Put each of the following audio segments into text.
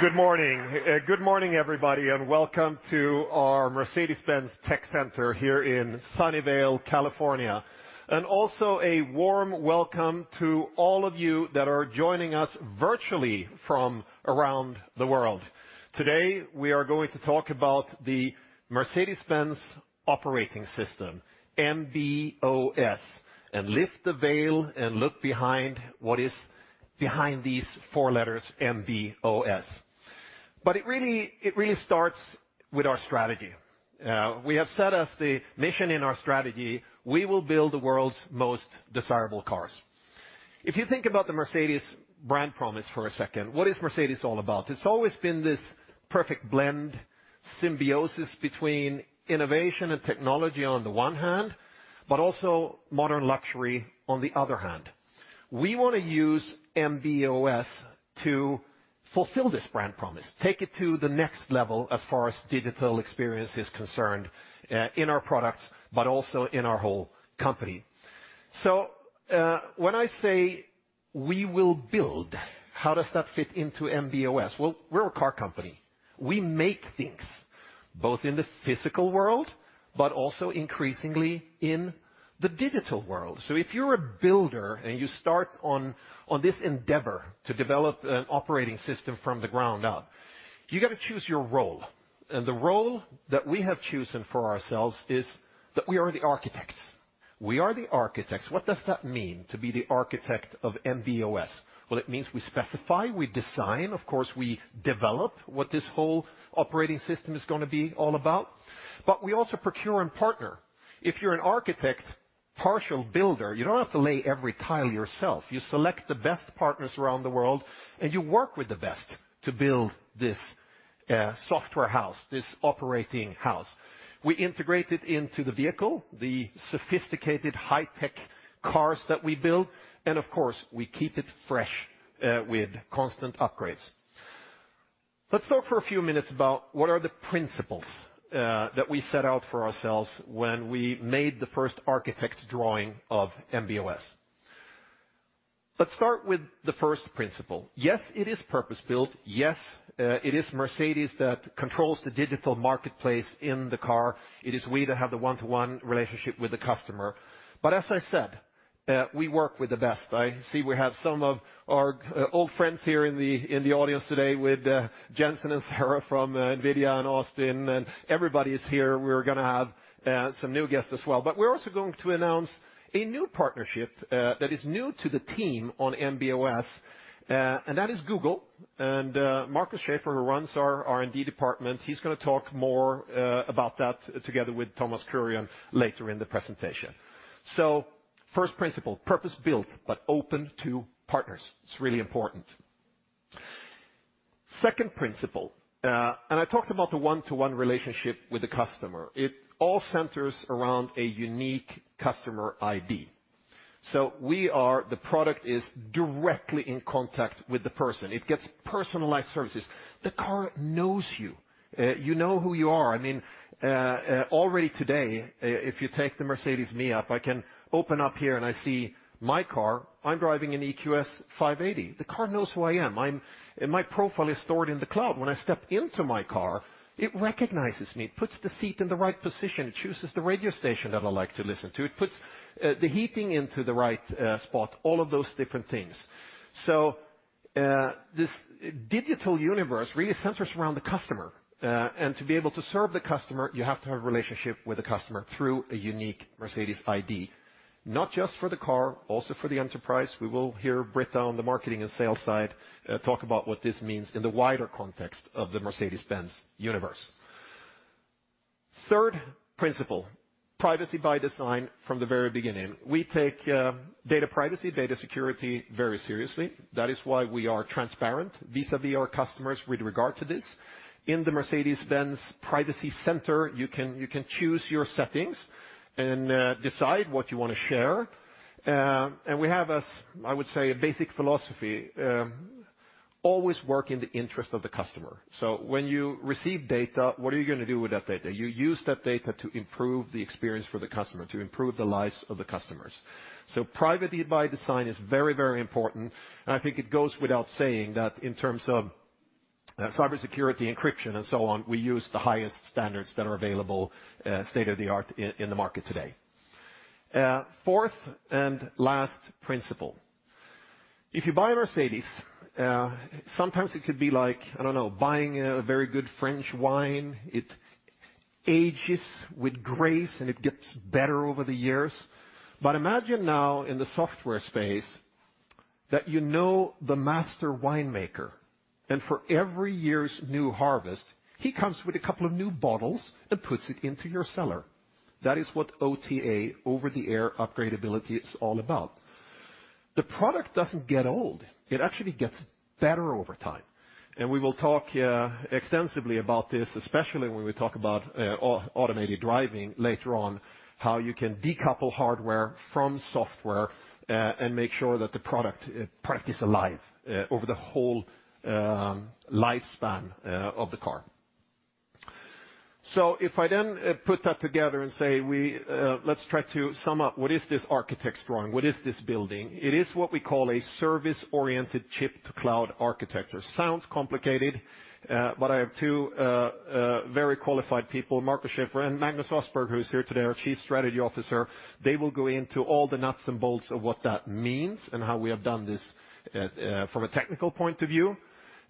Good morning. Good morning, everybody, and welcome to our Mercedes-Benz Tech Center here in Sunnyvale, California. Also a warm welcome to all of you that are joining us virtually from around the world. Today, we are going to talk about the Mercedes-Benz Operating System, MB.OS, and lift the veil and look behind what is behind these four letters, MB.OS. It really starts with our strategy. We have set as the mission in our strategy, we will build the world's most desirable cars. If you think about the Mercedes brand promise for a second, what is Mercedes all about? It's always been this perfect blend, symbiosis between innovation and technology on the one hand, but also modern luxury on the other hand. We wanna use MB.OS to fulfill this brand promise, take it to the next level as far as digital experience is concerned, in our products, but also in our whole company. When I say we will build, how does that fit into MB.OS? Well, we're a car company. We make things, both in the physical world, but also increasingly in the digital world. If you're a builder and you start on this endeavor to develop an operating system from the ground up, you gotta choose your role. The role that we have chosen for ourselves is that we are the architects. We are the architects. What does that mean to be the architect of MB.OS? Well, it means we specify, we design, of course, we develop what this whole operating system is gonna be all about, but we also procure and partner. If you're an architect, partial builder, you don't have to lay every tile yourself. You select the best partners around the world. You work with the best to build this software house, this operating house. We integrate it into the vehicle, the sophisticated high-tech cars that we build. Of course, we keep it fresh with constant upgrades. Let's talk for a few minutes about what are the principles that we set out for ourselves when we made the first architect drawing of MB.OS. Let's start with the first principle. Yes, it is purpose-built. Yes, it is Mercedes that controls the digital marketplace in the car. It is we that have the one-to-one relationship with the customer. As I said, we work with the best. I see we have some of our old friends here in the audience today with Jensen and Sarah from NVIDIA, and Austin, and everybody is here. We're gonna have some new guests as well. We're also going to announce a new partnership that is new to the team on MB.OS, and that is Google. Markus Schäfer, who runs our R&D department, he's gonna talk more about that together with Thomas Kurian later in the presentation. First principle, purpose built, but open to partners. It's really important. Second principle, and I talked about the one-to-one relationship with the customer. It all centers around a unique customer ID. The product is directly in contact with the person. It gets personalized services. The car knows you. It know who you are. I mean, already today, if you take the Mercedes me app, I can open up here and I see my car. I'm driving an EQS 580. The car knows who I am. And my profile is stored in the cloud. When I step into my car, it recognizes me, it puts the seat in the right position, it chooses the radio station that I like to listen to. It puts the heating into the right spot, all of those different things. This digital universe really centers around the customer, and to be able to serve the customer, you have to have a relationship with the customer through a unique Mercedes ID. Not just for the car, also for the enterprise. We will hear Britta on the marketing and sales side, talk about what this means in the wider context of the Mercedes-Benz universe. Third principle, privacy by design from the very beginning. We take data privacy, data security very seriously. That is why we are transparent vis-à-vis our customers with regard to this. In the Mercedes-Benz Privacy Center, you can choose your settings and decide what you wanna share. We have, I would say, a basic philosophy, always work in the interest of the customer. When you receive data, what are you gonna do with that data? You use that data to improve the experience for the customer, to improve the lives of the customers. Privacy by design is very, very important, and I think it goes without saying that in terms of cybersecurity, encryption, and so on, we use the highest standards that are available, state-of-the-art in the market today. Fourth and last principle. If you buy a Mercedes, sometimes it could be like, I don't know, buying a very good French wine. It ages with grace, and it gets better over the years. Imagine now in the software space that you know the master winemaker, and for every year's new harvest, he comes with a couple of new bottles and puts it into your cellar. That is what OTA, over-the-air upgradeability, is all about. The product doesn't get old. It actually gets better over time. We will talk extensively about this, especially when we talk about automated driving later on, how you can decouple hardware from software and make sure that the product practice alive over the whole lifespan of the car. If I then put that together and say we, let's try to sum up what is this architect's drawing? What is this building? It is what we call a service-oriented chip-to-cloud architecture. Sounds complicated, but I have two very qualified people, Markus Schäfer and Magnus Östberg, who is here today, our Chief Strategy Officer. They will go into all the nuts and bolts of what that means and how we have done this at from a technical point of view.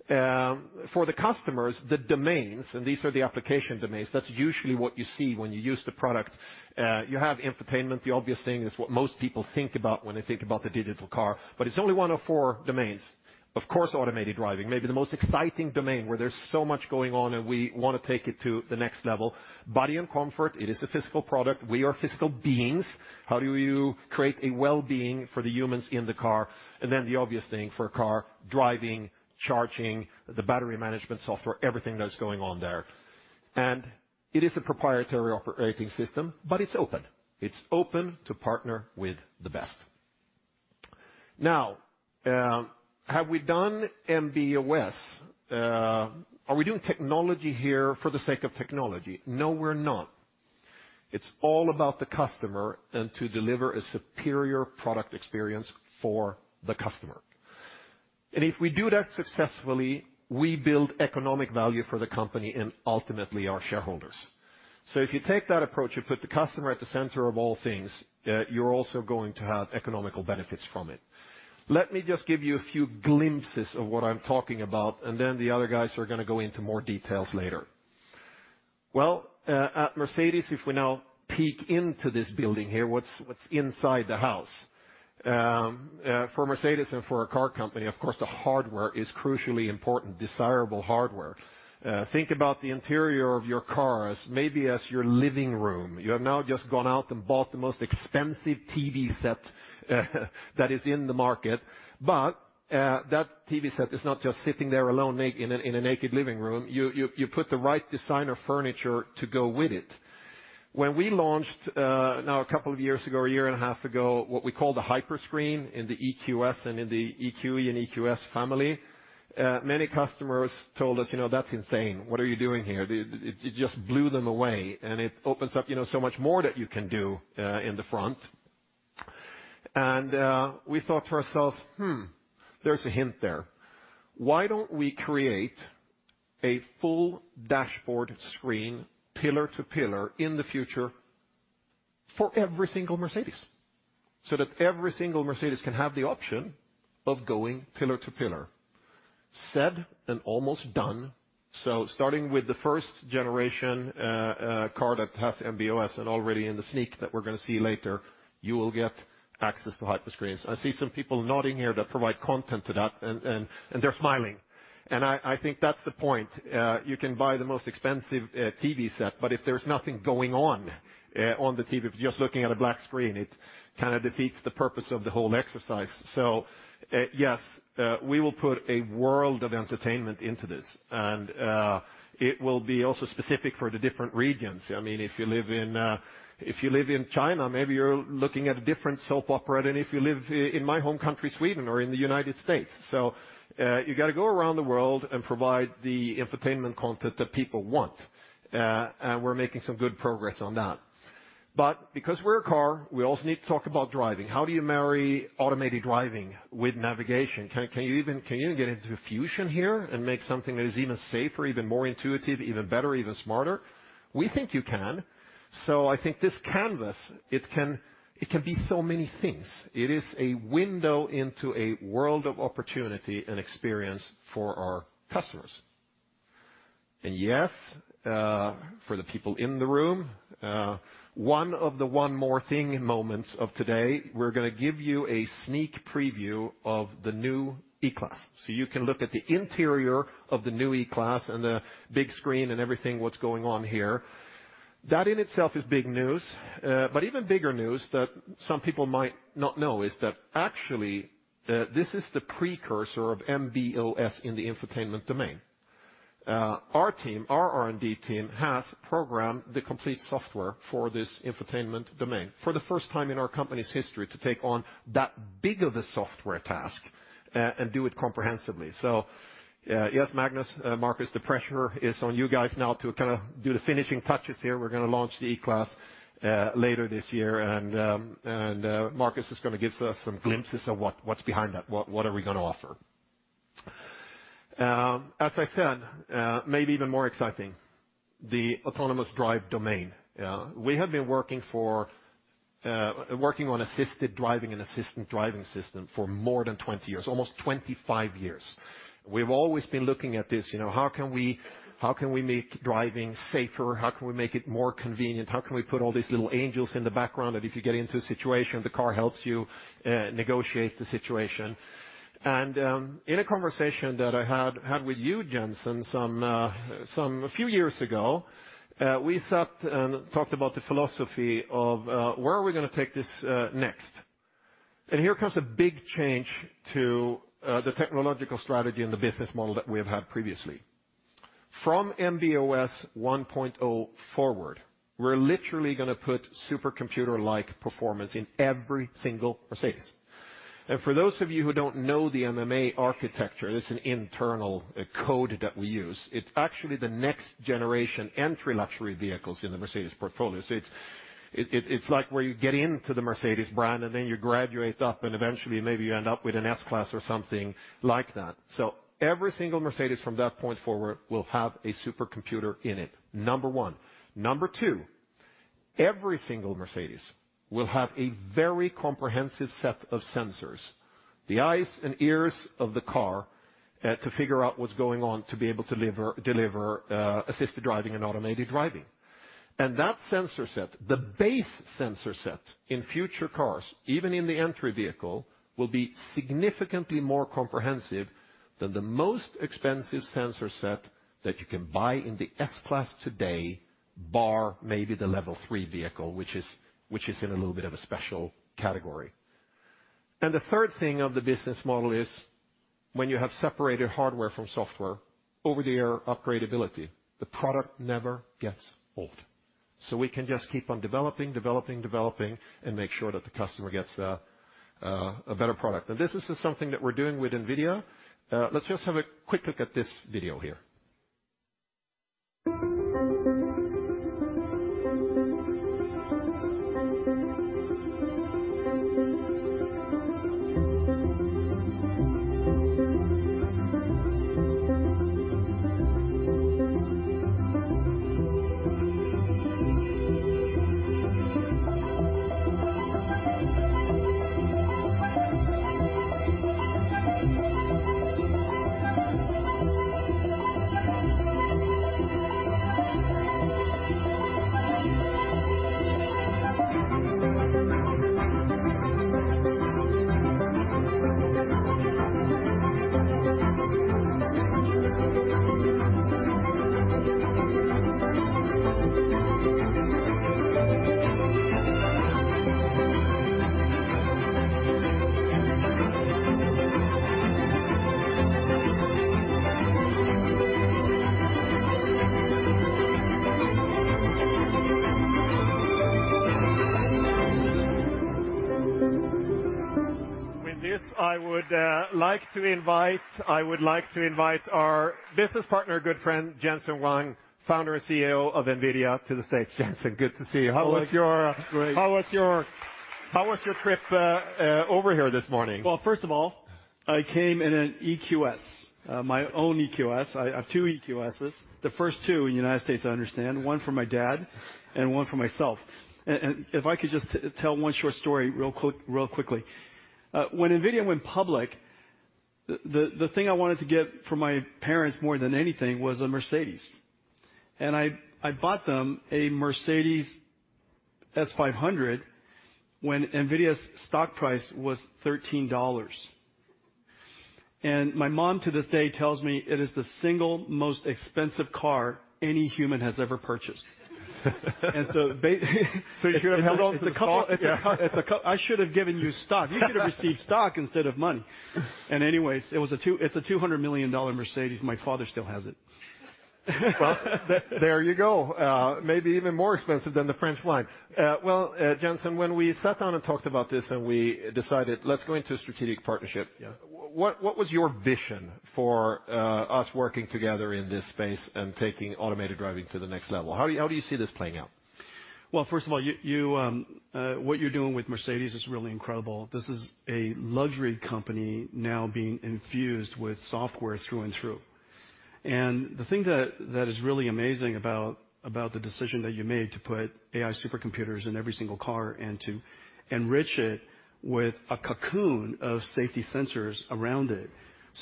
For the customers, the domains, and these are the application domains, that's usually what you see when you use the product. You have infotainment, the obvious thing is what most people think about when they think about the digital car, but it's only one of four domains. Of course, automated driving, maybe the most exciting domain where there's so much going on, and we wanna take it to the next level. Body and comfort, it is a physical product. We are physical beings. How do you create a well-being for the humans in the car? Then the obvious thing for a car, driving, charging, the battery management software, everything that's going on there. It is a proprietary operating system, but it's open. It's open to partner with the best. Now, have we done MB.OS? Are we doing technology here for the sake of technology? No, we're not. It's all about the customer and to deliver a superior product experience for the customer. If we do that successfully, we build economic value for the company and ultimately our shareholders. If you take that approach, you put the customer at the center of all things, you're also going to have economical benefits from it. Let me just give you a few glimpses of what I'm talking about, and then the other guys are gonna go into more details later. Well, at Mercedes, if we now peek into this building here, what's inside the house? For Mercedes and for a car company, of course, the hardware is crucially important, desirable hardware. Think about the interior of your car as maybe as your living room. You have now just gone out and bought the most expensive TV set, that is in the market. That TV set is not just sitting there alone in a naked living room. You put the right designer furniture to go with it. When we launched now two years ago, 1.5 years ago, what we call the Hyperscreen in the EQS and in the EQE and EQS family, many customers told us, "You know, that's insane. What are you doing here?" It just blew them away and it opens up, you know, so much more that you can do in the front. We thought to ourselves, hmm, there's a hint there. Why don't we create a full dashboard screen, pillar to pillar, in the future for every single Mercedes, so that every single Mercedes can have the option of going pillar to pillar? Said almost done. Starting with the first generation car that has MB.OS and already in the sneak that we're gonna see later, you will get access to Hyperscreens. I see some people nodding here that provide content to that, and they're smiling. I think that's the point. You can buy the most expensive TV set, but if there's nothing going on on the TV, if you're just looking at a black screen, it kind of defeats the purpose of the whole exercise. Yes, we will put a world of entertainment into this. It will be also specific for the different regions. I mean, if you live in, if you live in China, maybe you're looking at a different soap opera than if you live in my home country, Sweden, or in the United States. You gotta go around the world and provide the infotainment content that people want. We're making some good progress on that. Because we're a car, we also need to talk about driving. How do you marry automated driving with navigation? Can you even get into fusion here and make something that is even safer, even more intuitive, even better, even smarter? We think you can. I think this canvas, it can be so many things. It is a window into a world of opportunity and experience for our customers. Yes, for the people in the room, one of the one more thing moments of today, we're gonna give you a sneak preview of the new E-Class. You can look at the interior of the new E-Class and the big screen and everything, what's going on here. That in itself is big news. But even bigger news that some people might not know is that actually, this is the precursor of MB.OS in the infotainment domain. Our team, our R&D team, has programmed the complete software for this infotainment domain for the first time in our company's history to take on that big of a software task, and do it comprehensively. Yes, Magnus, Markus, the pressure is on you guys now to kind of do the finishing touches here. We're gonna launch the E-Class later this year. Markus is gonna give us some glimpses of what's behind that, what are we gonna offer. As I said, maybe even more exciting, the autonomous drive domain. We have been working for working on assisted driving and assistant driving system for more than 20 years, almost 25 years. We've always been looking at this, you know, how can we make driving safer? How can we make it more convenient? How can we put all these little angels in the background that if you get into a situation, the car helps you negotiate the situation. In a conversation that I had with you, Jensen, a few years ago, we sat and talked about the philosophy of where are we gonna take this next. Here comes a big change to the technological strategy and the business model that we have had previously. From MB.OS 1.0 forward, we're literally gonna put supercomputer-like performance in every single Mercedes. For those of you who don't know the MMA architecture, it's an internal code that we use. It's actually the next generation entry luxury vehicles in the Mercedes portfolio. It's like where you get into the Mercedes brand and then you graduate up, and eventually maybe you end up with an S-Class or something like that. Every single Mercedes from that point forward will have a supercomputer in it, number one. Number two, every single Mercedes will have a very comprehensive set of sensors, the eyes and ears of the car, to figure out what's going on to be able to deliver assisted driving and automated driving. That sensor set, the base sensor set in future cars, even in the entry vehicle, will be significantly more comprehensive than the most expensive sensor set that you can buy in the S-Class today, bar maybe the Level 3 vehicle, which is in a little bit of a special category. The third thing of the business model is when you have separated hardware from software, over-the-air upgradeability, the product never gets old. We can just keep on developing and make sure that the customer gets a better product. This is something that we're doing with NVIDIA. Let's just have a quick look at this video here. With this, I would like to invite our business partner, good friend, Jensen Huang, Founder and CEO of NVIDIA to the stage. Jensen, good to see you. Ola, it's great. How was your trip over here this morning? Well, first of all, I came in an EQS, my own EQS. I have two EQSs. The first two in the United States, I understand, one for my dad and one for myself. If I could just tell one short story real quick, real quickly. When NVIDIA went public, the thing I wanted to get for my parents more than anything was a Mercedes. I bought them a Mercedes S 500 when NVIDIA's stock price was $13. My mom to this day tells me it is the single most expensive car any human has ever purchased. You should have held on to the stock? Yeah. I should have given you stock. You should have received stock instead of money. Anyway, it's a $200 million Mercedes. My father still has it. There you go. Maybe even more expensive than the French wine. Jensen, when we sat down and talked about this and we decided, "Let's go into a strategic partnership. Yeah. What was your vision for us working together in this space and taking automated driving to the next level? How do you see this playing out? First of all, you, what you're doing with Mercedes is really incredible. This is a luxury company now being infused with software through and through. The thing that is really amazing about the decision that you made to put AI supercomputers in every single car and to enrich it with a cocoon of safety sensors around it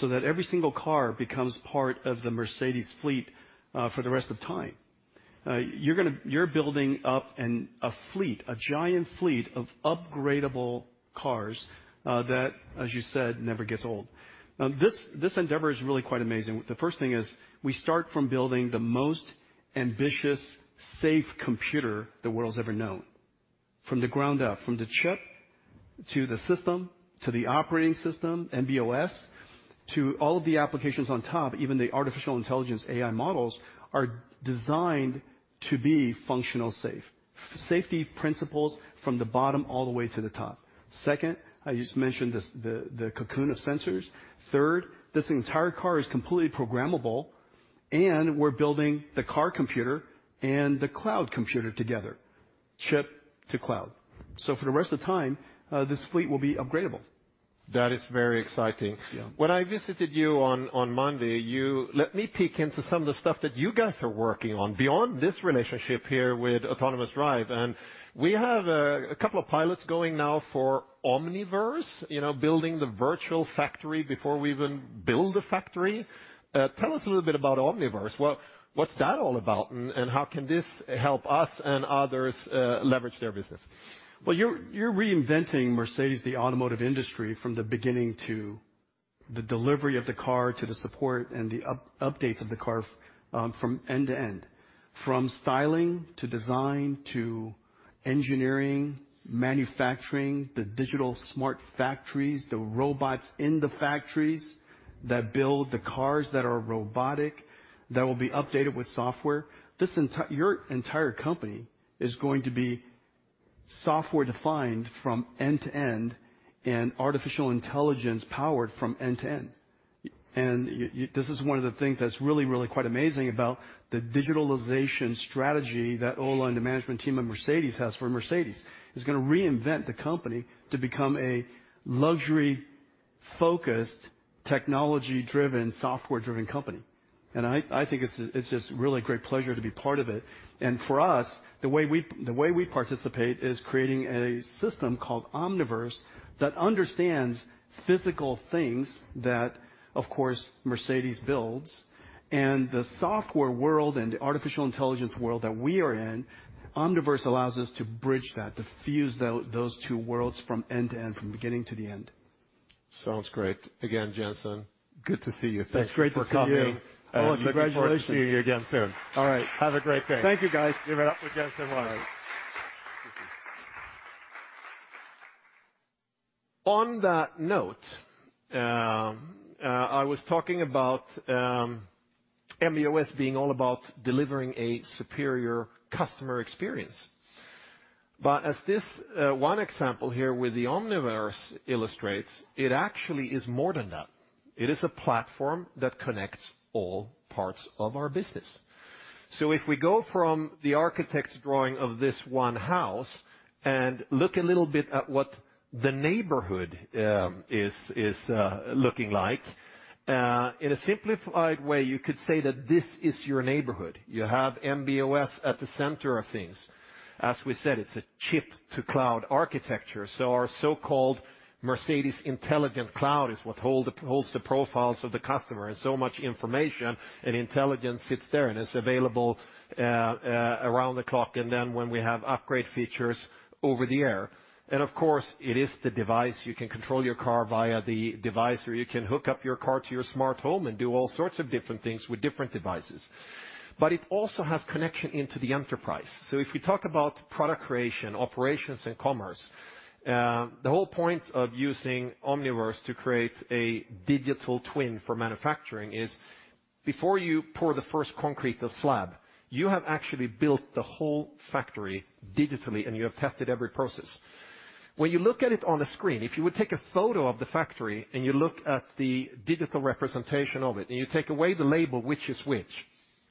so that every single car becomes part of the Mercedes fleet for the rest of time. You're building up a fleet, a giant fleet of upgradable cars that, as you said, never gets old. This endeavor is really quite amazing. The first thing is we start from building the most ambitious, safe computer the world's ever known from the ground up. From the chip to the system, to the operating system, MB.OS, to all of the applications on top, even the artificial intelligence AI models are designed to be functional safe. Safety principles from the bottom all the way to the top. I just mentioned this, the cocoon of sensors. This entire car is completely programmable, and we're building the car computer and the cloud computer together, chip to cloud. For the rest of time, this fleet will be upgradeable. That is very exciting. Yeah. When I visited you on Monday, you let me peek into some of the stuff that you guys are working on beyond this relationship here with autonomous drive. We have a couple of pilots going now for Omniverse, you know, building the virtual factory before we even build a factory. Tell us a little bit about Omniverse. What's that all about and how can this help us and others leverage their business? Well, you're reinventing Mercedes, the automotive industry, from the beginning to the delivery of the car, to the support and the updates of the car, from end-to- end. From styling to design to engineering, manufacturing, the digital smart factories, the robots in the factories that build the cars that are robotic, that will be updated with software. Your entire company is going to be software-defined from end to end and artificial intelligence-powered from end to end. This is one of the things that's really, really quite amazing about the digitalization strategy that Ola and the management team of Mercedes has for Mercedes. It's gonna reinvent the company to become a luxury-focused, technology-driven, software-driven company. I think it's just really a great pleasure to be part of it. For us, the way we participate is creating a system called Omniverse that understands physical things that, of course, Mercedes builds. The software world and the artificial intelligence world that we are in, Omniverse allows us to bridge that, to fuse those two worlds from end to end, from beginning to the end. Sounds great. Again, Jensen, good to see you. Thanks for coming. It's great to see you Ola, looking forward to seeing you again soon. All right. Have a great day. Thank you, guys. Give it up for Jensen Huang. On that note, I was talking about MB.OS being all about delivering a superior customer experience. As this one example here with the Omniverse illustrates, it actually is more than that. It is a platform that connects all parts of our business. If we go from the architect's drawing of this one house and look a little bit at what the neighborhood is looking like in a simplified way, you could say that this is your neighborhood. You have MB.OS at the center of things. As we said, it's a chip-to-cloud architecture, our so-called Mercedes Intelligent Cloud is what holds the profiles of the customer. So much information and intelligence sits there, and it's available around the clock, and then when we have upgrade features over the air. Of course, it is the device. You can control your car via the device, or you can hook up your car to your smart home and do all sorts of different things with different devices. It also has connection into the enterprise. If we talk about product creation, operations, and commerce, the whole point of using Omniverse to create a digital twin for manufacturing is, before you pour the first concrete of slab, you have actually built the whole factory digitally, and you have tested every process. When you look at it on a screen, if you would take a photo of the factory and you look at the digital representation of it, and you take away the label which is which,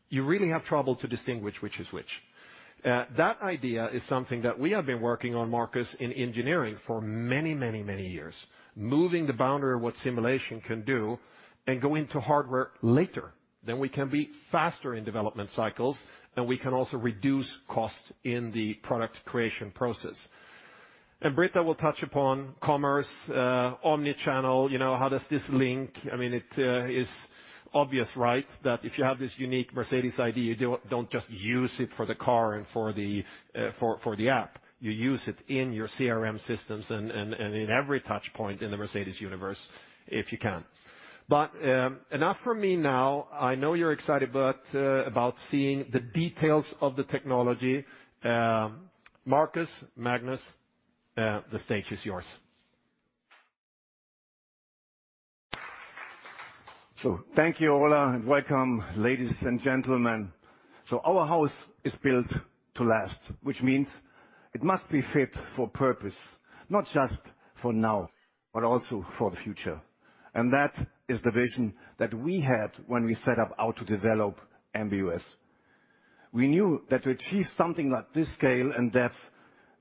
you really have trouble to distinguish which is which. That idea is something that we have been working on, Markus, in engineering for many, many, many years, moving the boundary of what simulation can do and go into hardware later. We can be faster in development cycles, and we can also reduce costs in the product creation process. Britta will touch upon commerce, omni-channel, you know, how does this link? I mean, it is obvious, right? That if you have this unique Mercedes ID, you don't just use it for the car and for the app. You use it in your CRM systems and in every touch point in the Mercedes universe, if you can. Enough from me now. I know you're excited, but about seeing the details of the technology. Markus, Magnus, the stage is yours. Thank you, Ola, and welcome, ladies and gentlemen. Our house is built to last, which means it must be fit for purpose, not just for now, but also for the future. That is the vision that we had when we set up how to develop MB.OS. We knew that to achieve something at this scale and depth,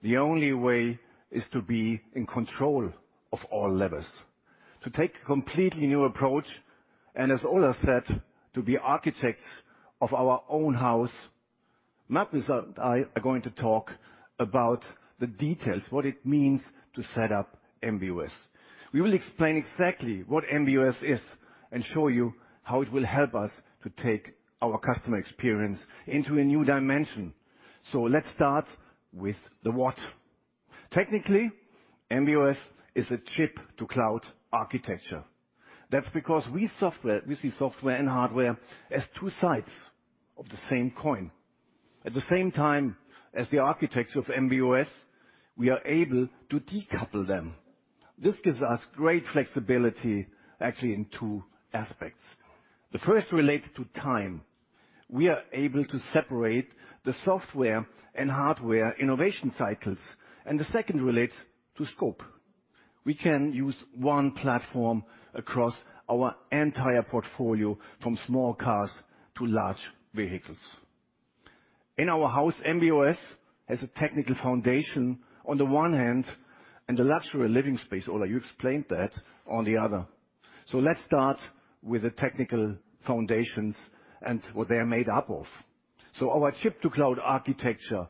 the only way is to be in control of all levers. To take a completely new approach, and as Ola said, to be architects of our own house. Magnus and I are going to talk about the details, what it means to set up MB.OS. We will explain exactly what MB.OS is and show you how it will help us to take our customer experience into a new dimension. Let's start with the what. Technically, MB.OS is a chip-to-cloud architecture. That's because we see software and hardware as two sides of the same coin. At the same time as the architecture of MB.OS, we are able to decouple them. This gives us great flexibility, actually in two aspects. The first relates to time. We are able to separate the software and hardware innovation cycles, and the second relates to scope. We can use one platform across our entire portfolio from small cars to large vehicles. In our house, MB.OS has a technical foundation on the one hand, and a luxury living space, Ola, you explained that, on the other. Let's start with the technical foundations and what they are made up of. Our chip-to-cloud architecture,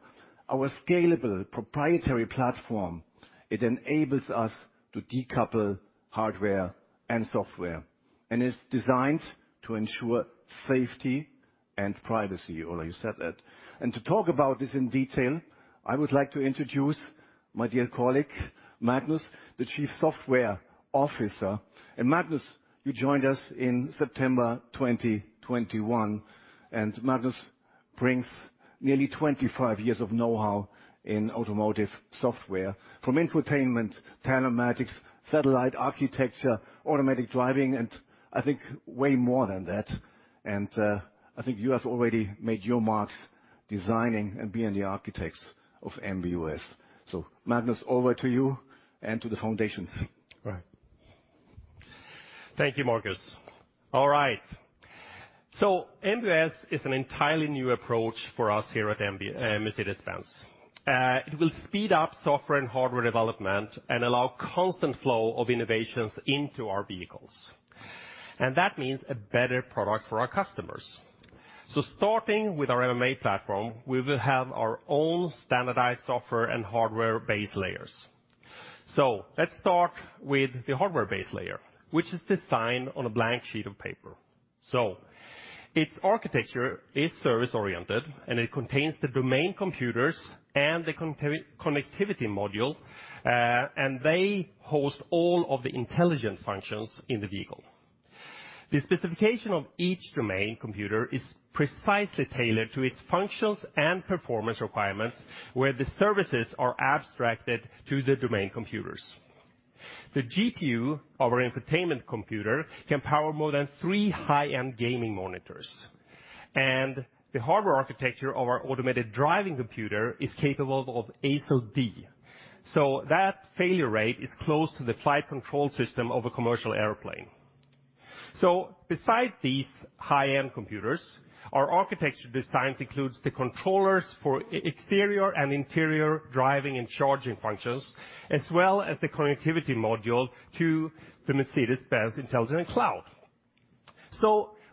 our scalable proprietary platform, it enables us to decouple hardware and software and is designed to ensure safety and privacy. Ola, you said that. To talk about this in detail, I would like to introduce my dear colleague, Magnus, the Chief Software Officer. Magnus, you joined us in September 2021, and Magnus brings nearly 25 years of know-how in automotive software from infotainment, telematics, satellite architecture, automatic driving, and I think way more than that. I think you have already made your marks designing and being the architects of MB.OS. Magnus, over to you and to the foundations. Right. Thank you, Markus. All right. MB.OS is an entirely new approach for us here at MB, Mercedes-Benz. It will speed up software and hardware development and allow constant flow of innovations into our vehicles. That means a better product for our customers. Starting with our MMA platform, we will have our own standardized software and hardware base layers. Let's start with the hardware base layer, which is designed on a blank sheet of paper. Its architecture is service-oriented, and it contains the domain computers and the connectivity module, and they host all of the intelligent functions in the vehicle. The specification of each domain computer is precisely tailored to its functions and performance requirements, where the services are abstracted to the domain computers. The GPU of our infotainment computer can power more than three high-end gaming monitors, and the hardware architecture of our automated driving computer is capable of ASIL D. That failure rate is close to the flight control system of a commercial airplane. Besides these high-end computers, our architecture designs includes the controllers for exterior and interior driving and charging functions, as well as the connectivity module to the Mercedes-Benz Intelligent Cloud.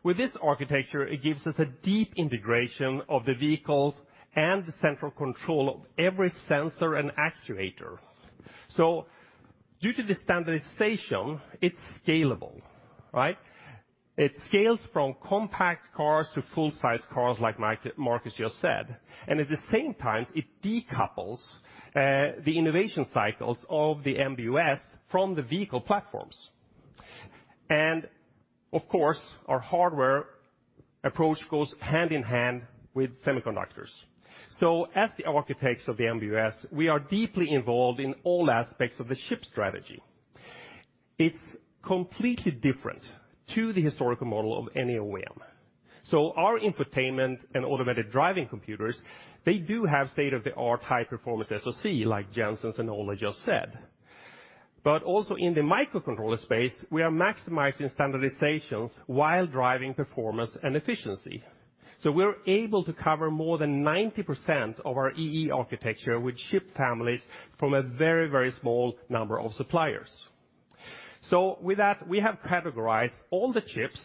With this architecture, it gives us a deep integration of the vehicles and the central control of every sensor and actuator. Due to the standardization, it's scalable, right? It scales from compact cars to full-size cars like Markus just said. At the same time, it decouples the innovation cycles of the MB.OS from the vehicle platforms. Of course, our hardware approach goes hand in hand with semiconductors. As the architects of the MB.OS, we are deeply involved in all aspects of the chip strategy. It's completely different to the historical model of any OEM. Our infotainment and automated driving computers, they do have state-of-the-art high-performance SoC like Jensen and Ola just said. Also in the microcontroller space, we are maximizing standardizations while driving performance and efficiency. We're able to cover more than 90% of our E/E architecture with chip families from a very, very small number of suppliers. With that, we have categorized all the chips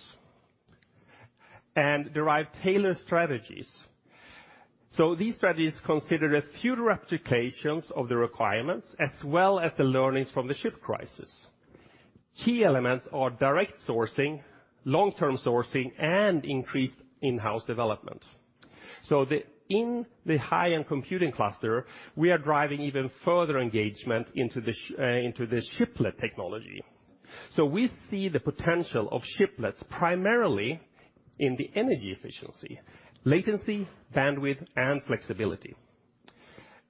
and derived tailored strategies. These strategies consider future applications of the requirements, as well as the learnings from the chip crisis. Key elements are direct sourcing, long-term sourcing, and increased in-house development. In the high-end computing cluster, we are driving even further engagement into the chiplet technology. We see the potential of chiplets primarily in the energy efficiency, latency, bandwidth, and flexibility.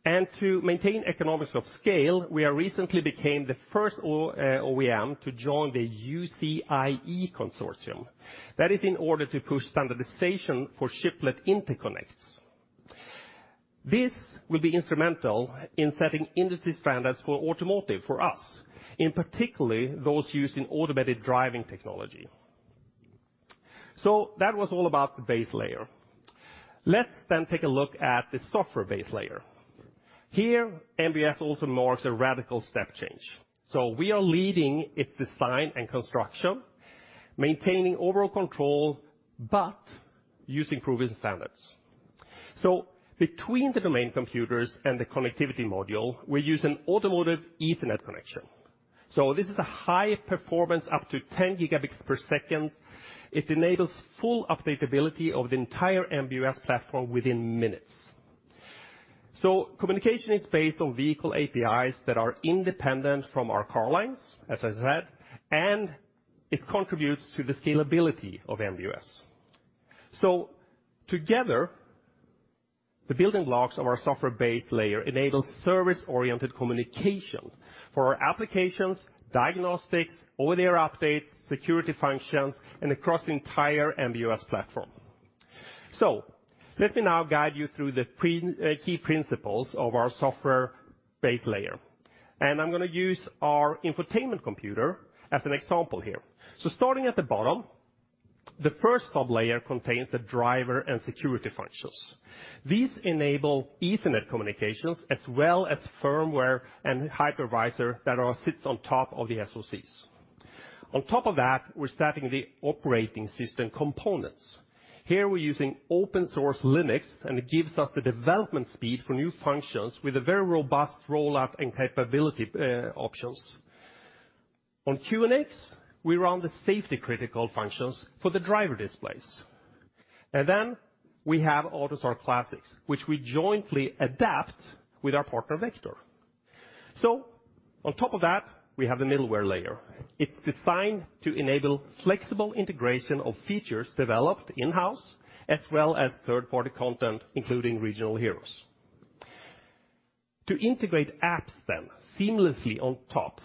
To maintain economics of scale, we recently became the first OEM to join the UCIe Consortium. That is in order to push standardization for chiplet interconnects. This will be instrumental in setting industry standards for automotive for us, in particular those used in automated driving technology. That was all about the base layer. Let's take a look at the software base layer. Here, MB.OS also marks a radical step change, so we are leading its design and construction, maintaining overall control, but using proven standards. Between the domain computers and the connectivity module, we use an Automotive Ethernet connection. This is a high performance up to 10 Gbps. It enables full updatability of the entire MB.OS platform within minutes. Communication is based on vehicle APIs that are independent from our car lines, as I said, and it contributes to the scalability of MB.OS. Together, the building blocks of our software-based layer enable service-oriented communication for our applications, diagnostics, over-the-air updates, security functions, and across the entire MB.OS platform. Let me now guide you through the key principles of our software base layer, and I'm gonna use our infotainment computer as an example here. Starting at the bottom, the first sub-layer contains the driver and security functions. These enable Ethernet communications as well as firmware and hypervisor that sits on top of the SoCs. On top of that, we're stacking the operating system components. Here, we're using open source Linux, and it gives us the development speed for new functions with a very robust rollout and capability options. On QNX, we run the safety critical functions for the driver displays. Then we have AUTOSAR Classics, which we jointly adapt with our partner Vector. On top of that, we have the middleware layer. It's designed to enable flexible integration of features developed in-house as well as third-party content, including regional heroes. To integrate apps then seamlessly on top,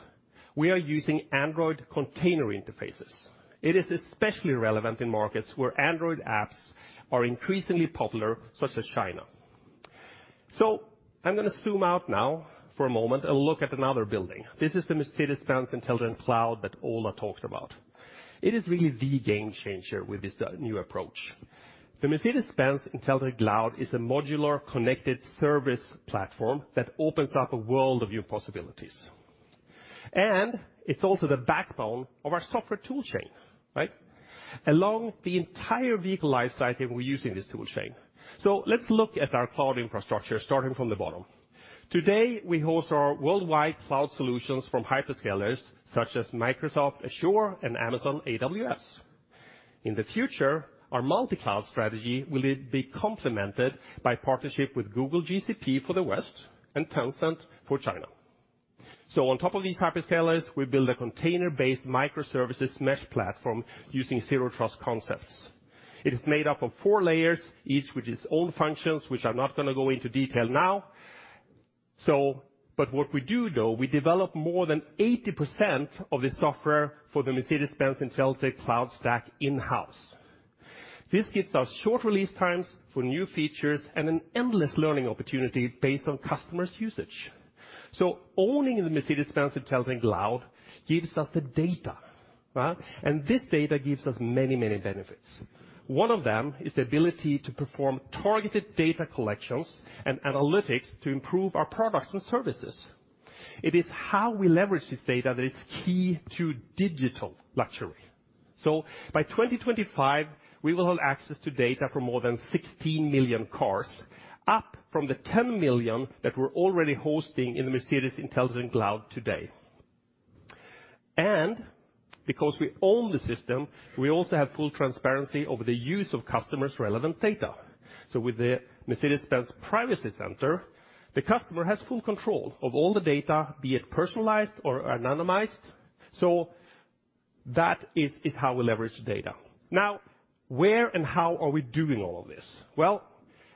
we are using Android container interfaces. It is especially relevant in markets where Android apps are increasingly popular, such as China. I'm gonna zoom out now for a moment and look at another building. This is the Mercedes-Benz Intelligent Cloud that Ola talked about. It is really the game changer with this new approach. The Mercedes-Benz Intelligent Cloud is a modular connected service platform that opens up a world of new possibilities, and it's also the backbone of our software tool chain, right? Along the entire vehicle life cycle, we're using this tool chain. Let's look at our cloud infrastructure starting from the bottom. Today, we host our worldwide cloud solutions from hyperscalers such as Microsoft Azure and Amazon Web Services. In the future, our multi-cloud strategy will be complemented by partnership with Google Cloud Platform for the West and Tencent for China. On top of these hyperscalers, we build a container-based microservices mesh platform using zero trust concepts. It is made up of four layers, each with its own functions, which I'm not gonna go into detail now, but what we do though, we develop more than 80% of the software for the Mercedes-Benz Intelligent Cloud Stack in-house. This gives us short release times for new features and an endless learning opportunity based on customers' usage. Owning the Mercedes-Benz Intelligent Cloud gives us the data, right? This data gives us many, many benefits. One of them is the ability to perform targeted data collections and analytics to improve our products and services. It is how we leverage this data that is key to digital luxury. By 2025, we will have access to data for more than 16 million cars, up from the 10 million that we're already hosting in the Mercedes-Benz Intelligent Cloud today. Because we own the system, we also have full transparency over the use of customers' relevant data. With the Mercedes-Benz Privacy Center, the customer has full control of all the data, be it personalized or anonymized. That is how we leverage the data. Where and how are we doing all of this?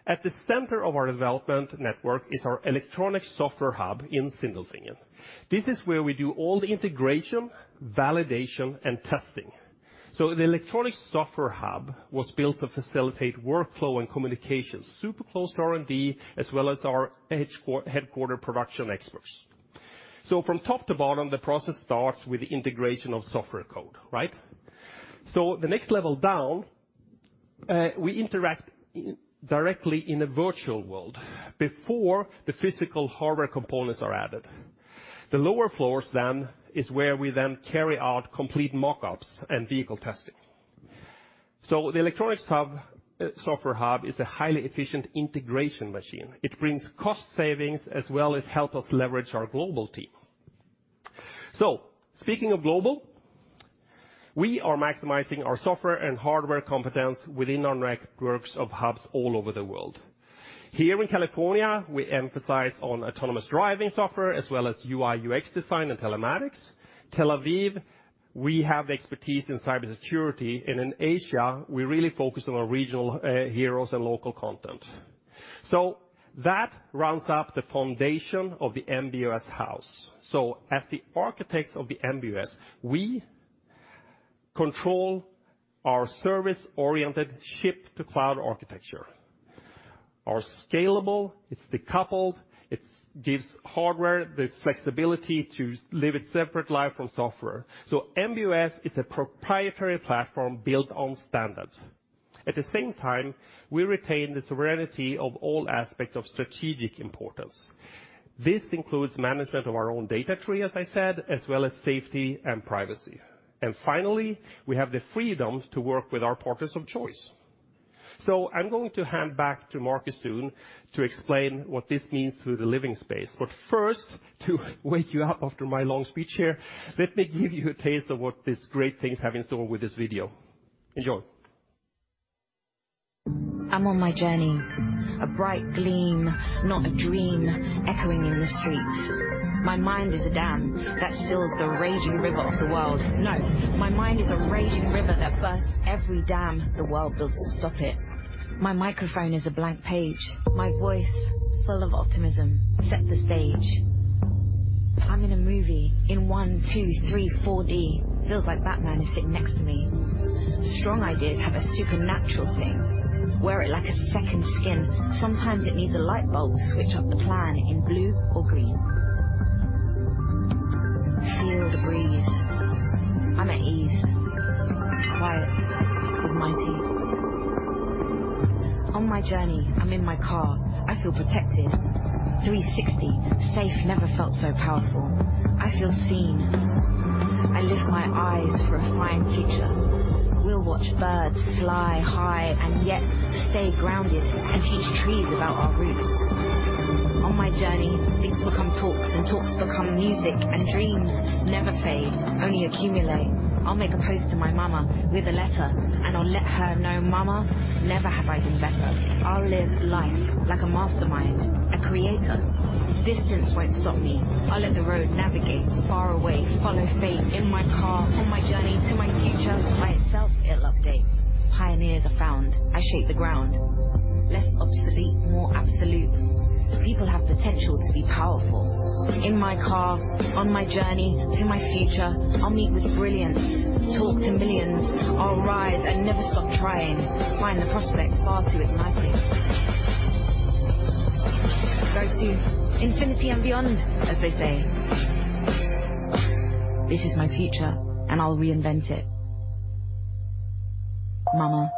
At the center of our development network is our electronic software hub in Sindelfingen. This is where we do all the integration, validation, and testing. The electronic software hub was built to facilitate workflow and communication, super close to R&D as well as our headquarter production experts. From top to bottom, the process starts with the integration of software code, right? The next level down, we interact directly in a virtual world before the physical hardware components are added. The lower floors then is where we then carry out complete mock-ups and vehicle testing. The electronics hub, software hub is a highly efficient integration machine. It brings cost savings as well as help us leverage our global team. Speaking of global, we are maximizing our software and hardware competence within our networks of hubs all over the world. Here in California, we emphasize on autonomous driving software as well as UI/UX design and telematics. Tel Aviv, we have expertise in cybersecurity, and in Asia, we really focus on our regional heroes and local content. That rounds up the foundation of the MB.OS house. As the architects of the MB.OS, we control our service-oriented chip-to-cloud architecture. Our scalable, it's decoupled, it's gives hardware the flexibility to live its separate life from software. MB.OS is a proprietary platform built on standards. At the same time, we retain the sovereignty of all aspect of strategic importance. This includes management of our own data tree, as I said, as well as safety and privacy. Finally, we have the freedom to work with our partners of choice. I'm going to hand back to Markus soon to explain what this means to the living space. First, to wake you up after my long speech here, let me give you a taste of what these great things have in store with this video. Enjoy. I'm on my journey. A bright gleam, not a dream echoing in the streets. My mind is a dam that stills the raging river of the world. No, my mind is a raging river that bursts every dam the world builds to stop it. My microphone is a blank page. My voice, full of optimism, set the stage. I'm in a movie in one, two, three, 4D. Feels like Batman is sitting next to me. Strong ideas have a supernatural thing. Wear it like a second skin. Sometimes it needs a light bulb to switch up the plan in blue or green. Feel the breeze. I'm at ease. Quiet is mighty. On my journey, I'm in my car. I feel protected. 360. Safe never felt so powerful. I feel seen. I lift my eyes for a fine future. We'll watch birds fly high and yet stay grounded and teach trees about our roots. On my journey, things become talks, and talks become music, and dreams never fade, only accumulate. I'll make a post to my mama with a letter, and I'll let her know, "Mama, never have I been better." I'll live life like a mastermind, a creator. Distance won't stop me. I'll let the road navigate far away. Follow fate in my car, on my journey to my future. By itself, it'll update. Pioneers are found. I shake the ground. Less obsolete, more absolute. People have potential to be powerful. In my car, on my journey to my future, I'll meet with brilliance, talk to millions. I'll rise and never stop trying. Find the prospect far too enlightening. To infinity and beyond, as they say. This is my future, and I'll reinvent it. Mama,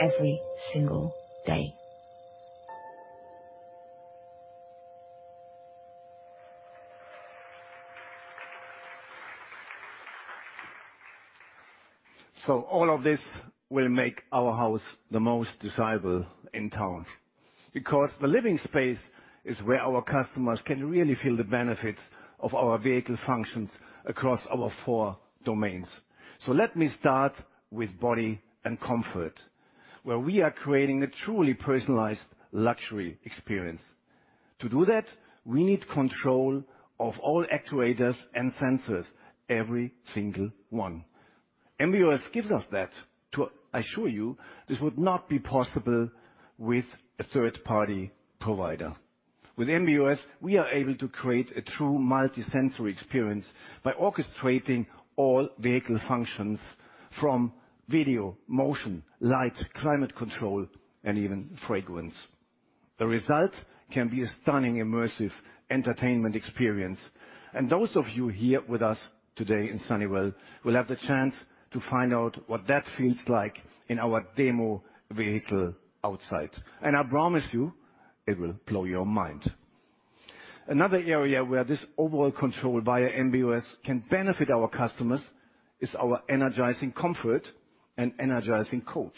every single day. All of this will make our house the most desirable in town because the living space is where our customers can really feel the benefits of our vehicle functions across our four domains. Let me start with body and comfort, where we are creating a truly personalized luxury experience. To do that, we need control of all actuators and sensors, every single one. MB.OS gives us that. To assure you, this would not be possible with a third-party provider. With MB.OS, we are able to create a true multisensory experience by orchestrating all vehicle functions from video, motion, light, climate control, and even fragrance. The result can be a stunning, immersive entertainment experience. Those of you here with us today in Sunnyvale will have the chance to find out what that feels like in our demo vehicle outside. I promise you, it will blow your mind. Another area where this overall control via MB.OS can benefit our customers is our ENERGIZING COMFORT and ENERGIZING COACH.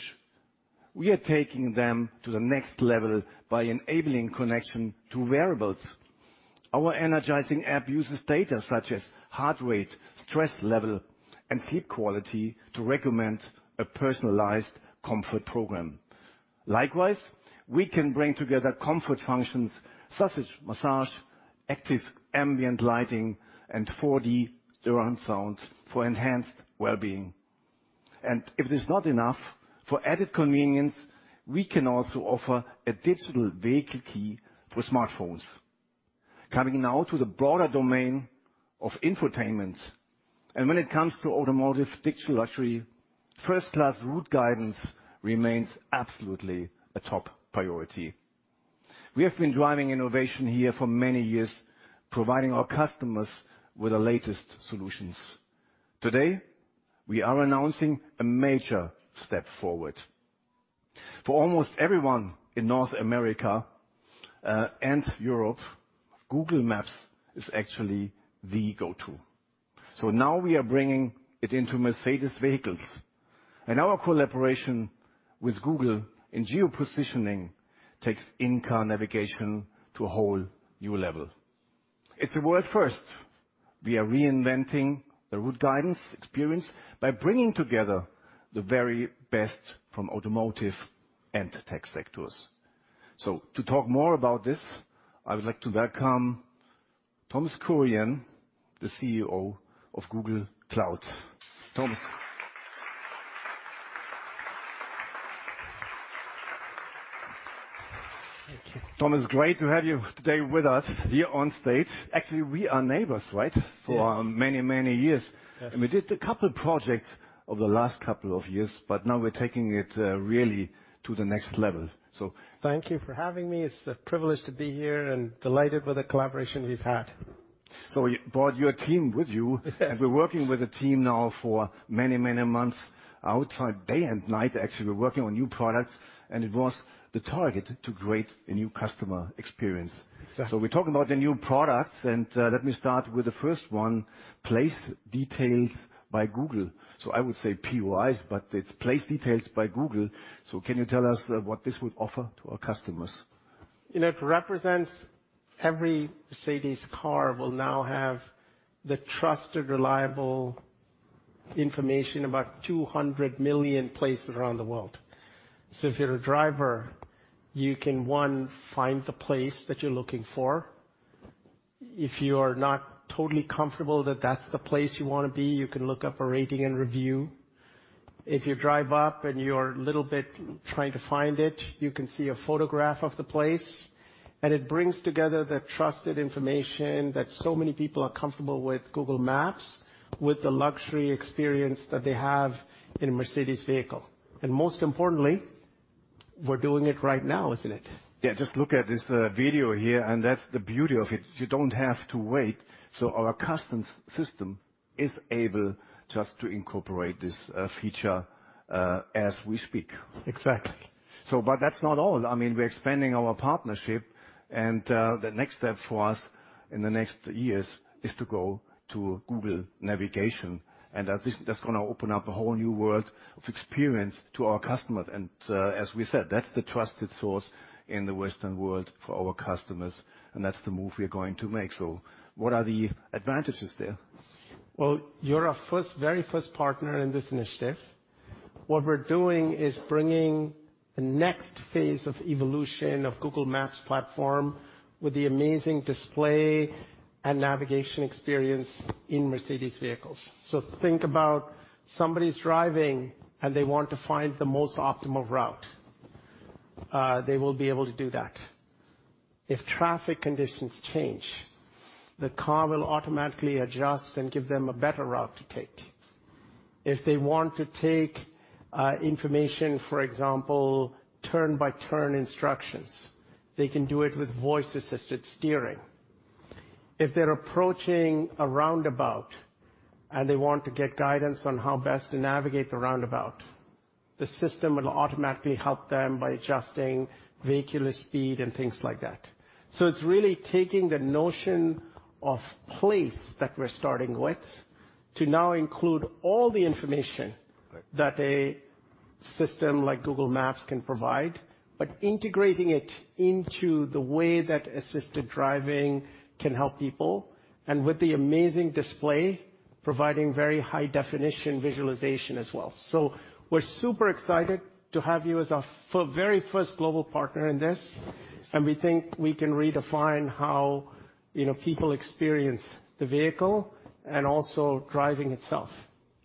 We are taking them to the next level by enabling connection to variables. Our energizing app uses data such as heart rate, stress level, and sleep quality to recommend a personalized comfort program. Likewise, we can bring together comfort functions such as massage, active ambient lighting, and 4D surround sounds for enhanced well-being. If it is not enough, for added convenience, we can also offer a digital vehicle key for smartphones. Coming now to the broader domain of infotainment. When it comes to automotive digital luxury, first-class route guidance remains absolutely a top priority. We have been driving innovation here for many years, providing our customers with the latest solutions. Today, we are announcing a major step forward. For almost everyone in North America, and Europe, Google Maps is actually the go-to. Now we are bringing it into Mercedes vehicles. Our collaboration with Google in geo-positioning takes in-car navigation to a whole new level. It's a world first. We are reinventing the route guidance experience by bringing together the very best from automotive and the tech sectors. To talk more about this, I would like to welcome Thomas Kurian, the CEO of Google Cloud. Thomas. Thank you. Thomas, great to have you today with us here on stage. Actually, we are neighbors, right? Yes. For many years. Yes. We did a couple projects over the last couple of years, but now we're taking it, really to the next level. Thank you for having me. It's a privilege to be here and delighted with the collaboration we've had. You brought your team with you. We're working with the team now for many months. I would try day and night, actually, we're working on new products, and it was the target to create a new customer experience. Exactly. We're talking about the new products, and, let me start with the first one, Place Details by Google. I would say POIs, but it's Place Details by Google. Can you tell us, what this would offer to our customers? You know, it represents every Mercedes car will now have the trusted, reliable information about 200 million places around the world. If you're a driver, you can, one, find the place that you're looking for. If you are not totally comfortable that that's the place you wanna be, you can look up a rating and review. If you drive up and you're a little bit trying to find it, you can see a photograph of the place. It brings together the trusted information that so many people are comfortable with Google Maps, with the luxury experience that they have in a Mercedes vehicle. Most importantly, we're doing it right now, isn't it? Yeah, just look at this video here, that's the beauty of it. You don't have to wait. Our custom system is able just to incorporate this feature as we speak. Exactly. But that's not all. I mean, we're expanding our partnership, and the next step for us in the next years is to go to Google Navigation, and I think that's gonna open up a whole new world of experience to our customers. As we said, that's the trusted source in the Western world for our customers, and that's the move we are going to make. What are the advantages there? You're our first, very first partner in this initiative. What we're doing is bringing the next phase of evolution of Google Maps Platform with the amazing display and navigation experience in Mercedes vehicles. Think about somebody's driving, and they want to find the most optimal route. They will be able to do that. If traffic conditions change, the car will automatically adjust and give them a better route to take. If they want to take information, for example, turn-by-turn instructions, they can do it with voice-assisted steering. If they're approaching a roundabout and they want to get guidance on how best to navigate the roundabout, the system will automatically help them by adjusting vehicular speed and things like that. It's really taking the notion of place that we're starting with to now include all the information- Right. that a system like Google Maps can provide, but integrating it into the way that assisted driving can help people, and with the amazing display, providing very high definition visualization as well. We're super excited to have you as our very first global partner in this. We think we can redefine how, you know, people experience the vehicle and also driving itself.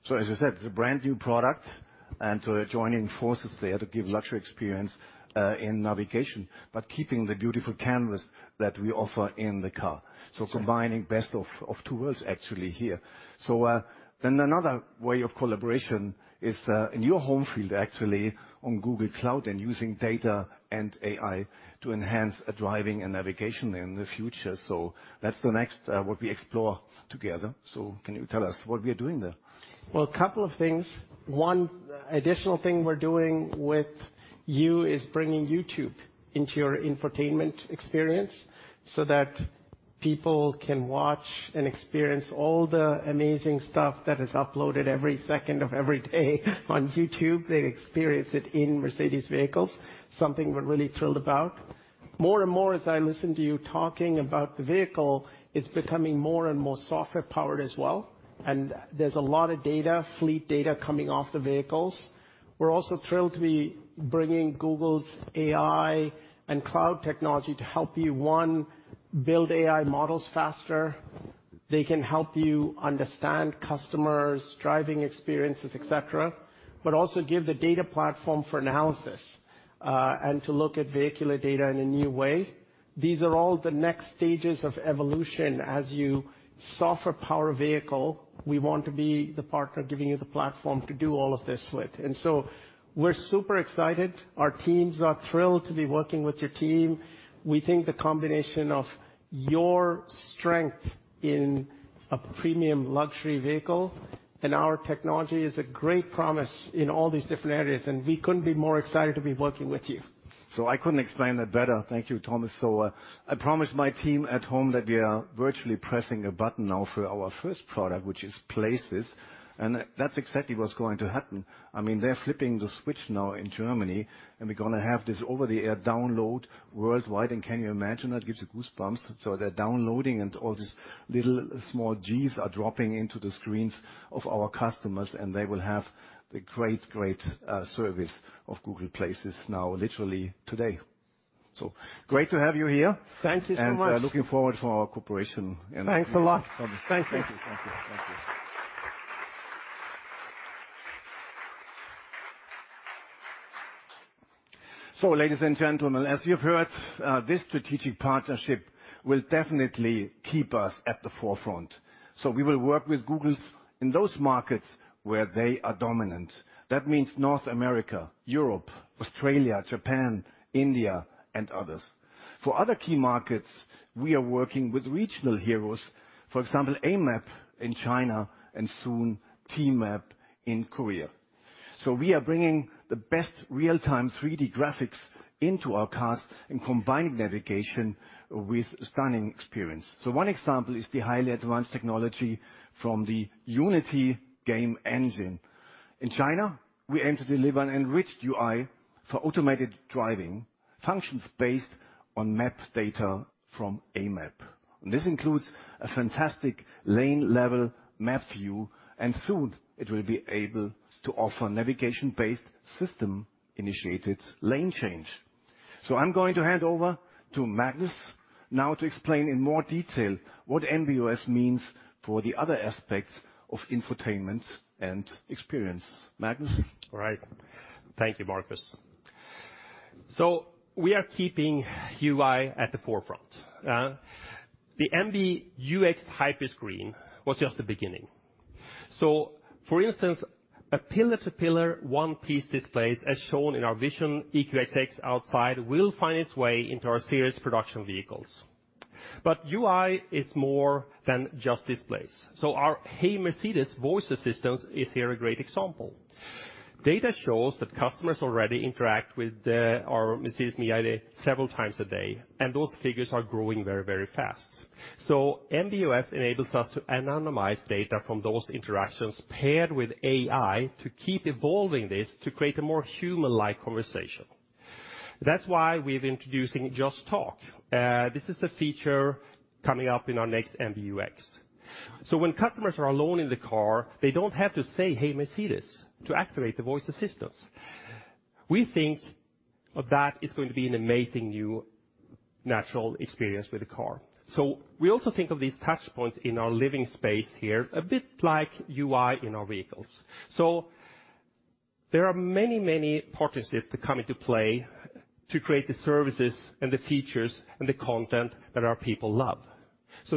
As you said, it's a brand-new product, we're joining forces there to give luxury experience in navigation, keeping the beautiful canvas that we offer in the car. Right. Combining best of two worlds actually here. Another way of collaboration is in your home field actually on Google Cloud and using data and AI to enhance driving and navigation in the future. That's the next what we explore together. Can you tell us what we are doing there? Well, couple of things. One, additional thing we're doing with you is bringing YouTube into your infotainment experience so that people can watch and experience all the amazing stuff that is uploaded every second of every day on YouTube. They experience it in Mercedes vehicles, something we're really thrilled about. More and more as I listen to you talking about the vehicle, it's becoming more and more software-powered as well, and there's a lot of data, fleet data coming off the vehicles. We're also thrilled to be bringing Google's AI and cloud technology to help you, one, build AI models faster. They can help you understand customers' driving experiences, et cetera, but also give the data platform for analysis and to look at vehicular data in a new way. These are all the next stages of evolution as you software-power a vehicle. We want to be the partner giving you the platform to do all of this with. We're super excited. Our teams are thrilled to be working with your team. We think the combination of your strength in a premium luxury vehicle and our technology is a great promise in all these different areas. We couldn't be more excited to be working with you. I couldn't explain that better. Thank you, Thomas Kurian. I promised my team at home that we are virtually pressing a button now for our firs`t product, which is Places, and that's exactly what's going to happen. I mean, they're flipping the switch now in Germany, and we're going to have this over-the-air download worldwide, and can you imagine that? Gives you goosebumps. They're downloading and all these little small Gs are dropping into the screens of our customers, and they will have the great service of Google Places now literally today. Great to have you here. Thank you so much. Looking forward for our cooperation in the future. Thanks a lot. Thank you. Thank you. Thank you. Thank you. Ladies and gentlemen, as you've heard, this strategic partnership will definitely keep us at the forefront. We will work with Google in those markets where they are dominant. That means North America, Europe, Australia, Japan, India, and others. For other key markets, we are working with regional heroes. For example, Amap in China and soon TMAP in Korea. We are bringing the best real-time 3D graphics into our cars and combining navigation with stunning experience. One example is the highly advanced technology from the Unity game engine. In China, we aim to deliver an enriched UI for automated driving functions based on map data from Amap. This includes a fantastic lane-level map view, and soon it will be able to offer navigation-based system-initiated lane change. I'm going to hand over to Magnus now to explain in more detail what MB.OS means for the other aspects of infotainment and experience. Magnus? All right. Thank you, Markus. We are keeping UI at the forefront. The MBUX Hyperscreen was just the beginning. For instance, a pillar-to-pillar one-piece displays, as shown in our Vision EQXX outside, will find its way into our series production vehicles. UI is more than just displays. Our Hey Mercedes voice assistant is here a great example. Data shows that customers already interact with our Mercedes me several times a day. Those figures are growing very, very fast. MB.OS enables us to anonymize data from those interactions paired with AI to keep evolving this to create a more human-like conversation. That's why we're introducing Just Talk. This is a feature coming up in our next MBUX. When customers are alone in the car, they don't have to say, "Hey Mercedes," to activate the voice assistance. We think that is going to be an amazing new natural experience with the car. We also think of these touchpoints in our living space here a bit like UI in our vehicles. There are many, many partnerships that come into play to create the services and the features and the content that our people love.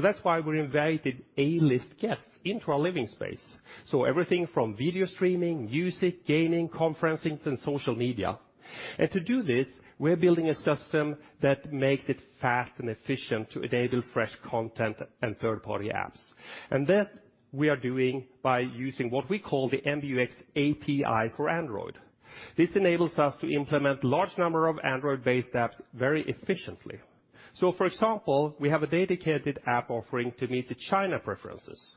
That's why we invited A-list guests into our living space. Everything from video streaming, music, gaming, conferencing, and social media. To do this, we're building a system that makes it fast and efficient to enable fresh content and third-party apps. That we are doing by using what we call the MBUX API for Android. This enables us to implement large number of Android-based apps very efficiently. For example, we have a dedicated app offering to meet the China preferences.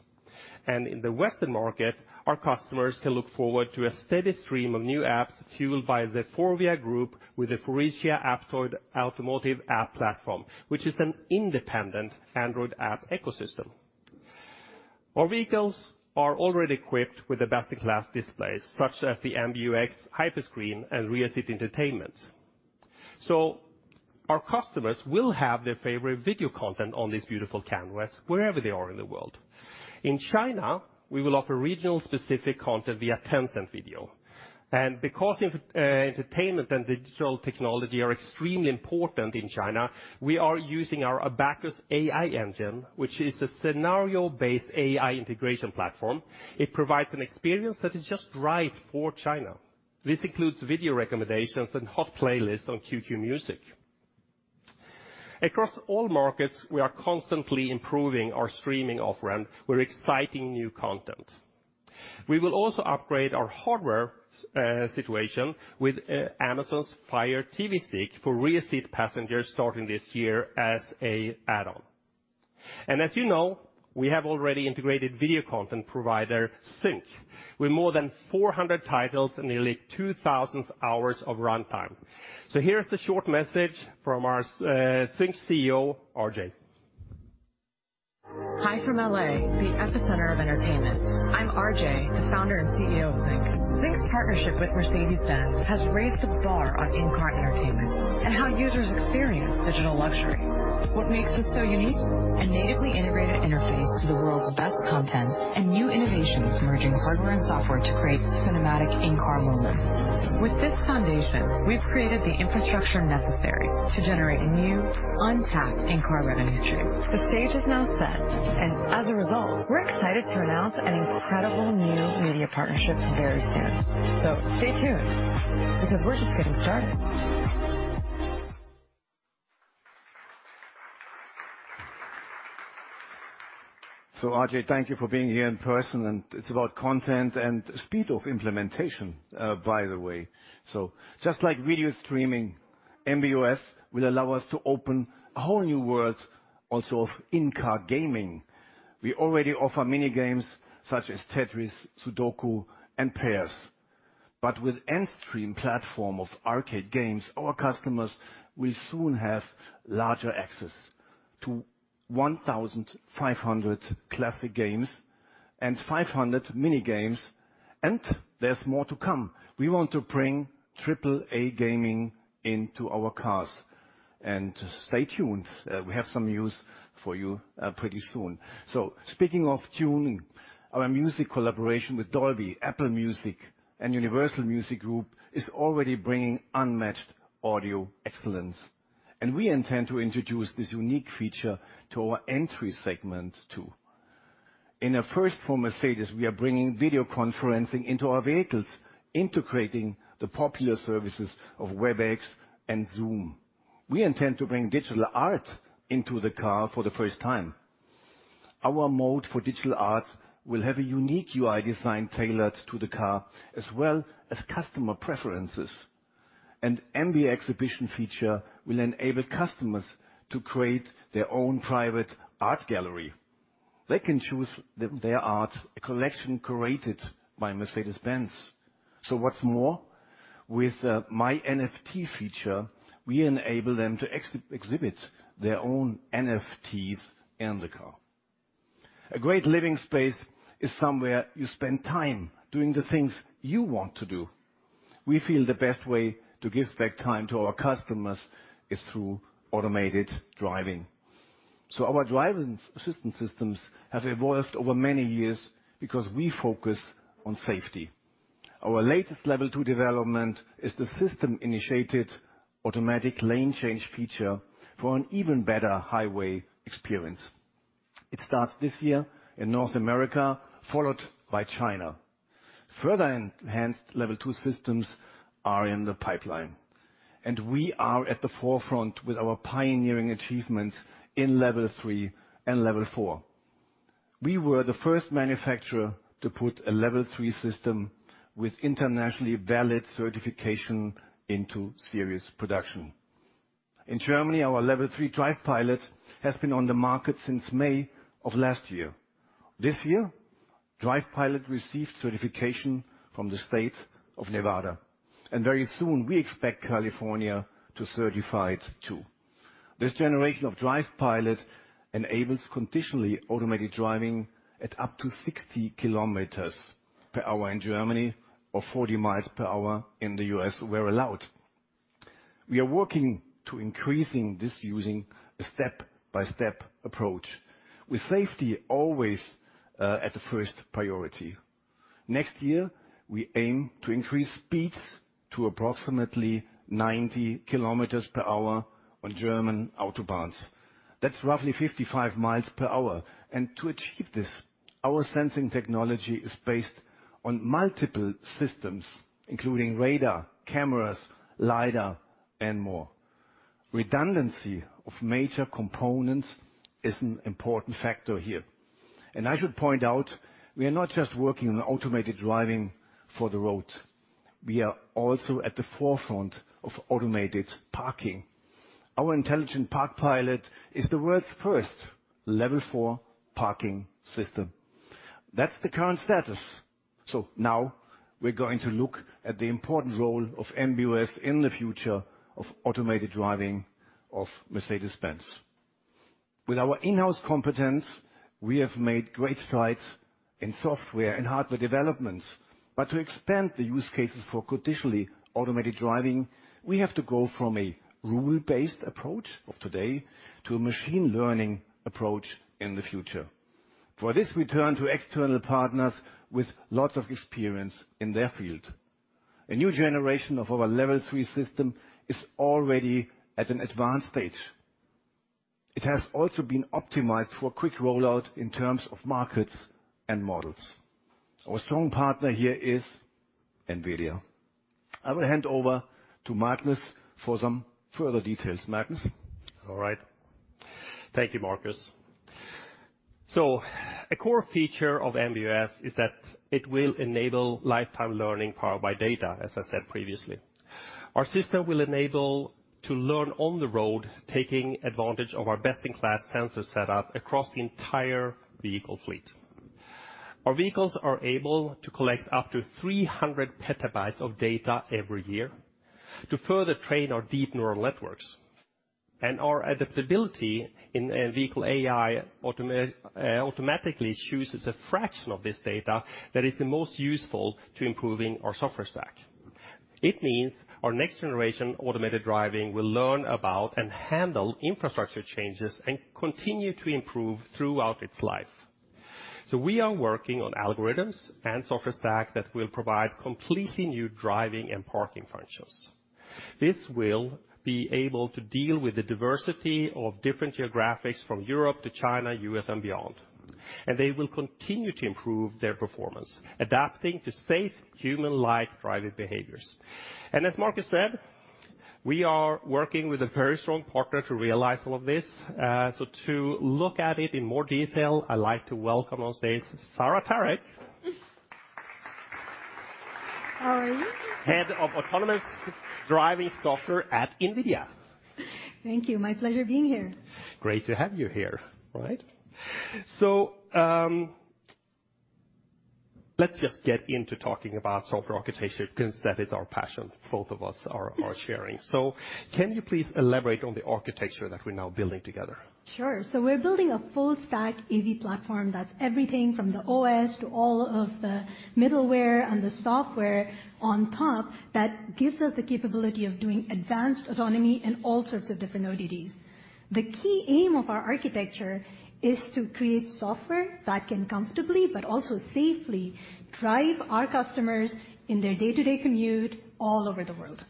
In the Western market, our customers can look forward to a steady stream of new apps fueled by the FORVIA Group with the Aptoide Automotive App Platform, which is an independent Android app ecosystem. Our vehicles are already equipped with the best-in-class displays, such as the MBUX Hyperscreen and Rear-Seat Entertainment. Our customers will have their favorite video content on this beautiful canvas wherever they are in the world. In China, we will offer regional-specific content via Tencent Video. Because entertainment and digital technology are extremely important in China, we are using our Abacus AI engine, which is a scenario-based AI integration platform. It provides an experience that is just right for China. This includes video recommendations and hot playlists on QQ Music. Across all markets, we are constantly improving our streaming offering with exciting new content. We will also upgrade our hardware situation with Amazon's Fire TV Stick for rear seat passengers starting this year as an add-on. As you know, we have already integrated video content provider, ZYNC, with more than 400 titles and nearly 2,000 hours of runtime. Here's a short message from our ZYNC CEO, RJ. Hi from L.A., the epicenter of entertainment. I'm RJ, the founder and CEO of ZYNC. ZYNC's partnership with Mercedes-Benz has raised the bar on in-car entertainment and how users experience digital luxury. What makes us so unique? A natively integrated interface to the world's best content and new innovations merging hardware and software to create cinematic in-car moments. With this foundation, we've created the infrastructure necessary to generate new, untapped in-car revenue streams. The stage is now set, and as a result, we're excited to announce an incredible new media partnership very soon. Stay tuned, because we're just getting started. RJ, thank you for being here in person, and it's about content and speed of implementation, by the way. Just like video streaming, MB.OS will allow us to open a whole new world also of in-car gaming. We already offer mini-games such as Tetris, Sudoku, and Pairs. With Antstream platform of arcade games, our customers will soon have larger access to 1,500 classic games and 500 mini games, and there's more to come. We want to bring triple A gaming into our cars. Stay tuned, we have some news for you pretty soon. Speaking of tuning, our music collaboration with Dolby, Apple Music, and Universal Music Group is already bringing unmatched audio excellence. We intend to introduce this unique feature to our entry segment too. In a first for Mercedes, we are bringing video conferencing into our vehicles, integrating the popular services of Webex and Zoom. We intend to bring digital art into the car for the first time. Our mode for digital art will have a unique UI design tailored to the car, as well as customer preferences. An MB Exhibition feature will enable customers to create their own private art gallery. They can choose their art, a collection curated by Mercedes-Benz. What's more, with my NFT feature, we enable them to exhibit their own NFTs in the car. A great living space is somewhere you spend time doing the things you want to do. We feel the best way to give back time to our customers is through automated driving. Our driving systems have evolved over many years because we focus on safety. Our latest level two development is the system-initiated automatic lane change feature for an even better highway experience. It starts this year in North America, followed by China. Further enhanced level two systems are in the pipeline. We are at the forefront with our pioneering achievements in level three and level four. We were the first manufacturer to put a level three system with internationally valid certification into serious production. In Germany, our level three DRIVE PILOT has been on the market since May of last year. This year, DRIVE PILOT received certification from the state of Nevada. Very soon, we expect California to certify it too. This generation of DRIVE PILOT enables conditionally automated driving at up to 60 km per hour in Germany or 40 mi per hour in the U.S. where allowed. We are working to increasing this using a step-by-step approach, with safety always at the first priority. Next year, we aim to increase speeds to approximately 90 km per hour on German Autobahns. That's roughly 55 mi per hour. To achieve this, our sensing technology is based on multiple systems, including radar, cameras, LiDAR, and more. Redundancy of major components is an important factor here. I should point out we are not just working on automated driving for the road. We are also at the forefront of automated parking. Our INTELLIGENT PARK PILOT is the world's first Level 4 parking system. That's the current status. Now we're going to look at the important role of MB.OS in the future of automated driving of Mercedes-Benz. With our in-house competence, we have made great strides in software and hardware developments. To expand the use cases for conditionally automated driving, we have to go from a rule-based approach of today to a machine learning approach in the future. For this, we turn to external partners with lots of experience in their field. A new generation of our level three system is already at an advanced stage. It has also been optimized for quick rollout in terms of markets and models. Our strong partner here is NVIDIA. I will hand over to Magnus for some further details. Magnus? All right. Thank you, Markus. A core feature of MB.OS is that it will enable lifetime learning powered by data, as I said previously. Our system will enable to learn on the road, taking advantage of our best-in-class sensor setup across the entire vehicle fleet. Our vehicles are able to collect up to 300 PB of data every year to further train our deep neural networks. Our adaptability in vehicle AI automatically chooses a fraction of this data that is the most useful to improving our software stack. It means our next generation automated driving will learn about and handle infrastructure changes and continue to improve throughout its life. We are working on algorithms and software stack that will provide completely new driving and parking functions. This will be able to deal with the diversity of different geographics from Europe to China, U.S., and beyond. They will continue to improve their performance, adapting to safe human-like driving behaviors. As Markus said, we are working with a very strong partner to realize all of this. To look at it in more detail, I'd like to welcome on stage Sarah Tariq. How are you? Head of autonomous driving software at NVIDIA. Thank you. My pleasure being here. Great to have you here. All right. Let's just get into talking about software architecture, because that is our passion, both of us are sharing. Can you please elaborate on the architecture that we're now building together? Sure. We're building a full stack AV platform that's everything from the OS to all of the middleware and the software on top that gives us the capability of doing advanced autonomy and all sorts of different ODDs. The key aim of our architecture is to create software that can comfortably but also safely drive our customers in their day-to-day commute all over the world.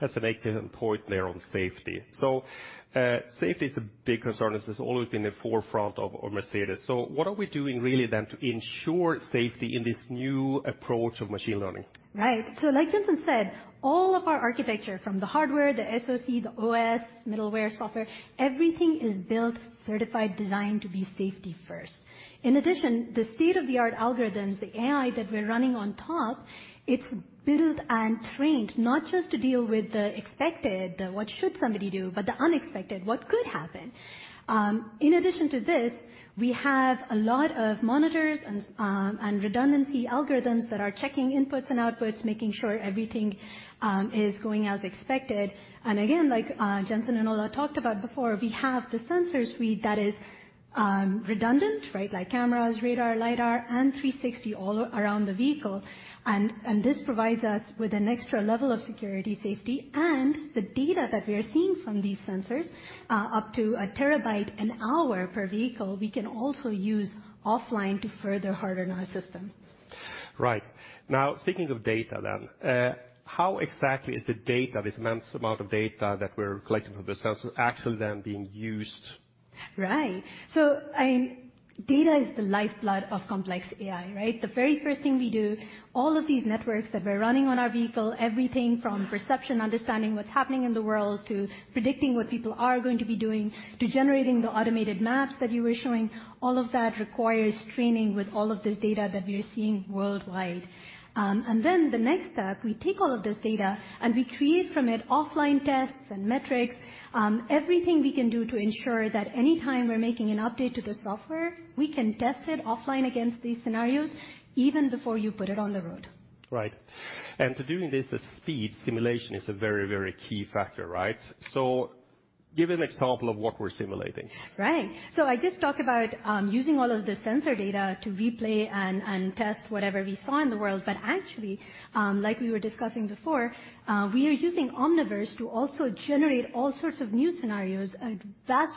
That's an excellent point there on safety. Safety is a big concern. This has always been the forefront of Mercedes. What are we doing really then to ensure safety in this new approach of machine learning? Right. Like Jensen Huang said, all of our architecture from the hardware, the SoC, the OS, middleware, software, everything is built, certified, designed to be safety first. In addition, the state-of-the-art algorithms, the AI that we're running on top, it's built and trained not just to deal with the expected, the what should somebody do, but the unexpected, what could happen. In addition to this, we have a lot of monitors and redundancy algorithms that are checking inputs and outputs, making sure everything is going as expected. Again, like Jensen Huang and Ola Källenius talked about before, we have the sensor suite that is redundant, right? Like cameras, radar, LiDAR, and 360 all around the vehicle. This provides us with an extra level of security, safety, and the data that we are seeing from these sensors, up to a terabyte an hour per vehicle, we can also use offline to further harden our system. Right. Speaking of data then, how exactly is the data, this immense amount of data that we're collecting from the sensors actually then being used? Data is the lifeblood of complex AI, right? The very first thing we do, all of these networks that we're running on our vehicle, everything from perception, understanding what's happening in the world to predicting what people are going to be doing, to generating the automated maps that you were showing, all of that requires training with all of this data that we are seeing worldwide. The next step, we take all of this data, and we create from it offline tests and metrics, everything we can do to ensure that any time we're making an update to the software, we can test it offline against these scenarios even before you put it on the road. Right. To doing this at speed, simulation is a very key factor, right? Give an example of what we're simulating? I just talked about using all of the sensor data to replay and test whatever we saw in the world. Actually, like we were discussing before, we are using Omniverse to also generate all sorts of new scenarios, a vast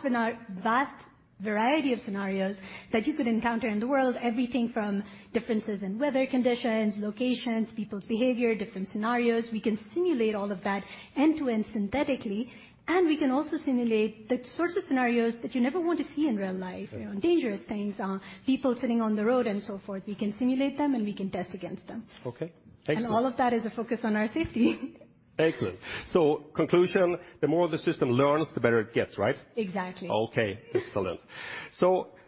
variety of scenarios that you could encounter in the world. Everything from differences in weather conditions, locations, people's behavior, different scenarios. We can simulate all of that end-to-end synthetically, we can also simulate the sorts of scenarios that you never want to see in real life. Yeah. You know, dangerous things, people sitting on the road and so forth. We can simulate them, and we can test against them. Okay. Excellent. All of that is a focus on our safety. Excellent. conclusion, the more the system learns, the better it gets, right? Exactly. Okay. Excellent.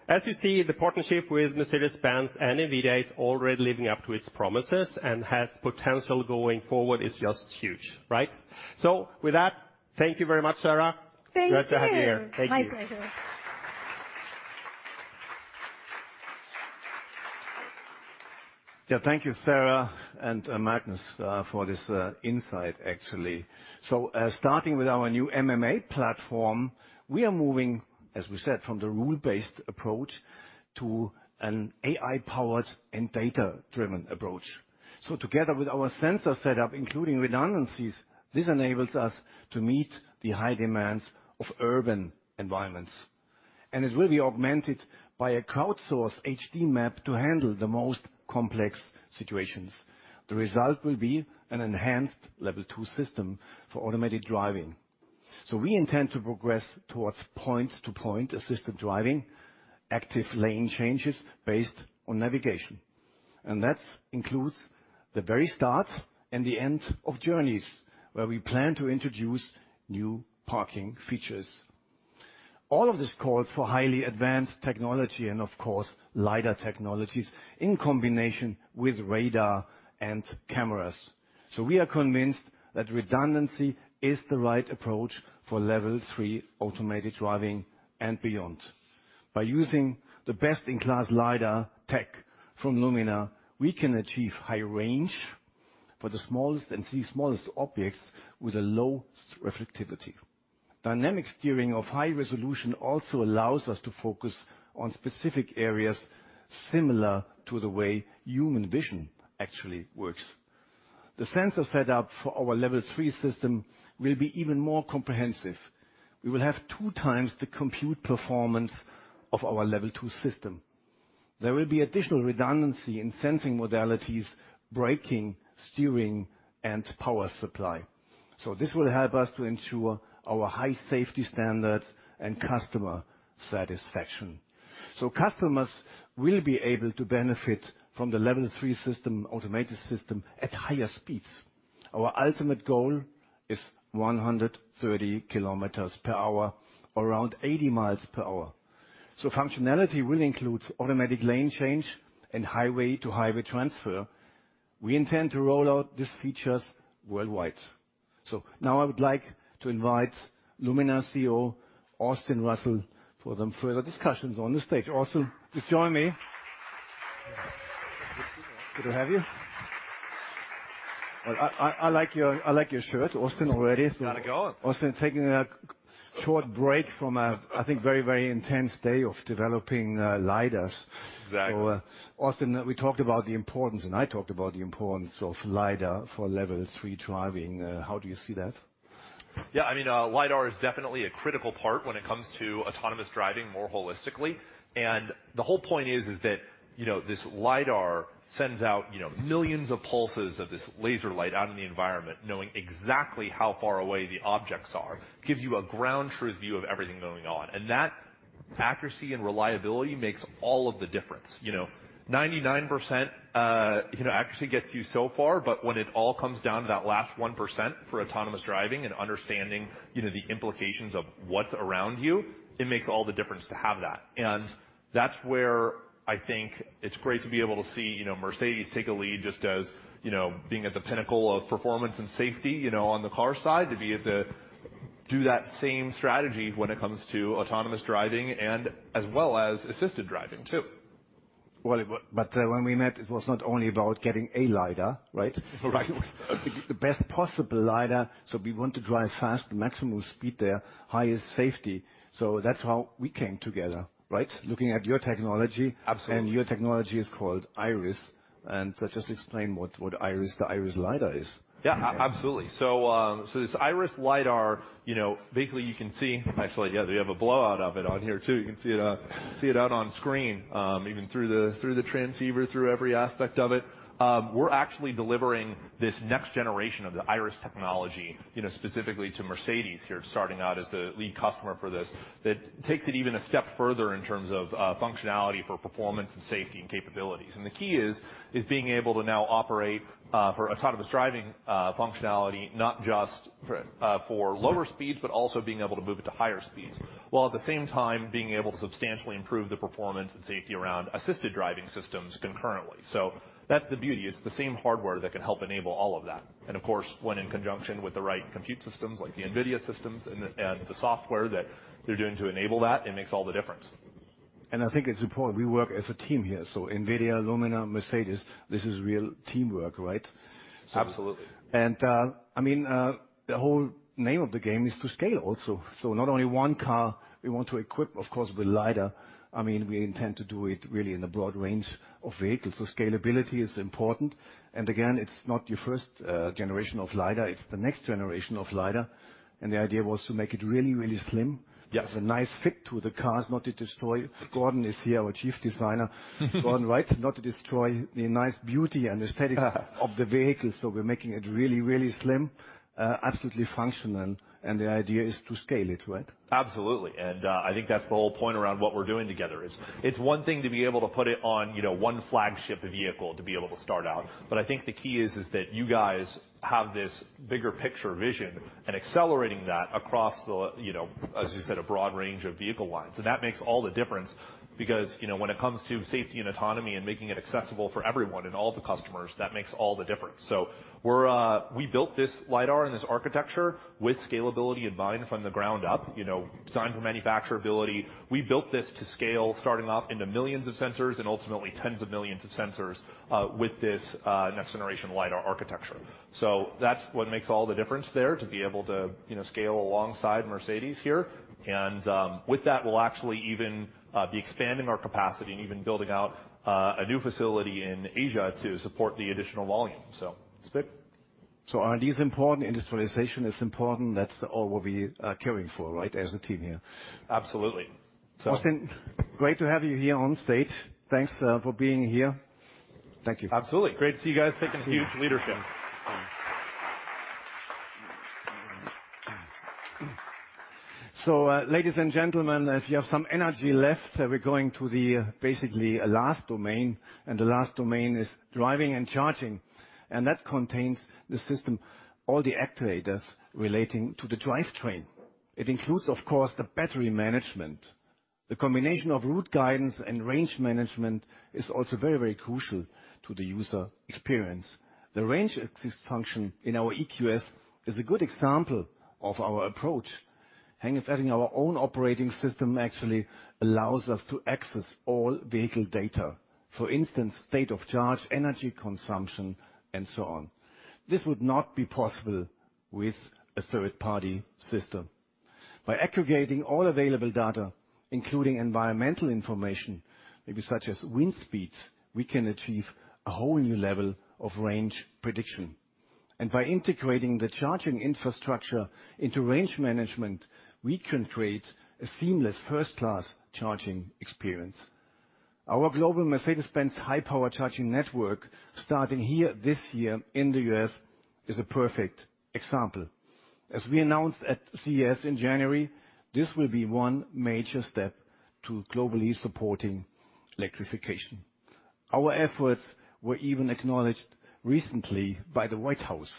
As you see, the partnership with Mercedes-Benz and NVIDIA is already living up to its promises and has potential going forward is just huge. Right? With that, thank you very much, Sarah. Thank you. Great to have you here. Thank you. My pleasure. Yeah. Thank you, Sarah and Magnus for this insight, actually. Starting with our new MMA platform, we are moving, as we said, from the rule-based approach to an AI-powered and data-driven approach. Together with our sensor setup, including redundancies, this enables us to meet the high demands of urban environments, and it will be augmented by a crowdsourced HD map to handle the most complex situations. The result will be an enhanced level two system for automated driving. We intend to progress towards point-to-point assisted driving, active lane changes based on navigation, and that includes the very start and the end of journeys, where we plan to introduce new parking features. All of this calls for highly advanced technology and, of course, LiDAR technologies in combination with radar and cameras. We are convinced that redundancy is the right approach for Level 3 automated driving and beyond. By using the best-in-class LiDAR tech from Luminar, we can achieve high range for the smallest and see smallest objects with a low reflectivity. Dynamic steering of high resolution also allows us to focus on specific areas, similar to the way human vision actually works. The sensor setup for our Level 3 system will be even more comprehensive. We will have two times the compute performance of our Level 2 system. There will be additional redundancy in sensing modalities, braking, steering, and power supply. This will help us to ensure our high safety standards and customer satisfaction. Customers will be able to benefit from the Level 3 system, automated system at higher speeds. Our ultimate goal is 130 km per hour or around 80 mi per hour. Functionality will include automatic lane change and highway-to-highway transfer. We intend to roll out these features worldwide. Now I would like to invite Luminar CEO Austin Russell for some further discussions on the stage. Austin, please join me. Good to have you. I like your shirt, Austin, already so. How's it going? Austin, taking a short break from a, I think, very intense day of developing LiDARs. Exactly. Austin, we talked about the importance, and I talked about the importance of LiDAR for Level 3 driving. How do you see that? Yeah, I mean, LiDAR is definitely a critical part when it comes to autonomous driving more holistically. The whole point is that, you know, this LiDAR sends out, you know, millions of pulses of this laser light out in the environment, knowing exactly how far away the objects are, gives you a ground truth view of everything going on. That accuracy and reliability makes all of the difference. You know, 99%, you know, accuracy gets you so far, but when it all comes down to that last 1% for autonomous driving and understanding, you know, the implications of what's around you, it makes all the difference to have that. That's where I think it's great to be able to see, you know, Mercedes take a lead, just as, you know, being at the pinnacle of performance and safety, you know, on the car side, to be able to do that same strategy when it comes to autonomous driving and as well as assisted driving too. Well, when we met, it was not only about getting a LiDAR, right? Right. The best possible LiDAR. We want to drive fast, maximum speed there, highest safety. That's how we came together, right? Looking at your technology. Absolutely. Your technology is called Iris. Just explain what Iris, the Iris LiDAR is? Yeah, absolutely. This Iris LiDAR, you know, basically you can see, actually yeah, they have a blowout of it on here too. You can see it, see it out on screen, even through the transceiver, through every aspect of it. We're actually delivering this next generation of the Iris technology, you know, specifically to Mercedes here, starting out as the lead customer for this. That takes it even a step further in terms of functionality for performance and safety and capabilities. The key is being able to now operate for autonomous driving functionality, not just for lower speeds, but also being able to move it to higher speeds, while at the same time, being able to substantially improve the performance and safety around assisted driving systems concurrently. That's the beauty. It's the same hardware that can help enable all of that. Of course, when in conjunction with the right compute systems like the NVIDIA systems and the software that they're doing to enable that, it makes all the difference. I think it's important we work as a team here. NVIDIA, Luminar, Mercedes, this is real teamwork, right? Absolutely. I mean, the whole name of the game is to scale also. Not only one car we want to equip, of course, with LiDAR. We intend to do it really in a broad range of vehicles. Scalability is important. Again, it's not your first generation of LiDAR, it's the next generation of LiDAR. The idea was to make it really, really slim. Yeah. With a nice fit to the cars, not to destroy. Gorden is here, our Chief Designer. Gorden, right? Not to destroy the nice beauty and aesthetic of the vehicle. We're making it really, really slim, absolutely functional. The idea is to scale it, right? Absolutely. I think that's the whole point around what we're doing together is it's one thing to be able to put it on, you know, one flagship vehicle to be able to start out. I think the key is that you guys have this bigger picture vision and accelerating that across the, you know, as you said, a broad range of vehicle lines. That makes all the difference because, you know, when it comes to safety and autonomy and making it accessible for everyone and all the customers, that makes all the difference. We're, we built this LiDAR and this architecture with scalability in mind from the ground up, you know, designed for manufacturability. We built this to scale, starting off into millions of sensors and ultimately tens of millions of sensors with this next-generation LiDAR architecture. That's what makes all the difference there to be able to, you know, scale alongside Mercedes here. With that, we'll actually even be expanding our capacity and even building out a new facility in Asia to support the additional volume. It's big. R&D is important, industrialization is important. That's all what we are caring for, right? As a team here. Absolutely. Austin, great to have you here on stage. Thanks, for being here. Thank you. Absolutely. Great to see you guys taking huge leadership. Ladies and gentlemen, if you have some energy left, we're going to the basically last domain, and the last domain is driving and charging, and that contains the system, all the actuators relating to the drivetrain. It includes, of course, the battery management. The combination of route guidance and range management is also very, very crucial to the user experience. The range exist function in our EQS is a good example of our approach. Having our own operating system actually allows us to access all vehicle data. For instance, state of charge, energy consumption, and so on. This would not be possible with a third-party system. By aggregating all available data, including environmental information, maybe such as wind speeds, we can achieve a whole new level of range prediction. By integrating the charging infrastructure into range management, we can create a seamless first-class charging experience. Our global Mercedes-Benz High-Power Charging Network, starting here this year in the U.S., is a perfect example. As we announced at CES in January, this will be one major step to globally supporting electrification. Our efforts were even acknowledged recently by the White House.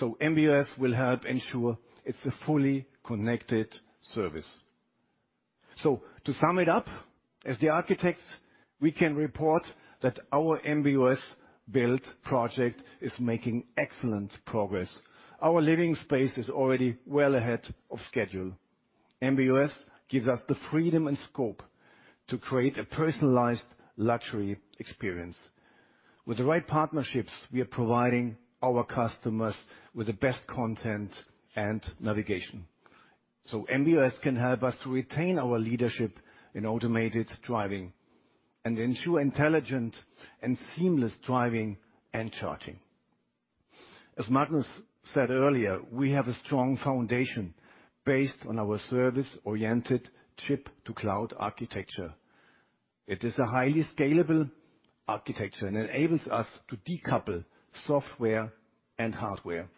MB.OS will help ensure it's a fully connected service. To sum it up, as the architects, we can report that our MB.OS build project is making excellent progress. Our living space is already well ahead of schedule. MB.OS gives us the freedom and scope to create a personalized luxury experience. With the right partnerships, we are providing our customers with the best content and navigation. MB.OS can help us to retain our leadership in automated driving and ensure intelligent and seamless driving and charging. As Magnus said earlier, we have a strong foundation based on our service-oriented chip-to-cloud architecture. It is a highly scalable architecture and enables us to decouple software and hardware.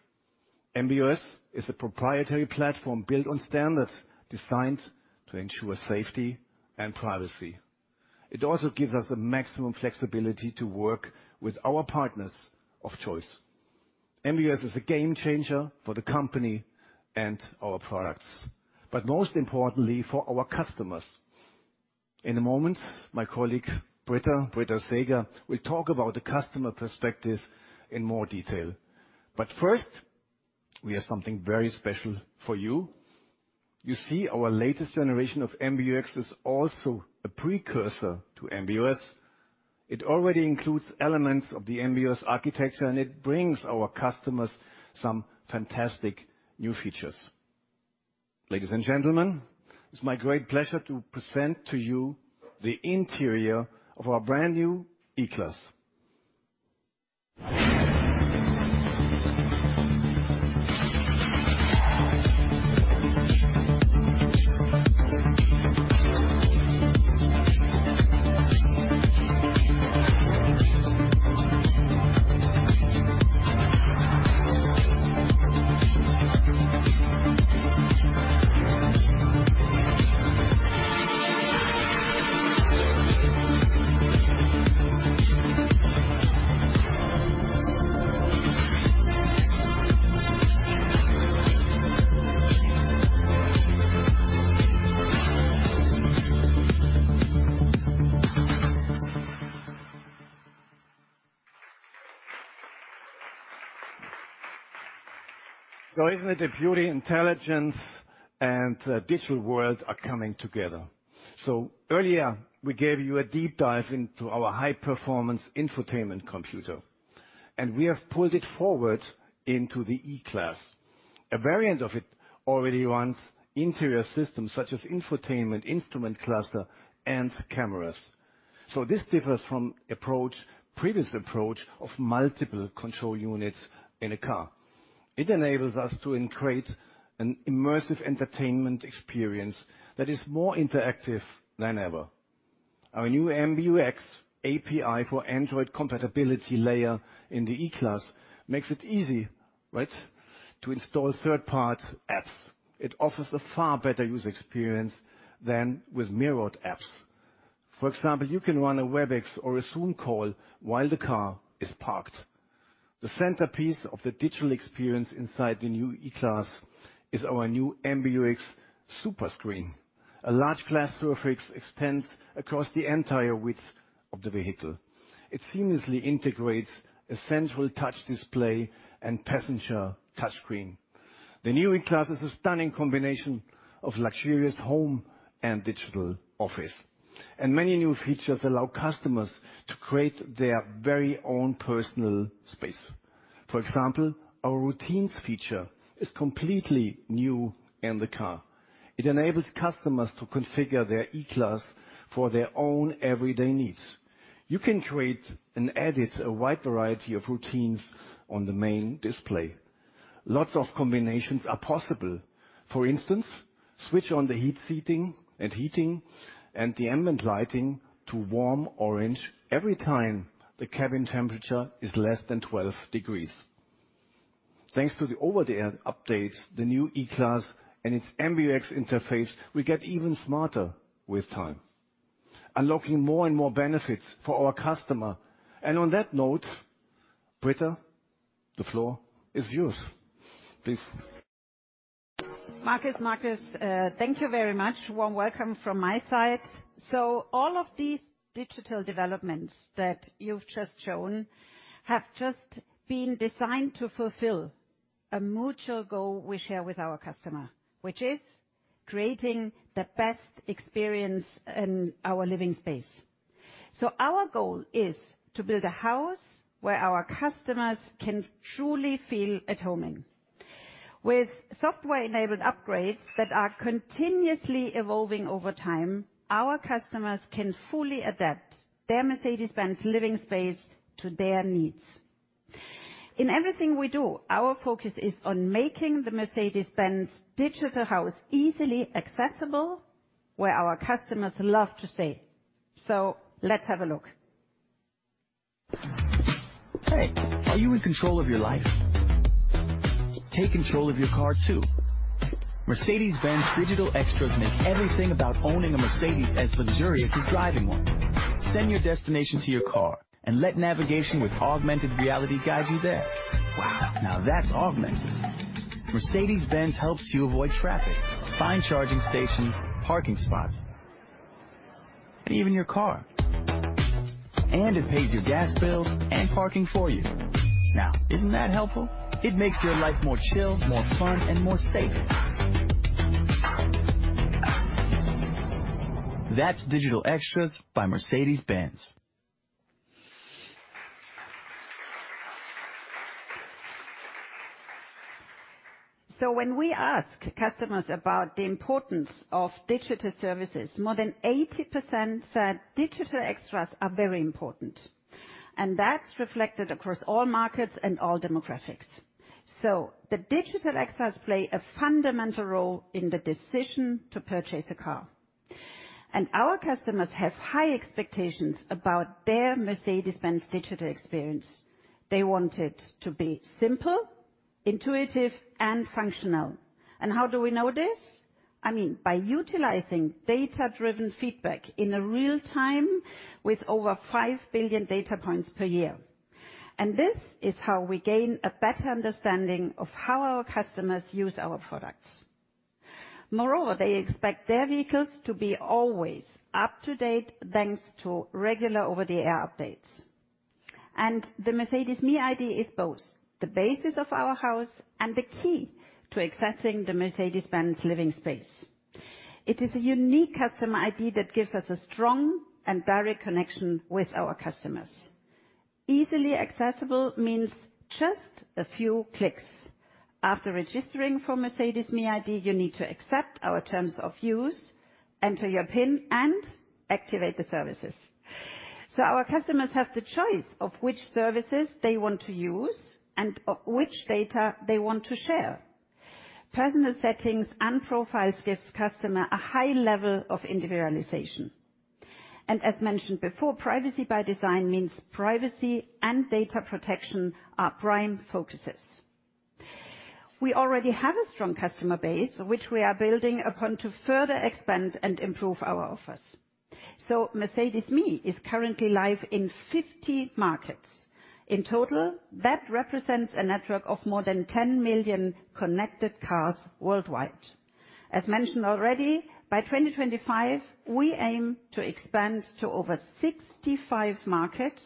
MB.OS is a proprietary platform built on standards designed to ensure safety and privacy. It also gives us the maximum flexibility to work with our partners of choice. MB.OS is a game changer for the company and our products, most importantly for our customers. In a moment, my colleague Britta Seeger will talk about the customer perspective in more detail. First, we have something very special for you. You see, our latest generation of MBUX is also a precursor to MB.OS. It already includes elements of the MB.OS architecture, it brings our customers some fantastic new features. Ladies and gentlemen, it's my great pleasure to present to you the interior of our brand-new E-Class. Isn't it purely intelligence and digital world are coming together? Earlier, we gave you a deep dive into our high-performance infotainment computer, and we have pulled it forward into the E-Class. A variant of it already runs interior systems such as infotainment, instrument cluster, and cameras. This differs from approach, previous approach of multiple control units in a car. It enables us to increase an immersive entertainment experience that is more interactive than ever. Our new MBUX API for Android compatibility layer in the E-Class makes it easy, right, to install third-party apps. It offers a far better user experience than with mirrored apps. For example, you can run a Webex or a Zoom call while the car is parked. The centerpiece of the digital experience inside the new E-Class is our new MBUX Superscreen. A large glass surface extends across the entire width of the vehicle. It seamlessly integrates a central touch display and passenger touch-screen. The new E-Class is a stunning combination of luxurious home and digital office, and many new features allow customers to create their very own personal space. For example, our routines feature is completely new in the car. It enables customers to configure their E-Class for their own everyday needs. You can create and edit a wide variety of routines on the main display. Lots of combinations are possible. For instance, switch on the heat seating and heating, and the ambient lighting to warm orange every time the cabin temperature is less than 12 degrees. Thanks to the over-the-air updates, the new E-Class and its MBUX interface will get even smarter with time, unlocking more and more benefits for our customer. On that note, Britta, the floor is yours, please. Markus, thank you very much. Warm welcome from my side. All of these digital developments that you've just shown have just been designed to fulfill a mutual goal we share with our customer, which is creating the best experience in our living space. Our goal is to build a house where our customers can truly feel at home in. With software-enabled upgrades that are continuously evolving over time, our customers can fully adapt their Mercedes-Benz living space to their needs. In everything we do, our focus is on making the Mercedes-Benz digital house easily accessible, where our customers love to stay. Let's have a look. Hey, are you in control of your life? Take control of your car too. Mercedes-Benz digital extras make everything about owning a Mercedes as luxurious as driving one. Send your destination to your car and let navigation with augmented reality guide you there. Wow, now that's augmented. Mercedes-Benz helps you avoid traffic, find charging stations, parking spots, and even your car. It pays your gas bills and parking for you. Now, isn't that helpful? It makes your life more chill, more fun, and more safe. That's digital extras by Mercedes-Benz. When we ask customers about the importance of digital services, more than 80% said digital extras are very important. That's reflected across all markets and all demographics. The digital extras play a fundamental role in the decision to purchase a car. Our customers have high expectations about their Mercedes-Benz digital experience. They want it to be simple, intuitive, and functional. How do we know this? I mean, by utilizing data-driven feedback in real-time with over five billion data points per year. This is how we gain a better understanding of how our customers use our products. Moreover, they expect their vehicles to be always up-to-date, thanks to regular over-the-air updates. The Mercedes me ID is both the basis of our house and the key to accessing the Mercedes-Benz living space. It is a unique customer ID that gives us a strong and direct connection with our customers. Easily accessible means just a few clicks. After registering for Mercedes me ID, you need to accept our terms of use, enter your pin, and activate the services. Our customers have the choice of which services they want to use and which data they want to share. Personal settings and profiles gives customer a high level of individualization. As mentioned before, privacy by design means privacy and data protection are prime focuses. We already have a strong customer base, which we are building upon to further expand and improve our offers. Mercedes me is currently live in 50 markets. In total, that represents a network of more than 10 million connected cars worldwide. Mentioned already, by 2025, we aim to expand to over 65 markets,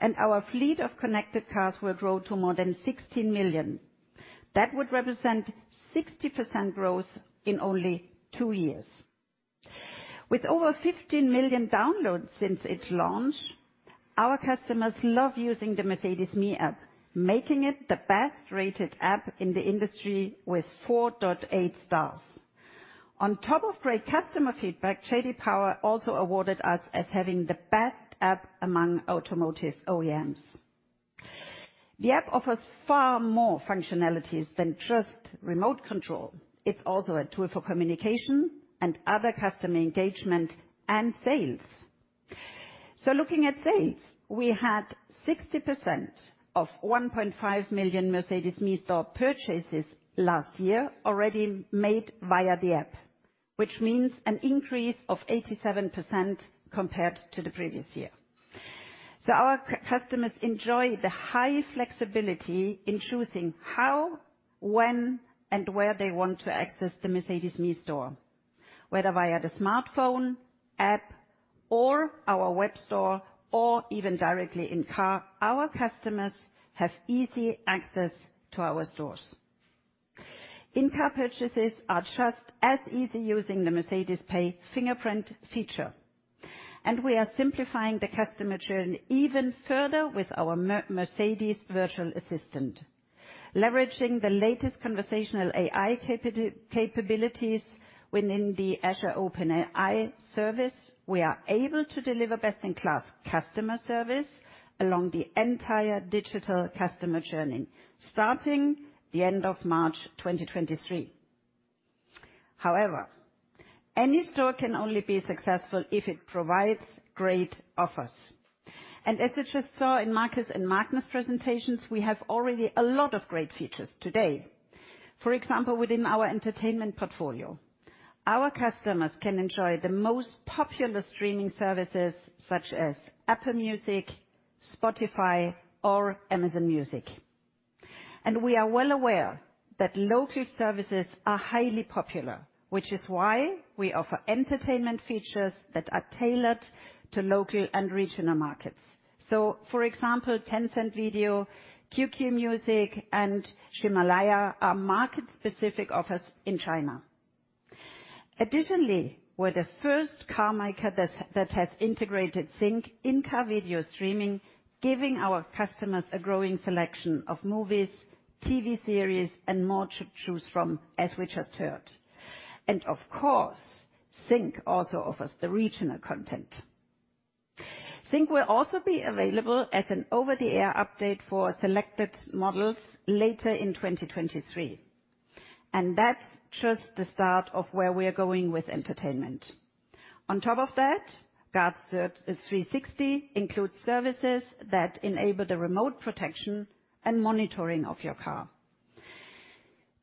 and our fleet of connected cars will grow to more than 16 million. That would represent 60% growth in only two years. With over 15 million downloads since its launch, our customers love using the Mercedes me app, making it the best rated app in the industry with 4.8 stars. On top of great customer feedback, J.D. Power also awarded us as having the best app among automotive OEMs. The app offers far more functionalities than just remote control. It's also a tool for communication and other customer engagement and sales. Looking at sales, we had 60% of 1.5 million Mercedes me Store purchases last year already made via the app, which means an increase of 87% compared to the previous year. Our customers enjoy the high flexibility in choosing how, when, and where they want to access the Mercedes me Store, whether via the smartphone, app, or our web store, or even directly in car, our customers have easy access to our stores. In-car purchases are just as easy using the Mercedes pay fingerprint feature, and we are simplifying the customer journey even further with our Mercedes virtual assistant. Leveraging the latest conversational AI capabilities within the Azure OpenAI Service, we are able to deliver best-in-class customer service along the entire digital customer journey, starting the end of March 2023. However, any store can only be successful if it provides great offers. As you just saw in Markus and Magnus presentations, we have already a lot of great features today. For example, within our entertainment portfolio, our customers can enjoy the most popular streaming services such as Apple Music, Spotify, or Amazon Music. We are well aware that local services are highly popular, which is why we offer entertainment features that are tailored to local and regional markets. For example, Tencent Video, QQ Music, and Himalaya are market-specific offers in China. Additionally, we're the first car maker that has integrated ZYNC in-car video streaming, giving our customers a growing selection of movies, TV series, and more to choose from, as we just heard. Of course, ZYNC also offers the regional content. ZYNC will also be available as an over-the-air update for selected models later in 2023. That's just the start of where we're going with entertainment. On top of that, GUARD 360 includes services that enable the remote protection and monitoring of your car.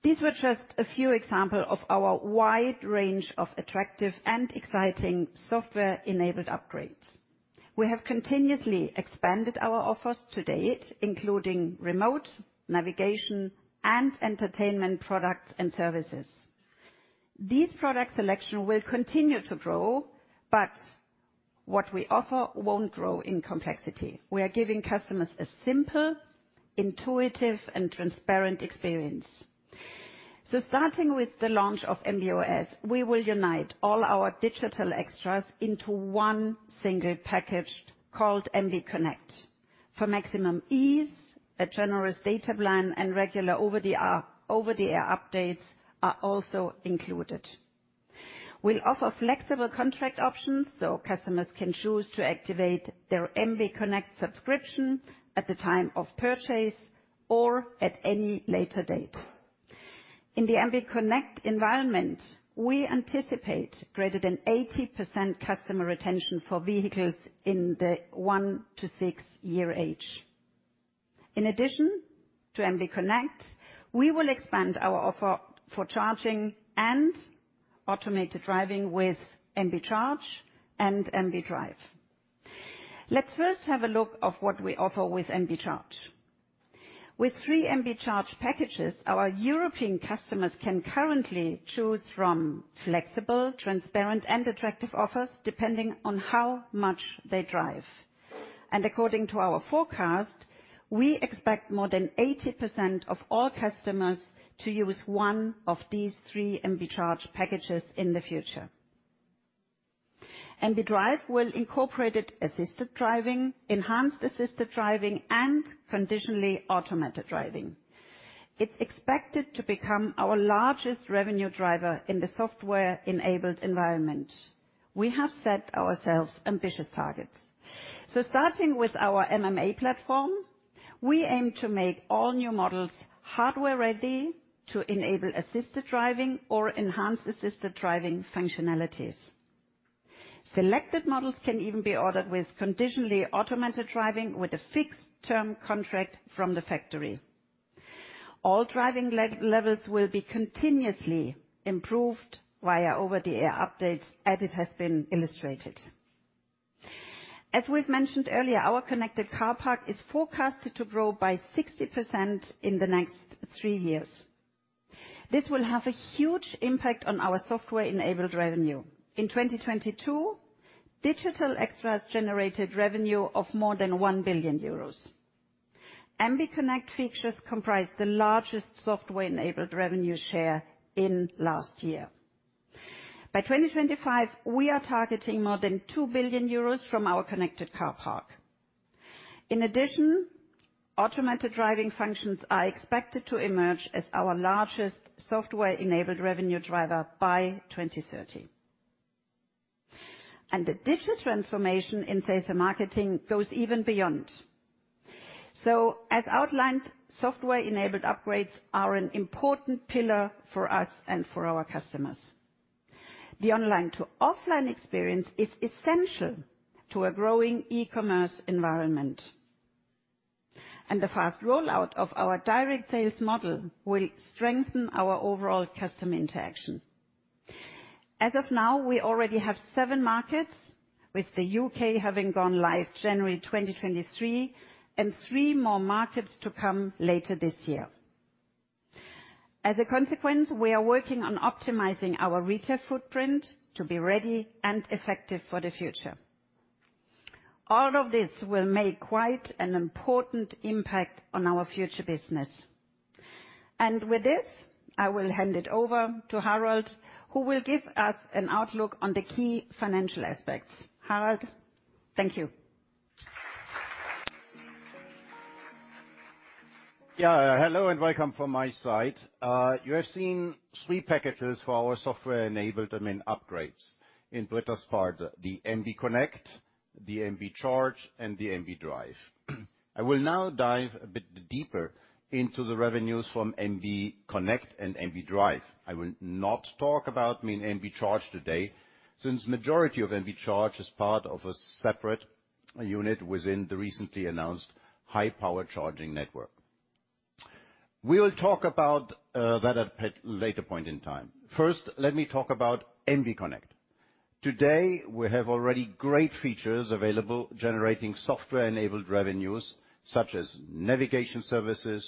These were just a few example of our wide range of attractive and exciting software-enabled upgrades. We have continuously expanded our offers to date, including remote navigation and entertainment products and services. These product selection will continue to grow. What we offer won't grow in complexity. We are giving customers a simple, intuitive, and transparent experience. Starting with the launch of MB.OS, we will unite all our digital extras into one single package called MB.CONNECT. For maximum ease, a generous data plan and regular over-the-air updates are also included. We'll offer flexible contract options, so customers can choose to activate their MB.CONNECT subscription at the time of purchase or at any later date. In the MB.CONNECT environment, we anticipate greater than 80% customer retention for vehicles in the one to six year age. In addition to MB.CONNECT, we will expand our offer for charging and automated driving with MB.CHARGE and MB.DRIVE. Let's first have a look of what we offer with MB.CHARGE. With three MB.CHARGE packages, our European customers can currently choose from flexible, transparent, and attractive offers depending on how much they drive. According to our forecast, we expect more than 80% of all customers to use one of these three MB.CHARGE packages in the future. MB.DRIVE will incorporate assisted driving, enhanced assisted driving, and conditionally automated driving. It's expected to become our largest revenue driver in the software-enabled environment. We have set ourselves ambitious targets. Starting with our MMA platform, we aim to make all new models hardware ready to enable assisted driving or enhanced assisted driving functionalities. Selected models can even be ordered with conditionally automated driving with a fixed term contract from the factory. All driving levels will be continuously improved via over-the-air updates as it has been illustrated. As we've mentioned earlier, our connected car park is forecasted to grow by 60% in the next three years. This will have a huge impact on our software-enabled revenue. In 2022, digital extras generated revenue of more than 1 billion euros. MB.CONNECT features comprised the largest software-enabled revenue share in last year. By 2025, we are targeting more than 2 billion euros from our connected car park. In addition, automated driving functions are expected to emerge as our largest software-enabled revenue driver by 2030. The digital transformation in sales and marketing goes even beyond. As outlined, software-enabled upgrades are an important pillar for us and for our customers. The online to offline experience is essential to a growing eCommerce environment. The fast rollout of our direct sales model will strengthen our overall customer interaction. As of now, we already have seven markets, with the U.K. having gone live January 2023 and three more markets to come later this year. As a consequence, we are working on optimizing our retail footprint to be ready and effective for the future. All of this will make quite an important impact on our future business. With this, I will hand it over to Harald, who will give us an outlook on the key financial aspects. Harald, thank you. Yeah. Hello, and welcome from my side. You have seen three packages for our software-enabled, I mean, upgrades in Britta's part, the MB.CONNECT, the MB.CHARGE, and the MB.DRIVE. I will now dive a bit deeper into the revenues from MB.CONNECT And MB.DRIVE. I will not talk about, I mean, MB.CHARGE Today, since majority of MB.CHARGE is part of a separate unit within the recently announced High-Power Charging Network. We will talk about that at later point in time. First, let me talk about MB.CONNECT. Today, we have already great features available generating software-enabled revenues such as navigation services,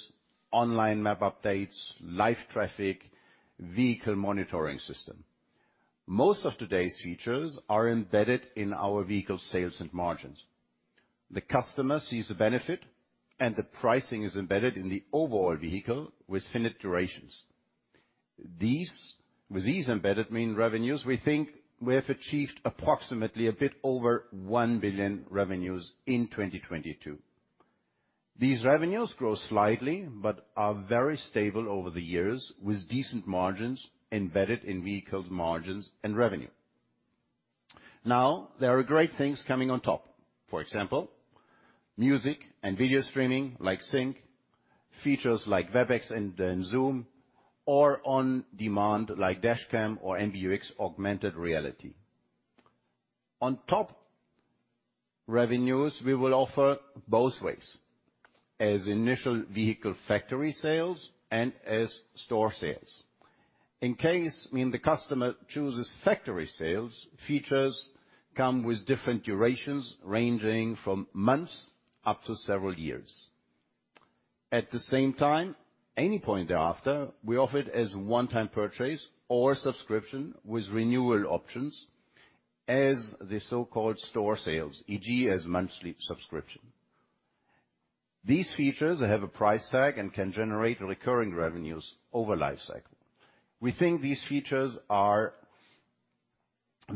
online map updates, live traffic, vehicle monitoring system. Most of today's features are embedded in our vehicle sales and margins. The customer sees the benefit, and the pricing is embedded in the overall vehicle with finite durations. With these embedded mean revenues, we think we have achieved approximately a bit over 1 billion revenues in 2022. These revenues grow slightly but are very stable over the years with decent margins embedded in vehicles margins and revenue. Now, there are great things coming on top. For example, music and video streaming like ZYNC, features like Webex and then Zoom or on-demand like dashcam or MBUX Augmented Reality. On top revenues, we will offer both ways, as initial vehicle factory sales and as store sales. In case, I mean, the customer chooses factory sales, features come with different durations ranging from months up to several years. At the same time, any point thereafter, we offer it as one-time purchase or subscription with renewal options as the so-called store sales, e.g., as monthly subscription. These features have a price tag and can generate recurring revenues over life cycle. We think these features are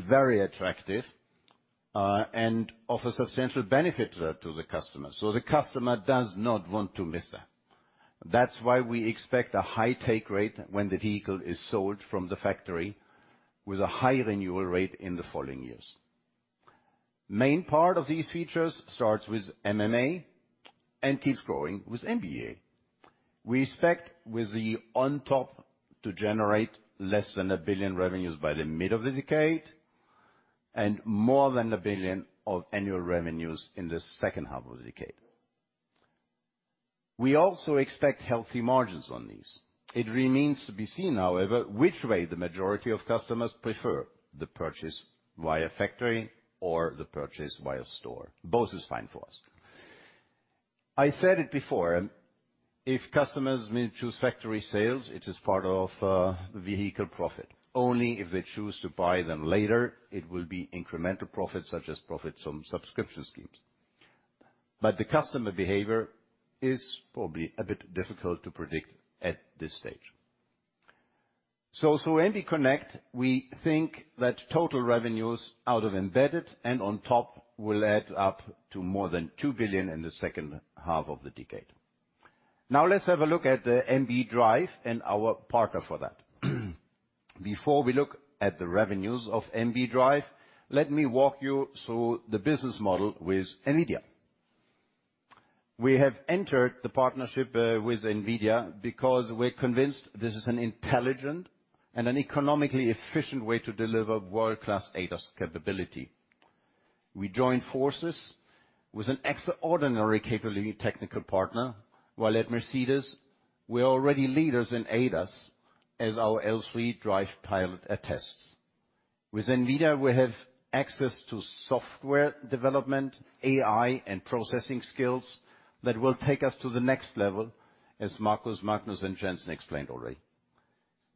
very attractive, and offer substantial benefit to the customer. The customer does not want to miss that. That's why we expect a high take rate when the vehicle is sold from the factory with a high renewal rate in the following years. Main part of these features starts with MMA and keeps growing with MBA. We expect with the on top to generate less than 1 billion revenues by the mid of the decade and more than 1 billion of annual revenues in the second half of the decade. We also expect healthy margins on these. It remains to be seen, however, which way the majority of customers prefer the purchase via factory or the purchase via store. Both is fine for us. I said it before, if customers may choose factory sales, it is part of the vehicle profit. Only if they choose to buy them later, it will be incremental profits such as profits from subscription schemes. The customer behavior is probably a bit difficult to predict at this stage. Through MB.CONNECT, we think that total revenues out of embedded and on top will add up to more than 2 billion in the second half of the decade. Now let's have a look at the MB.DRIVE and our partner for that. Before we look at the revenues of MB.DRIVE, let me walk you through the business model with NVIDIA. We have entered the partnership with NVIDIA because we're convinced this is an intelligent and an economically efficient way to deliver world-class ADAS capability. We join forces with an extraordinary capability technical partner, while at Mercedes, we're already leaders in ADAS as our L3 DRIVE PILOT attests. With NVIDIA, we have access to software development, AI, and processing skills that will take us to the next level, as Markus, Magnus, and Jensen explained already.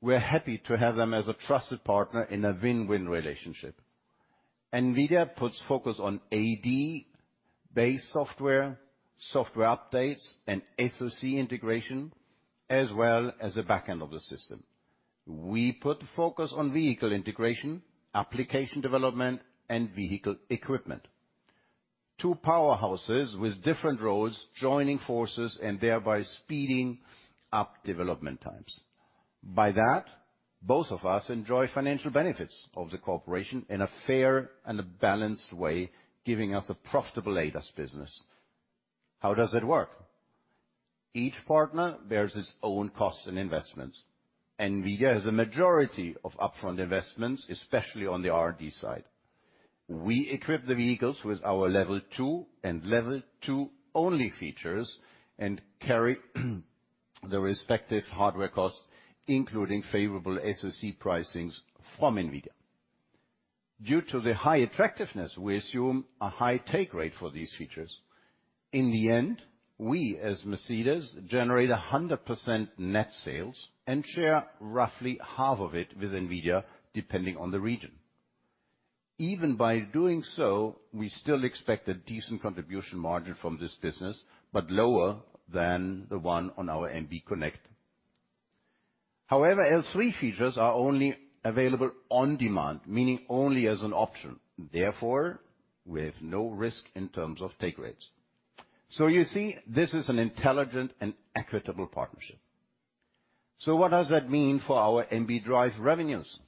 We're happy to have them as a trusted partner in a win-win relationship. NVIDIA puts focus on AD-based software updates, and SoC integration, as well as the back end of the system. We put focus on vehicle integration, application development, and vehicle equipment. Two powerhouses with different roles, joining forces and thereby speeding up development times. By that, both of us enjoy financial benefits of the cooperation in a fair and a balanced way, giving us a profitable ADAS business. How does it work? Each partner bears his own costs and investments. NVIDIA has a majority of upfront investments, especially on the R&D side. We equip the vehicles with our level two and level two only features and carry the respective hardware costs, including favorable SoC pricings from NVIDIA. Due to the high attractiveness, we assume a high take rate for these features. In the end, we as Mercedes generate 100% net sales and share roughly half of it with NVIDIA, depending on the region. Even by doing so, we still expect a decent contribution margin from this business, but lower than the one on our MB.CONNECT. However, L3 features are only available on demand, meaning only as an option. Therefore, we have no risk in terms of take rates. You see, this is an intelligent and equitable partnership. What does that mean for our MB.DRIVE revenues?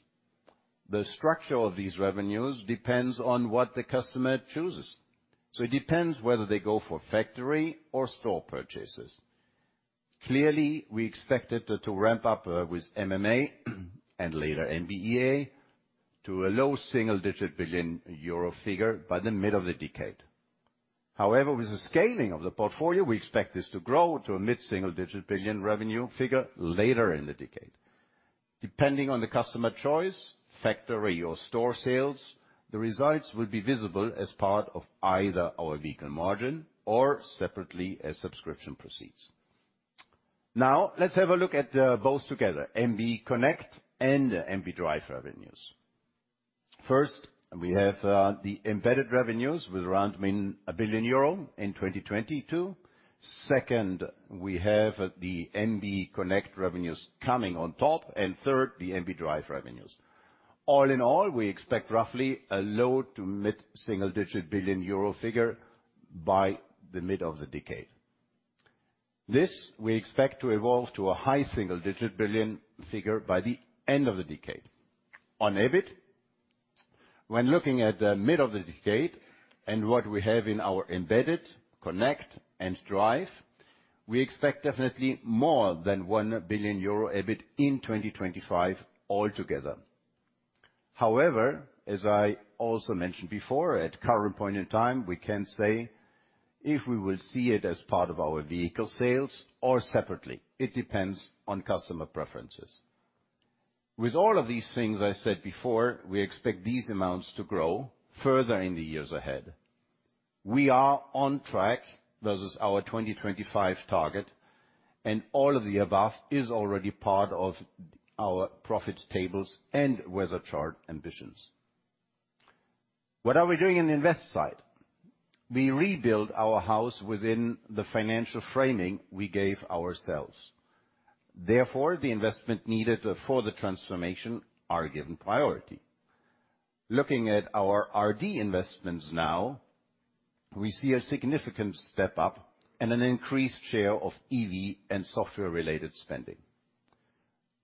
The structure of these revenues depends on what the customer chooses. It depends whether they go for factory or store purchases. Clearly, we expected to ramp up with MMA and later MB.EA to a low single-digit billion EUR figure by the mid of the decade. However, with the scaling of the portfolio, we expect this to grow to a mid-single-digit billion EUR revenue figure later in the decade. Depending on the customer choice, factory or store sales, the results will be visible as part of either our vehicle margin or separately as subscription proceeds. Let's have a look at both together, MB.CONNECT and MB.DRIVE revenues. First, we have the embedded revenues with around 1 billion euro in 2022. Second, we have the MB.CONNECT revenues coming on top. Third, the MB.DRIVE revenues. All in all, we expect roughly a low to mid single-digit billion EUR figure by the mid of the decade. This we expect to evolve to a high single-digit billion figure by the end of the decade. On EBIT, when looking at the mid of the decade and what we have in our embedded, connect, and drive, we expect definitely more than 1 billion euro EBIT in 2025 altogether. However, as I also mentioned before, at current point in time, we can say if we will see it as part of our vehicle sales or separately. It depends on customer preferences. With all of these things I said before, we expect these amounts to grow further in the years ahead. We are on track versus our 2025 target, and all of the above is already part of our profit tables and weather chart ambitions. What are we doing in the invest side? We rebuild our house within the financial framing we gave ourselves. The investment needed for the transformation are given priority. Looking at our R&D investments now, we see a significant step up and an increased share of EV and software-related spending.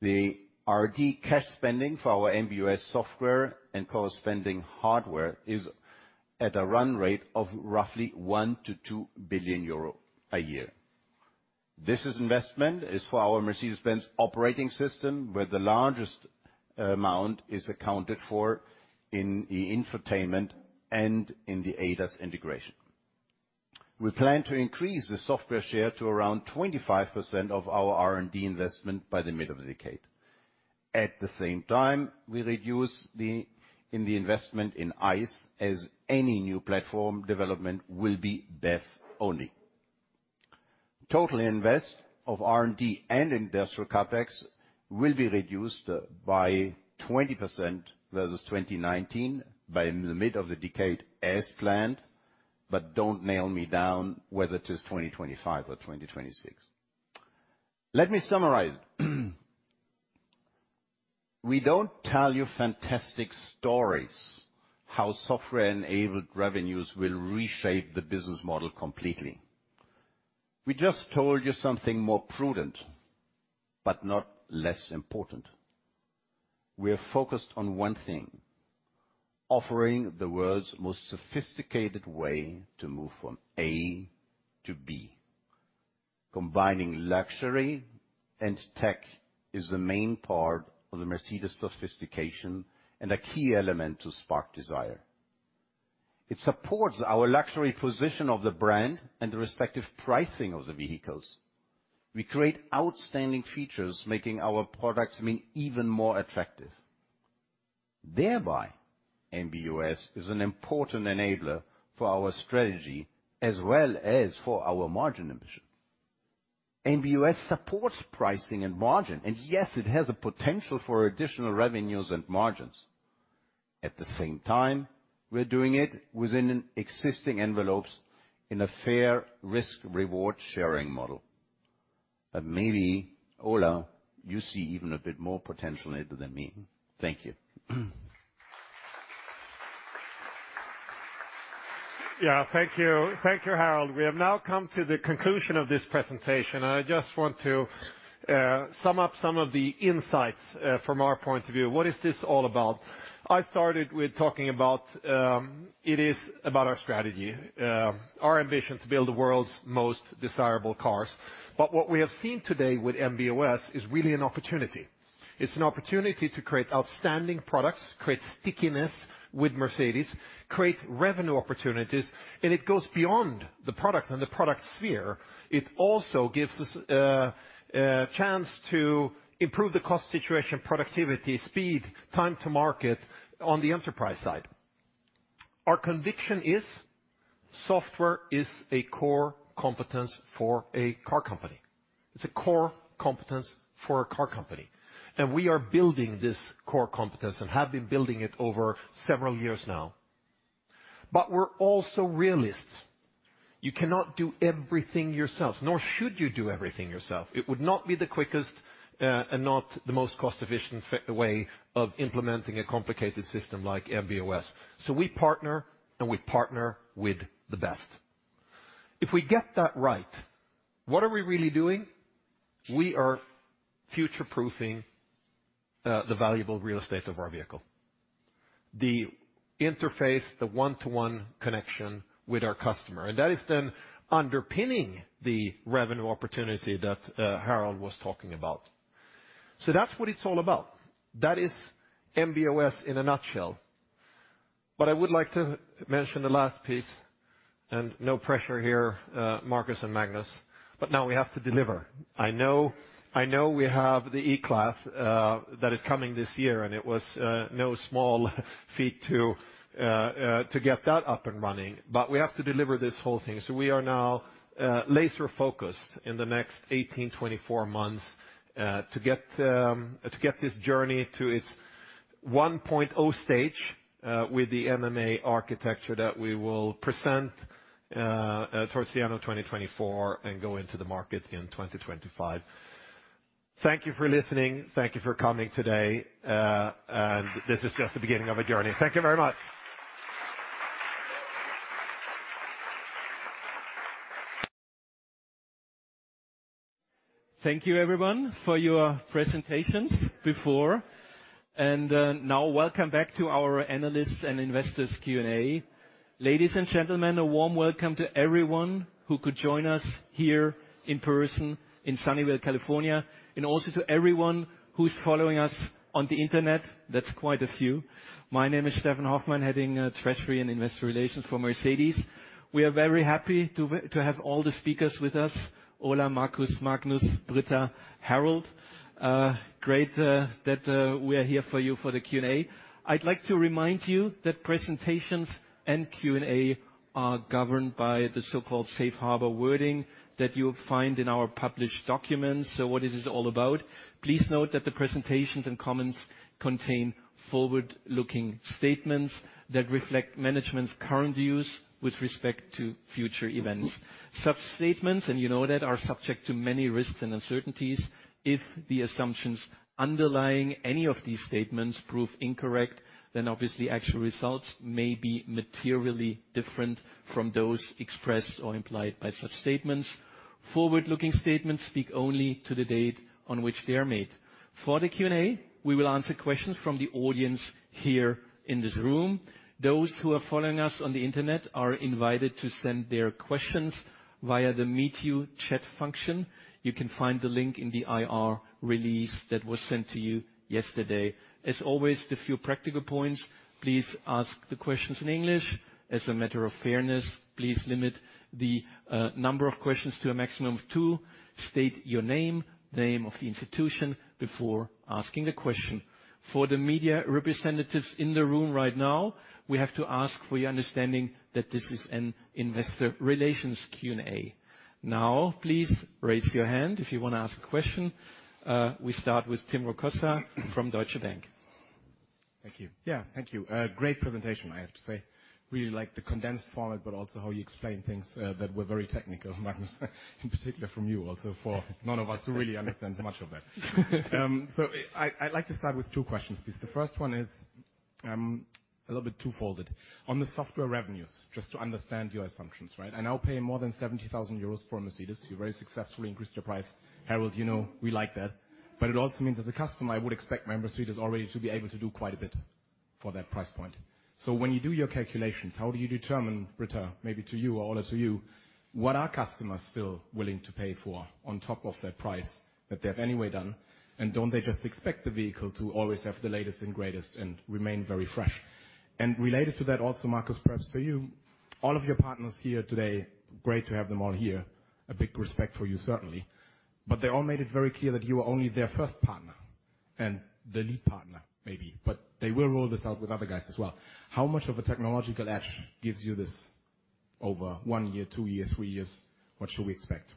The R&D cash spending for our MB.OS software and corresponding hardware is at a run rate of roughly 1 billion-2 billion euro a year. This investment is for our Mercedes-Benz Operating System, where the largest amount is accounted for in the infotainment and in the ADAS integration. We plan to increase the software share to around 25% of our R&D investment by the mid of the decade. At the same time, we reduce the investment in ICE as any new platform development will be BEV only. Total invest of R&D and industrial CapEx will be reduced by 20% versus 2019 by the mid of the decade as planned. Don't nail me down whether it is 2025 or 2026. Let me summarize. We don't tell you fantastic stories how software-enabled revenues will reshape the business model completely. We just told you something more prudent, but not less important. We are focused on one thing, offering the world's most sophisticated way to move from A to B. Combining luxury and tech is the main part of the Mercedes sophistication and a key element to spark desire. It supports our luxury position of the brand and the respective pricing of the vehicles. We create outstanding features, making our products be even more attractive. Thereby, MB.OS is an important enabler for our strategy as well as for our margin ambition. MB.OS supports pricing and margin, and yes, it has a potential for additional revenues and margins. At the same time, we're doing it within an existing envelopes in a fair risk-reward sharing model. Maybe, Ola, you see even a bit more potential in it than me. Thank you. Thank you. Thank you, Harald. We have now come to the conclusion of this presentation, and I just want to sum up some of the insights from our point of view. What is this all about? I started with talking about, it is about our strategy, our ambition to build the world's most desirable cars. What we have seen today with MB.OS is really an opportunity. It's an opportunity to create outstanding products, create stickiness with Mercedes, create revenue opportunities, and it goes beyond the product and the product sphere. It also gives us a chance to improve the cost situation, productivity, speed, time to market on the enterprise side. Our conviction is software is a core competence for a car company. It's a core competence for a car company. We are building this core competence and have been building it over several years now. We're also realists. You cannot do everything yourself, nor should you do everything yourself. It would not be the quickest and not the most cost-efficient way of implementing a complicated system like MB.OS. We partner, and we partner with the best. If we get that right, what are we really doing? We are future-proofing the valuable real estate of our vehicle. The interface, the one-to-one connection with our customer, and that is then underpinning the revenue opportunity that Harald was talking about. That's what it's all about. That is MB.OS in a nutshell. I would like to mention the last piece, and no pressure here, Markus Schäfer and Magnus, but now we have to deliver. I know, I know we have the E-Class that is coming this year. It was no small feat to get that up and running. We have to deliver this whole thing. We are now laser-focused in the next 18, 24 months to get this journey to its 1.0 stage with the MMA architecture that we will present towards the end of 2024, go into the market in 2025. Thank you for listening. Thank you for coming today. This is just the beginning of a journey. Thank you very much. Thank you everyone for your presentations before. Now welcome back to our analysts' and investors' Q&A. Ladies and gentlemen, a warm welcome to everyone who could join us here in person in Sunnyvale, California, and also to everyone who's following us on the Internet. That's quite a few. My name is Steffen Hoffmann, heading treasury and investor relations for Mercedes. We are very happy to have all the speakers with us, Ola, Markus, Magnus, Britta, Harald. Great that we are here for you for the Q&A. I'd like to remind you that presentations and Q&A are governed by the so-called safe harbor wording that you'll find in our published documents. What is this all about? Please note that the presentations and comments contain forward-looking statements that reflect management's current views with respect to future events. Such statements, and you know that, are subject to many risks and uncertainties. If the assumptions underlying any of these statements prove incorrect, obviously actual results may be materially different from those expressed or implied by such statements. Forward-looking statements speak only to the date on which they are made. For the Q&A, we will answer questions from the audience here in this room. Those who are following us on the internet are invited to send their questions via the MEETYOO chat function. You can find the link in the IR release that was sent to you yesterday. Always, a few practical points. Please ask the questions in English. A matter of fairness, please limit the number of questions to a maximum of two. State your name of the institution, before asking the question. For the media representatives in the room right now, we have to ask for your understanding that this is an investor relations Q&A. Now, please raise your hand if you wanna ask a question. We start with Tim Rokossa from Deutsche Bank. Thank you. Yeah, thank you. Great presentation, I have to say. Really like the condensed format, but also how you explain things that were very technical, Magnus, in particular from you also, for none of us who really understands much of that. I'd like to start with two questions, please. The first one is a little bit twofolded. On the software revenues, just to understand your assumptions, right? I now pay more than 70,000 euros for a Mercedes. You very successfully increased your price. Harald, you know we like that. It also means as a customer, I would expect my Mercedes already to be able to do quite a bit. For that price point. When you do your calculations, how do you determine, Britta, maybe to you or Ola to you, what are customers still willing to pay for on top of their price that they have anyway done, and don't they just expect the vehicle to always have the latest and greatest and remain very fresh? Related to that also, Markus, perhaps for you, all of your partners here today, great to have them all here. A big respect for you, certainly. They all made it very clear that you are only their first partner and the lead partner maybe, but they will roll this out with other guys as well. How much of a technological edge gives you this over one year, two year, three years? What should we expect?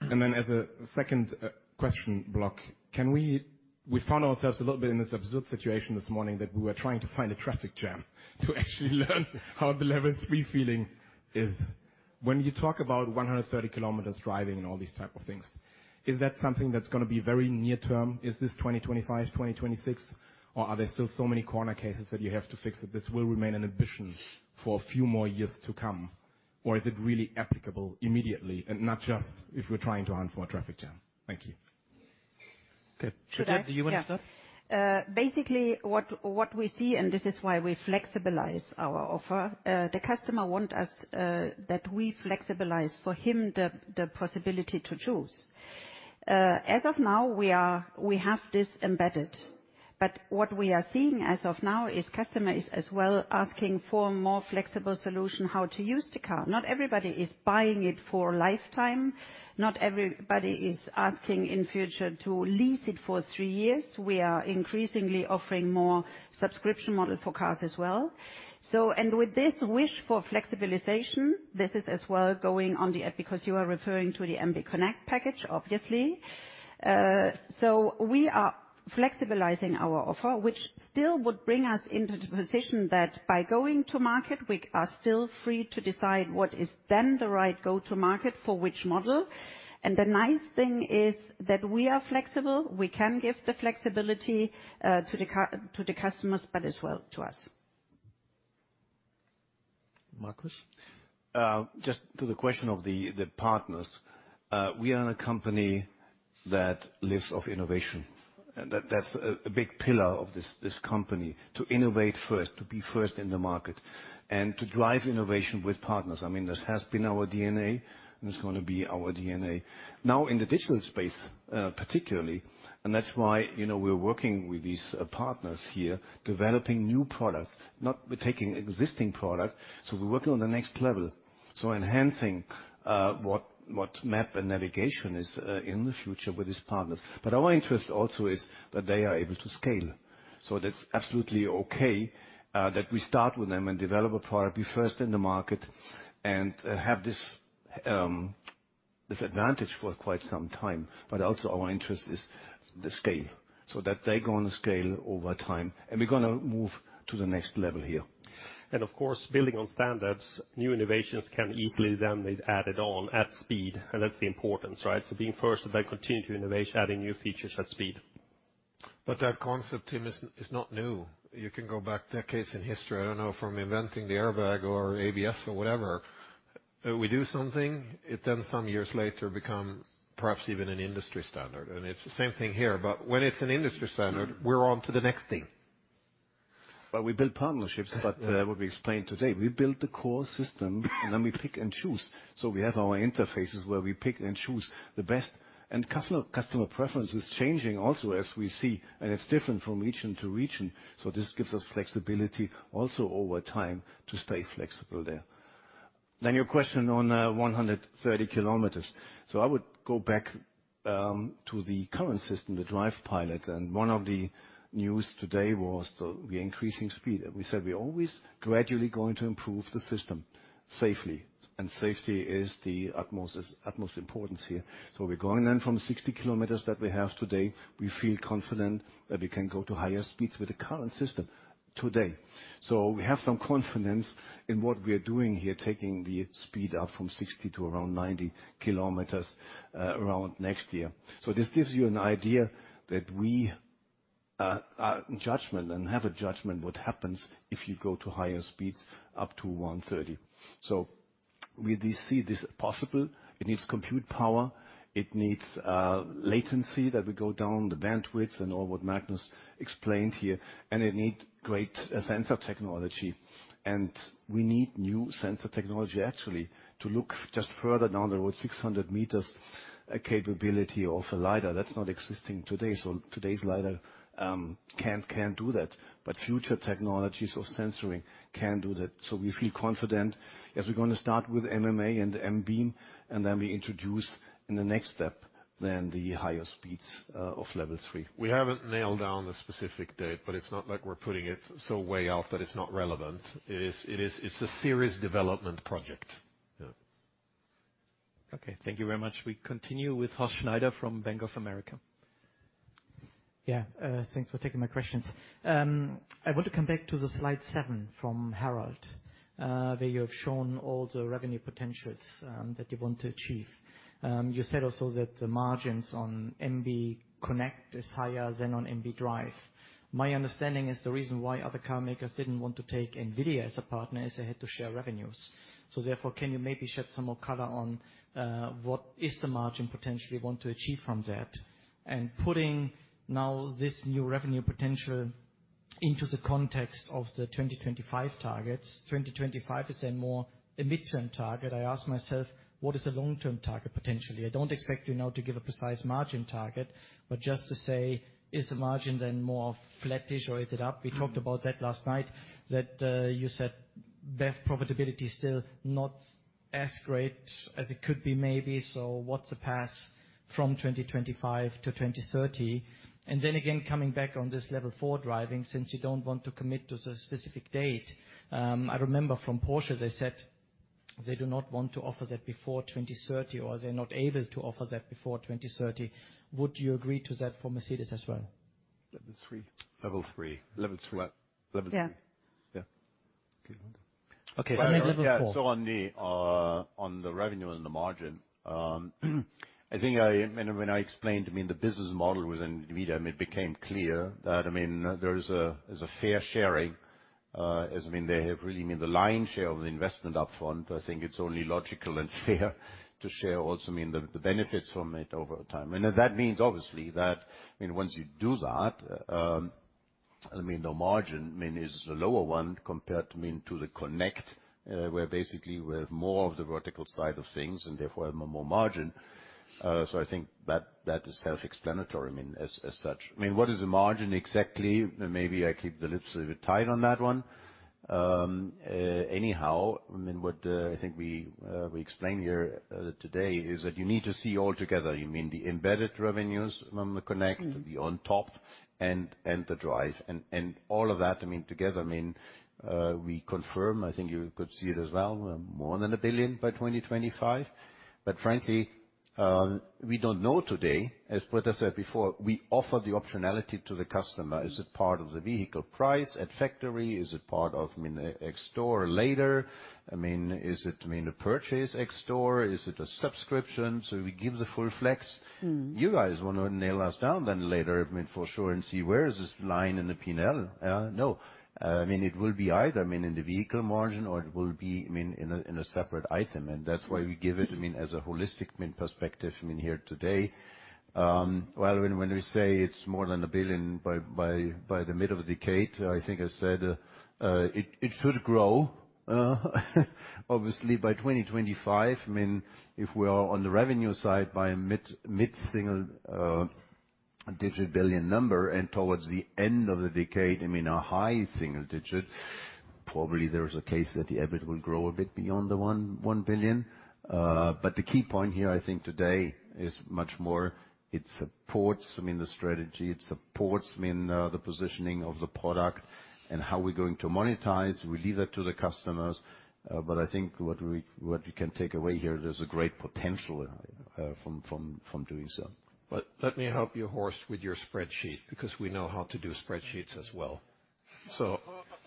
Then as a second question block, can we. We found ourselves a little bit in this absurd situation this morning that we were trying to find a traffic jam to actually learn how the Level 3 feeling is. When you talk about 130 km driving and all these type of things, is that something that's gonna be very near term? Is this 2025, 2026, or are there still so many corner cases that you have to fix that this will remain an ambition for a few more years to come? Is it really applicable immediately and not just if we're trying to hunt for a traffic jam? Thank you. Okay. Britta, do you wanna start? Yeah. Basically what we see, and this is why we flexibilize our offer, the customer want us that we flexibilize for him the possibility to choose. As of now, we have this embedded, but what we are seeing as of now is customers as well asking for more flexible solution how to use the car. Not everybody is buying it for lifetime. Not everybody is asking in future to lease it for three years. We are increasingly offering more subscription model for cars as well. With this wish for flexibilization, this is as well going on the because you are referring to the MB.CONNECT package, obviously. We are flexibilizing our offer, which still would bring us into the position that by going to market, we are still free to decide what is then the right go-to market for which model. The nice thing is that we are flexible. We can give the flexibility to the customers, but as well to us. Markus? Just to the question of the partners. We are in a company that lives of innovation. That's a big pillar of this company, to innovate first, to be first in the market, and to drive innovation with partners. I mean, this has been our DNA, and it's gonna be our DNA. Now in the digital space, particularly, and that's why, you know, we're working with these partners here, developing new products. Not taking existing product. We're working on the next level. Enhancing what map and navigation is in the future with these partners. Our interest also is that they are able to scale. That's absolutely okay that we start with them and develop a product, be first in the market, and have this advantage for quite some time. Also our interest is the scale, so that they go on the scale over time. We're gonna move to the next level here. Of course, building on standards, new innovations can easily then be added on at speed. That's the importance, right? Being first, they continue to innovate, adding new features at speed. That concept, Tim, is not new. You can go back decades in history, I don't know, from inventing the airbag or ABS or whatever. We do something, it then some years later become perhaps even an industry standard. It's the same thing here. When it's an industry standard, we're on to the next thing. We build partnerships that will be explained today. We build the core system, and then we pick and choose. We have our interfaces where we pick and choose the best. Customer preference is changing also as we see, and it's different from region to region. This gives us flexibility also over time to stay flexible there. Your question on 130 km. I would go back to the current system, the DRIVE PILOT, and one of the news today was the increasing speed. We said we're always gradually going to improve the system safely, and safety is utmost importance here. We're going in from 60 km that we have today. We feel confident that we can go to higher speeds with the current system today. We have some confidence in what we are doing here, taking the speed up from 60 to around 90 km, around next year. This gives you an idea that we judgment and have a judgment what happens if you go to higher speeds up to 130. We do see this possible. It needs compute power. It needs latency that will go down, the bandwidths and all what Magnus explained here. It need great sensor technology. We need new sensor technology actually to look just further down the road, 600 m, a capability of a LiDAR. That's not existing today. Today's LiDAR can't do that. Future technologies of sensoring can do that. We feel confident as we're gonna start with MMA and MB, and then we introduce in the next step then the higher speeds of Level 3. We haven't nailed down a specific date, but it's not like we're putting it so way out that it's not relevant. It is, it's a serious development project. Yeah. Okay. Thank you very much. We continue with Horst Schneider from Bank of America. Yeah. Thanks for taking my questions. I want to come back to the slide seven from Harald, where you have shown all the revenue potentials that you want to achieve. You said also that the margins on MB.CONNECT is higher than on MB.DRIVE. My understanding is the reason why other car makers didn't want to take NVIDIA as a partner is they had to share revenues. Therefore, can you maybe shed some more color on what is the margin potential you want to achieve from that? Putting now this new revenue potential into the context of the 2025 targets. 2025 is more a midterm target. I ask myself, what is the long-term target, potentially? I don't expect you now to give a precise margin target, but just to say, is the margin then more flattish or is it up? We talked about that last night, that you said that profitability is still not as great as it could be, maybe. What's the path from 2025 to 2030? Then again, coming back on this Level 4 driving, since you don't want to commit to a specific date. I remember from Porsche, they said they do not want to offer that before 2030 or they're not able to offer that before 2030. Would you agree to that for Mercedes as well? Level 3. Level 3. Level 3. What? Level 3. Yeah. Yeah. Okay. Okay. Level 4. On the revenue and the margin, when I explained to me the business model within the media, it became clear that, I mean, there is a, there's a fair sharing, as I mean they have really made the lion's share of the investment up front. I think it's only logical and fair to share also, I mean, the benefits from it over time. That means obviously that, I mean, once you do that, I mean, the margin, I mean, is a lower one compared, I mean, to the Connect, where basically we have more of the vertical side of things and therefore have more margin. I think that is self-explanatory, I mean, as such. I mean, what is the margin exactly? Maybe I keep the lips a bit tight on that one. Anyhow, I mean, what I think we explained here today is that you need to see all together. You mean the embedded revenues from the Connect? Mm-hmm. The on top and the Drive and all of that, I mean, together, I mean, we confirm, I think you could see it as well, more than 1 billion by 2025. Frankly, we don't know today. As Peter said before, we offer the optionality to the customer. Is it part of the vehicle price at factory? Is it part of, I mean, a store later? I mean, is it, I mean, a purchase ex store? Is it a subscription? We give the full flex. Mm-hmm. You guys wanna nail us down then later, I mean, for sure, and see where is this line in the P&L. No. I mean, it will be either, I mean, in the vehicle margin or it will be, I mean, in a separate item. That's why we give it, I mean, as a holistic main perspective I mean here today. Well, when we say it's more than 1 billion by the middle of the decade, I think I said, it should grow, obviously, by 2025. I mean, if we are on the revenue side by mid-single-digit billion number, towards the end of the decade, a high single-digit EUR billion number, probably there's a case that the EBIT will grow a bit beyond the 1 billion. The key point here, I think today is much more it supports, I mean, the strategy. It supports, I mean, the positioning of the product and how we're going to monetize. We leave that to the customers. I think what we, what you can take away here, there's a great potential from doing so. Let me help you, Horst, with your spreadsheet, because we know how to do spreadsheets as well.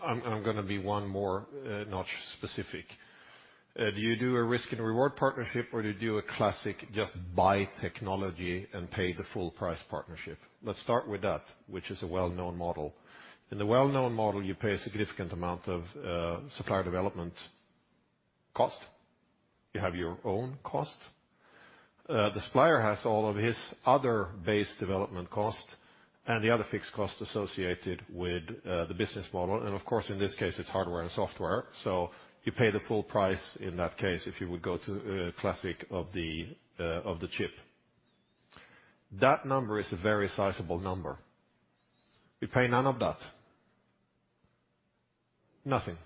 I'm gonna be one more notch specific. Do you do a risk and reward partnership, or do you do a classic just buy technology and pay the full price partnership? Let's start with that, which is a well-known model. In the well-known model, you pay a significant amount of supplier development cost. You have your own cost. The supplier has all of his other base development cost and the other fixed cost associated with the business model. Of course, in this case, it's hardware and software. You pay the full price in that case, if you would go to classic of the chip. That number is a very sizable number. We pay none of that. Nothing.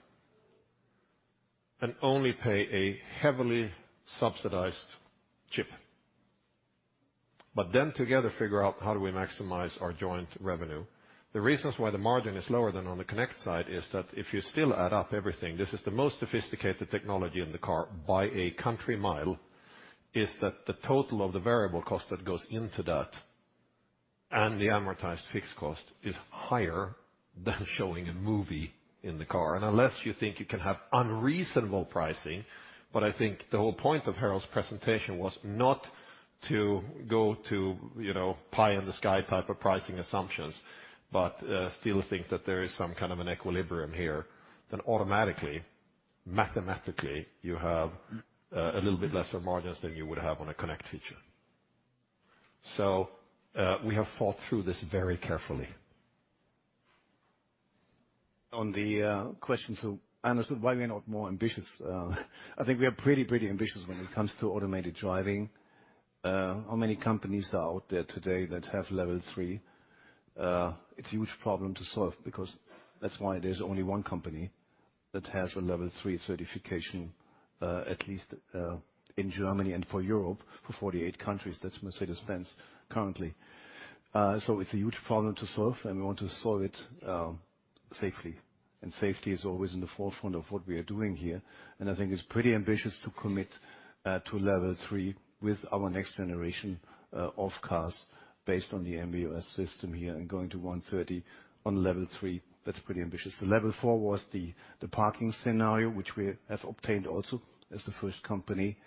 Only pay a heavily subsidized chip. Together figure out how do we maximize our joint revenue. The reasons why the margin is lower than on the Connect side is that if you still add up everything, this is the most sophisticated technology in the car by a country mile, is that the total of the variable cost that goes into that and the amortized fixed cost is higher than showing a movie in the car. Unless you think you can have unreasonable pricing, but I think the whole point of Harald's presentation was not to go to, you know, pie in the sky type of pricing assumptions, but still think that there is some kind of an equilibrium here, then automatically, mathematically, you have. Mm. A little bit lesser margins than you would have on a Connect feature. We have thought through this very carefully. On the question, I understood why we are not more ambitious. I think we are pretty ambitious when it comes to automated driving. How many companies are out there today that have Level 3? It's a huge problem to solve because that's why there's only one company that has a Level 3 certification, at least, in Germany and for Europe, for 48 countries, that's Mercedes-Benz currently. It's a huge problem to solve, and we want to solve it safely. Safety is always in the forefront of what we are doing here. I think it's pretty ambitious to commit to level three with our next generation of cars based on the MB.OS system here and going to 130 on Level 3. That's pretty ambitious. The Level 4 was the parking scenario, which we have obtained also as the first company,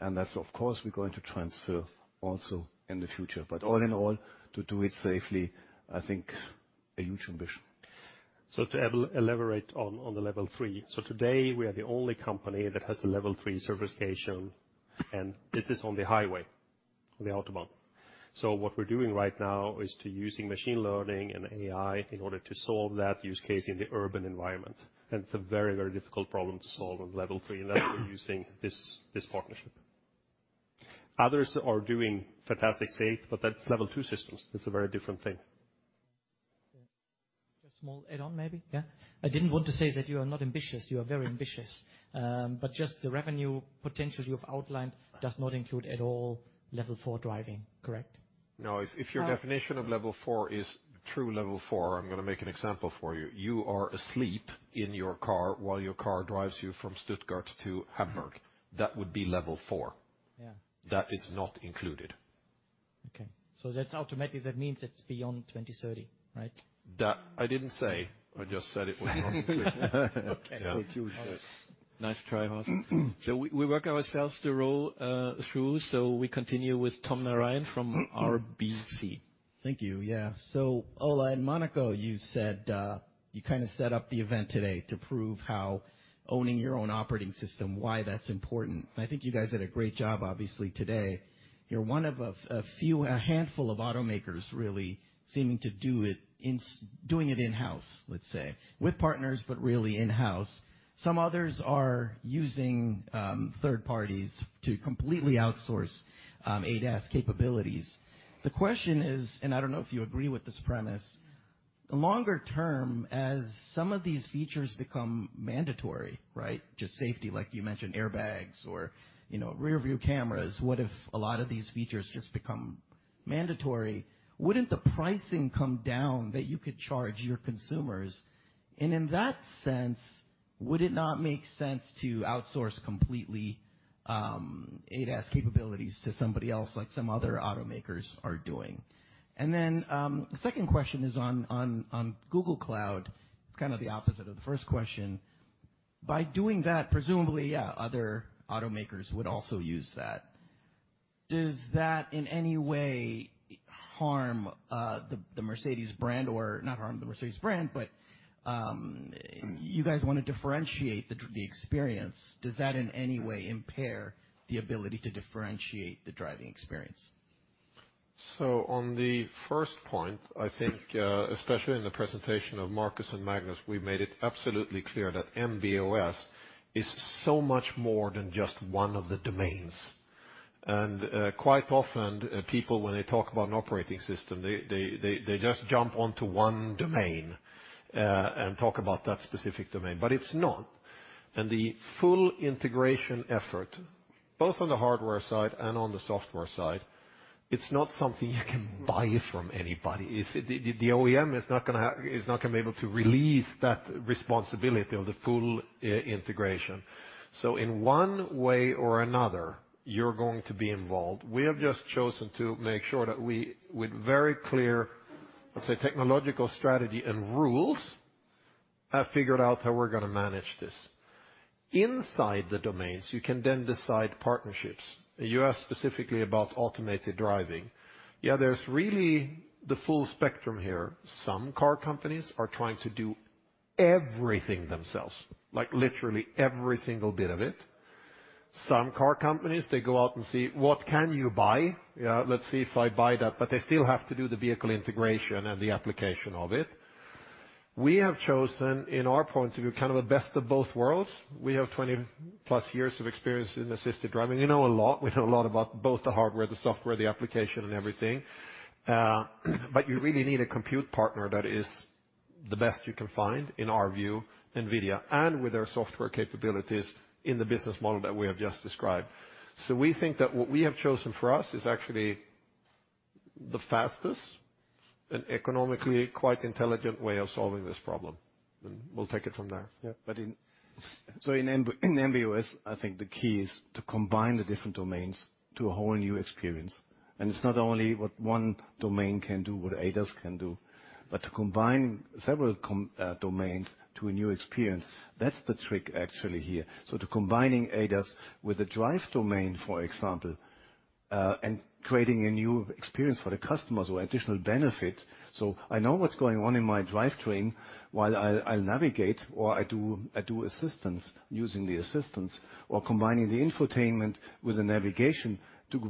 and that, of course, we're going to transfer also in the future. All in all, to do it safely, I think a huge ambition. To elaborate on the Level 3. Today, we are the only company that has a Level 3 certification, and this is on the highway. On the autobahn. What we're doing right now is to using machine learning and AI in order to solve that use case in the urban environment. It's a very, very difficult problem to solve on level three. That's why we're using this partnership. Others are doing fantastic safe, but that's level two systems. That's a very different thing. Just small add on, maybe. Yeah, I didn't want to say that you are not ambitious. You are very ambitious. Just the revenue potential you have outlined does not include at all Level 4 driving, correct? No. If your definition of Level 4 is true Level 4, I'm gonna make an example for you. You are asleep in your car while your car drives you from Stuttgart to Hamburg. That would be Level 4. Yeah. That is not included. That's automated. That means it's beyond 2030, right? That I didn't say. I just said it was not included. Nice try, Horst. We work ourselves to roll through, so we continue with Tom Narayan from RBC. Thank you. Yeah. Ola, in Monaco you said, you kind of set up the event today to prove how owning your own operating system, why that's important. I think you guys did a great job, obviously, today. You're one of a few, a handful of automakers really seeming to do it in-house, let's say, with partners, but really in-house. Some others are using third parties to completely outsource ADAS capabilities. The question is, I don't know if you agree with this premise, longer term, as some of these features become mandatory, right? Just safety, like you mentioned, airbags or, you know, rear view cameras. What if a lot of these features just become mandatory? Wouldn't the pricing come down that you could charge your consumers? In that sense, would it not make sense to outsource completely ADAS capabilities to somebody else, like some other automakers are doing? Then, the second question is on Google Cloud. It's kind of the opposite of the first question. By doing that, presumably, yeah, other automakers would also use that. Does that in any way harm the Mercedes brand or not harm the Mercedes brand, but you guys wanna differentiate the experience? Does that in any way impair the ability to differentiate the driving experience? On the first point, I think, especially in the presentation of Markus Schäfer and Magnus, we made it absolutely clear that MB.OS is so much more than just one of the domains. Quite often, people, when they talk about an operating system, they just jump onto one domain and talk about that specific domain, but it's not. The full integration effort, both on the hardware side and on the software side, it's not something you can buy from anybody. The OEM is not gonna be able to release that responsibility of the full integration. In one way or another, you're going to be involved. We have just chosen to make sure that we with very clear, let's say, technological strategy and rules, have figured out how we're gonna manage this. Inside the domains, you can then decide partnerships. You asked specifically about automated driving. There's really the full spectrum here. Some car companies are trying to do everything themselves, like literally every single bit of it. Some car companies, they go out and see, what can you buy? Let's see if I buy that. They still have to do the vehicle integration and the application of it. We have chosen, in our point of view, kind of a best of both worlds. We have 20+ years of experience in assisted driving. We know a lot. We know a lot about both the hardware, the software, the application and everything. You really need a compute partner that is the best you can find, in our view, NVIDIA, and with their software capabilities in the business model that we have just described. We think that what we have chosen for us is actually the fastest and economically quite intelligent way of solving this problem. We'll take it from there. In MB.OS, I think the key is to combine the different domains to a whole new experience. It's not only what one domain can do, what ADAS can do, but to combine several domains to a new experience, that's the trick actually here. To combining ADAS with a drive domain, for example, and creating a new experience for the customers or additional benefit. I know what's going on in my drivetrain while I'll navigate or I do assistance using the assistance or combining the infotainment with the navigation to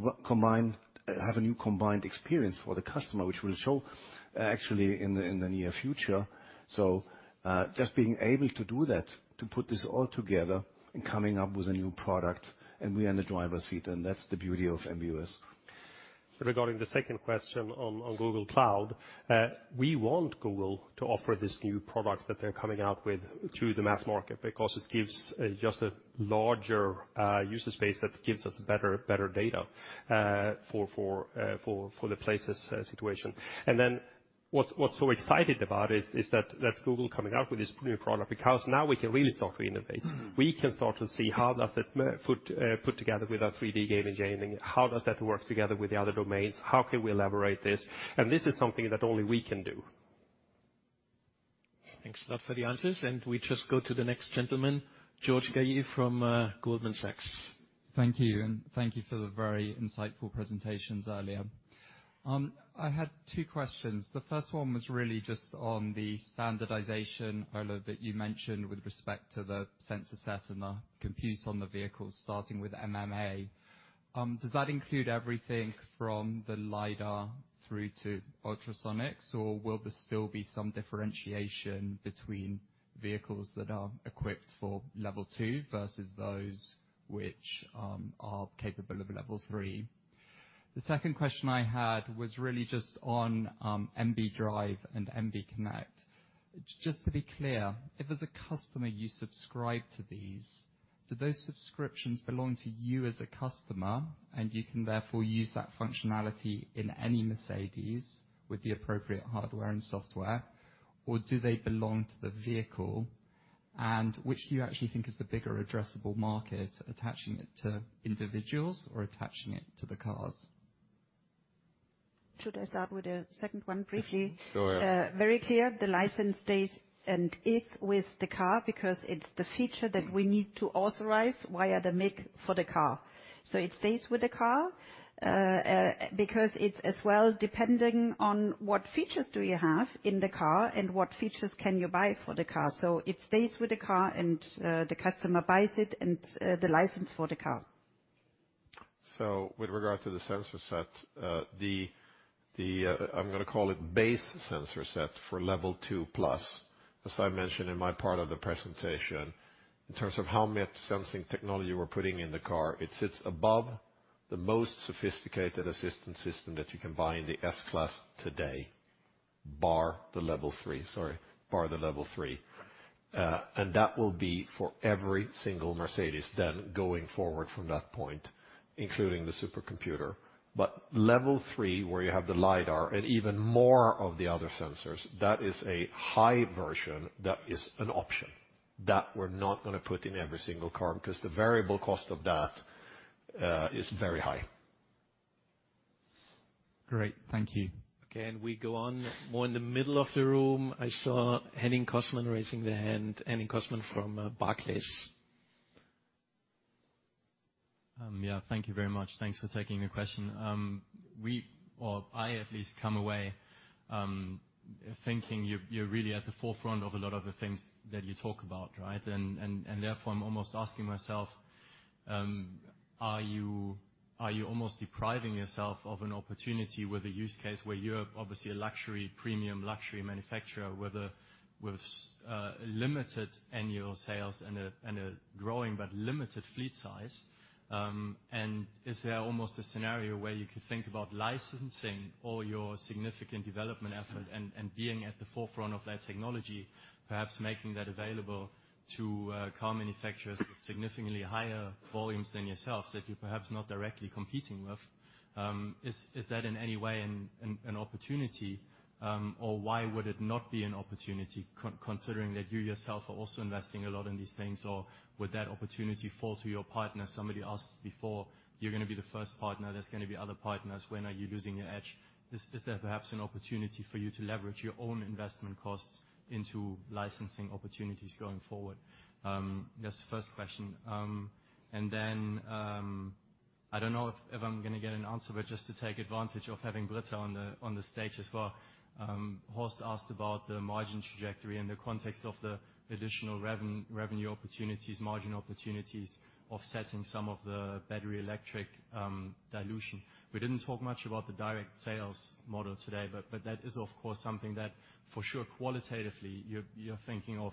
have a new combined experience for the customer, which we'll show actually in the near future. Just being able to do that, to put this all together and coming up with a new product, and we are in the driver's seat, and that's the beauty of MB.OS. Regarding the second question on Google Cloud, we want Google to offer this new product that they're coming out with to the mass market, because this gives just a larger user space that gives us better data for the Places situation. What's so exciting about is that Google coming out with this new product, because now we can really start to innovate. We can start to see how does it put together with our 3D game engine? How does that work together with the other domains? How can we elaborate this? This is something that only we can do. Thanks a lot for the answers, and we just go to the next gentleman, George Galliers from Goldman Sachs. Thank you. Thank you for the very insightful presentations earlier. I had two questions. The first one was really just on the standardization, Ola, that you mentioned with respect to the sensor set and the compute on the vehicle, starting with MMA. Does that include everything from the LiDAR through to ultrasonics, or will there still be some differentiation between vehicles that are equipped for Level 2 versus those which are capable of Level 3? The second question I had was really just on MB.DRIVE and MB.CONNECT. Just to be clear, if, as a customer, you subscribe to these, do those subscriptions belong to you as a customer, and you can therefore use that functionality in any Mercedes-Benz with the appropriate hardware and software, or do they belong to the vehicle? Which do you actually think is the bigger addressable market, attaching it to individuals or attaching it to the cars? Should I start with the second one briefly? Go ahead. Very clear. The license stays and is with the car because it's the feature that we need to authorize via the MIC for the car. It stays with the car, because it's as well depending on what features do you have in the car and what features can you buy for the car. It stays with the car, and the customer buys it and the license for the car. With regard to the sensor set, I'm gonna call it base sensor set for Level 2+, as I mentioned in my part of the presentation, in terms of how much sensing technology we're putting in the car, it sits above the most sophisticated assistant system that you can buy in the S-Class today, bar the Level 3. Sorry, bar the Level 3. That will be for every single Mercedes then going forward from that point, including the supercomputer. Level 3, where you have the LiDAR and even more of the other sensors, that is a high version that is an option that we're not gonna put in every single car, because the variable cost of that is very high. Great. Thank you. Okay, we go on. More in the middle of the room, I saw Henning Cosman raising their hand. Henning Cosman from Barclays. Yeah. Thank you very much. Thanks for taking the question. We or I at least come away, thinking you're really at the forefront of a lot of the things that you talk about, right? Therefore I'm almost asking myself, are you almost depriving yourself of an opportunity with a use case where you're obviously a luxury, premium luxury manufacturer with a with limited annual sales and a growing but limited fleet size? Is there almost a scenario where you could think about licensing all your significant development effort and being at the forefront of that technology, perhaps making that available to car manufacturers with significantly higher volumes than yourselves that you're perhaps not directly competing with? Is that in any way an opportunity, or why would it not be an opportunity considering that you yourself are also investing a lot in these things, or would that opportunity fall to your partner? Somebody asked before, you're gonna be the first partner. There's gonna be other partners. When are you losing your edge? Is there perhaps an opportunity for you to leverage your own investment costs into licensing opportunities going forward? That's the first question. I don't know if I'm gonna get an answer, but just to take advantage of having Britta on the stage as well. Horst asked about the margin trajectory in the context of the additional revenue opportunities, margin opportunities, offsetting some of the battery electric dilution. We didn't talk much about thedirect sales model today, but that is of course something that for sure qualitatively you're thinking of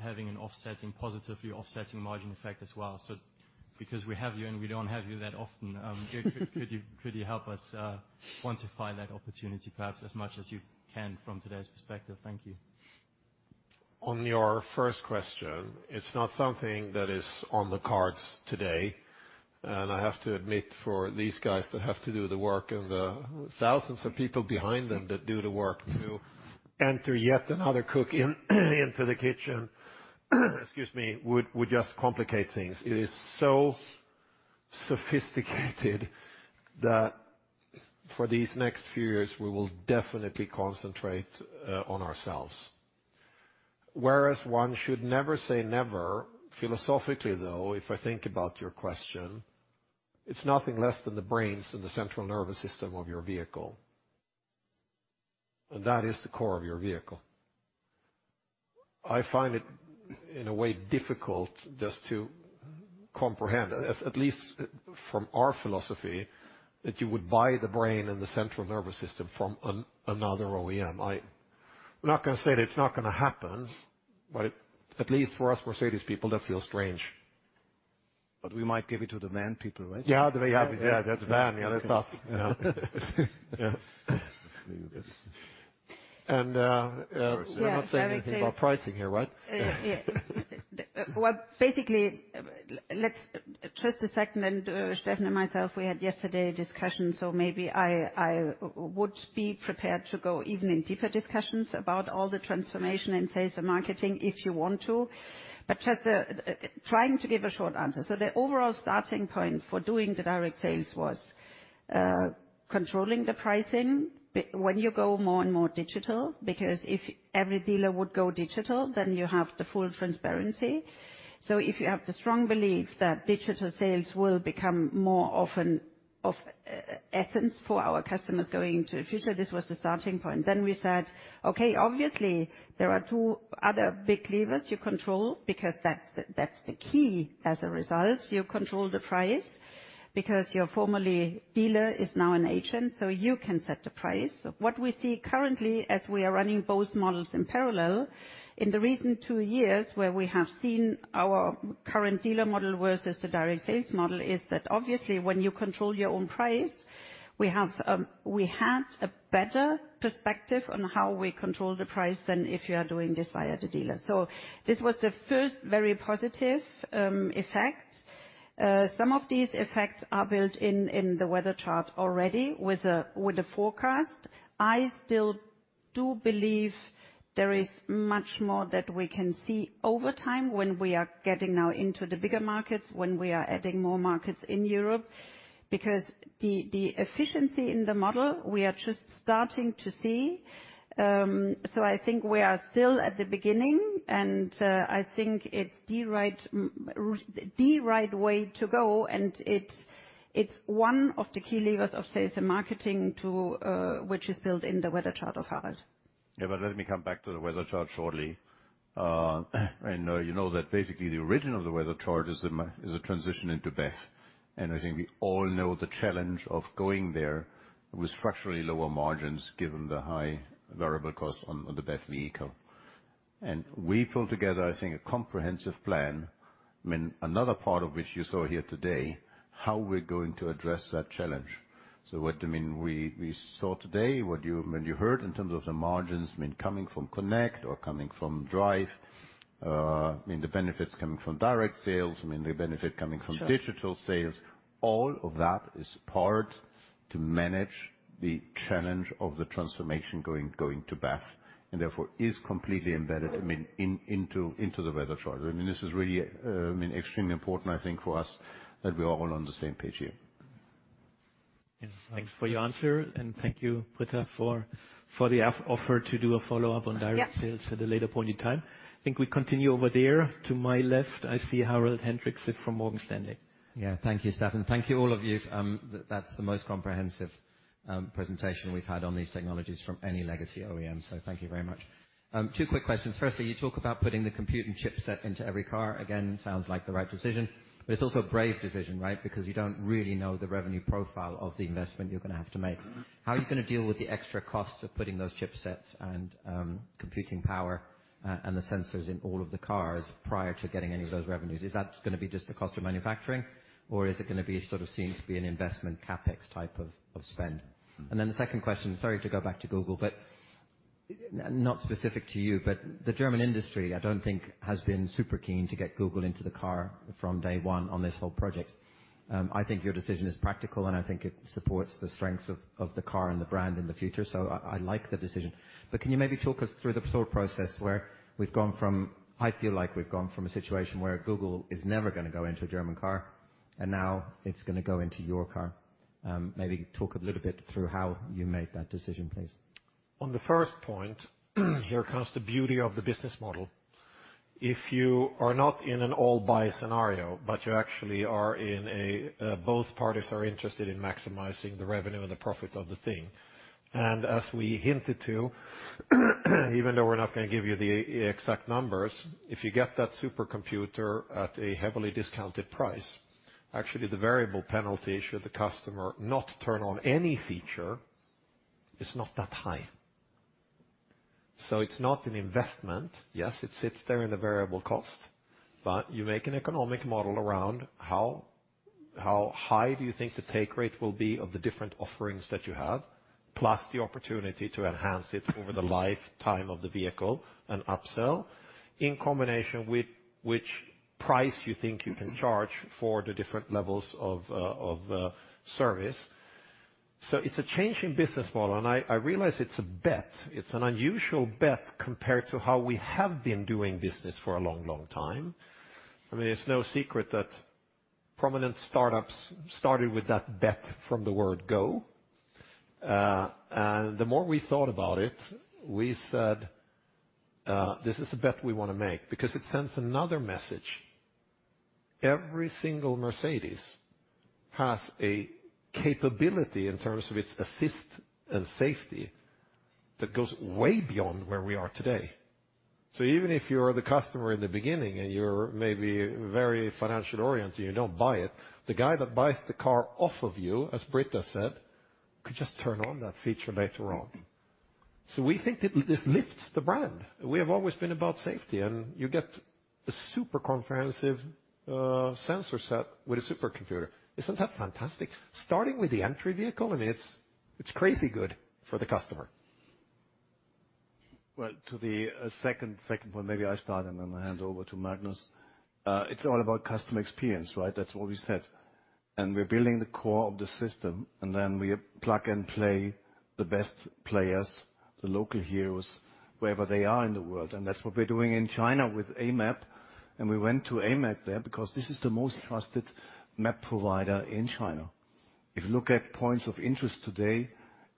having an offsetting, positively offsetting margin effect as well. Because we have you and we don't have you that often, could you help us quantify that opportunity perhaps as much as you can from today's p erspective? Thank you. On your first question, it's not something that is on the cards today. I have to admit for these guys that have to do the work and the thousands of people behind them that do the work to enter yet another cookie into the kitchen, excuse me, would just complicate things. It is so sophisticated that for these next few years, we will definitely concentrate on ourselves. Whereas one should never say never, philosophically, though, if I think about your question, it's nothing less than the brains and the central nervous system of your vehicle. That is the core of your vehicle. I find it in a way difficult just to comprehend, at least from our philosophy, that you would buy the brain and the central nervous system from another OEM. I'm not gonna say that it's not gonna happen, but at least for us Mercedes people, that feels strange. We might give it to the van people, right? Yeah, they have it. Yeah, that's van. Yeah, that's us, you know. Yes. Sorry. Yeah. We're not saying anything about pricing here, right? Yes. Well, basically, just a second, Steffen and myself, we had yesterday a discussion, maybe I would be prepared to go even in deeper discussions about all the transformation in sales and marketing if you want to. Just trying to give a short answer. The overall starting point for doing the direct sales was controlling the pricing when you go more and more digital, because if every dealer would go digital, then you have the full transparency. If you have the strong belief that di ogital sales will become more oftenOf, essence for our customers going into the future. This was the starting point. We said, "Okay, obviously, there are two other big levers you control, because that's the key as a result. You control the price because your formerly dealer is now an agent, you can set the price. What we see currently as we are running both models in parallel, in the recent two years where we have seen our current dealer model versus the direct sales model, is that obviously when you control your own price, we had a better perspective on how we control the price than if you are doing this via the dealer. This was the first very positive effect. Some of these effects are built in the weather chart already with the forecast. I still do believe there is much more that we can see over time when we are getting now into the bigger markets, when we are adding more markets in Europe. The, the efficiency in the model, we are just starting to see. I think we are still at the beginning, and I think it's the right way to go, and it's one of the key levers of sales and marketing to, which is built in the weather chart of Harald. Let me come back to the weather chart shortly. You know that basically the origin of the weather chart is a transition into BEV. I think we all know the challenge of going there with structurally lower margins given the high variable cost on the BEV vehicle. We pulled together, I think, a comprehensive plan, I mean, another part of which you saw here today, how we're going to address that challenge. What, I mean, we saw today, what you, I mean, you heard in terms of the margins, I mean, coming from Connect or coming from Drive, I mean, the benefits coming from direct sales, I mean, the benefit coming from- Sure. -digital sales. All of that is part to manage the challenge of the transformation going to BEV. Therefore is completely embedded, I mean, into the weather chart. I mean, this is really, I mean extremely important I think for us that we are all on the same page here. Yes. Thanks for your answer. Thank you, Britta, for the offer to do a follow-up on direct sales. Yes. At a later point in time. I think we continue over there. To my left, I see Harald Hendrikse from Morgan Stanley. Thank you, Steffen. Thank you all of you. That's the most comprehensive presentation we've had on these technologies from any legacy OEM. Thank you very much. Two quick questions. Firstly, you talk about putting the compute and chipset into every car. Again, sounds like the right decision, but it's also a brave decision, right? You don't really know the revenue profile of the investment you're gonna have to make. How are you gonna deal with the extra costs of putting those chipsets and computing power and the sensors in all of the cars prior to getting any of those revenues? Is that gonna be just the cost of manufacturing, or is it gonna be sort of seen to be an investment CapEx toneype of spend? The second question, sorry to go back to Google, but not specific to you, but the German industry, I don't think has been super keen to get Google into the car from day one on this whole project. I think your decision is practical, and I think it supports the strengths of the car and the brand in the future. I like the decision. Can you maybe talk us through the thought process where we've gone from, I feel like we've gone from a situation where Google is never gonna go into a German car, and now it's gonna go into your car. Maybe talk a little bit through how you made that decision, please. On the first point, here comes the beauty of the business model. If you are not in an all buy scenario, but you actually are in a, both parties are interested in maximizing the revenue and the profit of the thing. As we hinted to, even though we're not gonna give you the exact numbers, if you get that supercomputer at a heavily discounted price, actually the variable penalty should the customer not turn on any feature, is not that high. It's not an investment. Yes, it sits there in the variable cost, but you make an economic model around how high do you think the take rate will be of the different offerings that you have, plus the opportunity to enhance it over the lifetime of the vehicle and upsell, in combination with which price you think you can charge for the different levels of service. It's a change in business model, and I realize it's a bet. It's an unusual bet compared to how we have been doing business for a long, long time. I mean, it's no secret that prominent startups started with that bet from the word go. The more we thought about it, we said, "This is a bet we wanna make," because it sends another message. Every single Mercedes has a capability in terms of its assist and safety that goes way beyond where we are today. Even if you're the customer in the beginning and you're maybe very financial-oriented, you don't buy it, the guy that buys the car off of you, as Britta said, could just turn on that feature later on. We think that this lifts the brand. We have always been about safety, and you get a super comprehensive sensor set with a supercomputer. Isn't that fantastic? Starting with the entry vehicle, it's crazy good for the customer. Well, to the second point, maybe I start and then I hand over to Magnus. It's all about customer experience, right? That's what we said. We're building the core of the system, and then we plug and play the best players, the local heroes, wherever they are in the world. That's what we're doing in China with AMAP. We went to AMAP there because this is the most trusted map provider in China. If you look at points of interest today.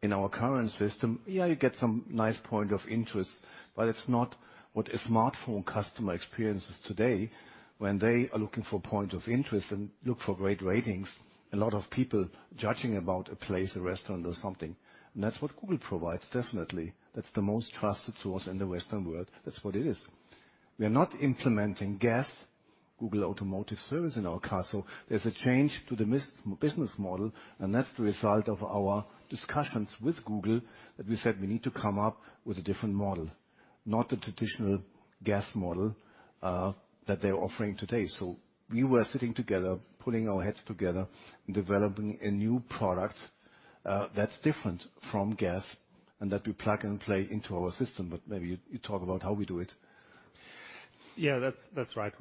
In our current system, yeah, you get some nice point of interest, but it's not what a smartphone customer experiences today when they are looking for point of interest and look for great ratings. A lot of people judging about a place, a restaurant, or something, and that's what Google provides, definitely. That's the most trusted source in the Western world. That's what it is. We are not implementing GAS, Google Automotive Services, in our car. There's a change to the business model, and that's the result of our discussions with Google, that we said we need to come up with a different model, not the traditional GAS model that they're offering today. We were sitting together, pulling our heads together and developing a new product that's different from GAS and that we plug and play into our system. Maybe you talk about how we do it? Yeah, that's right.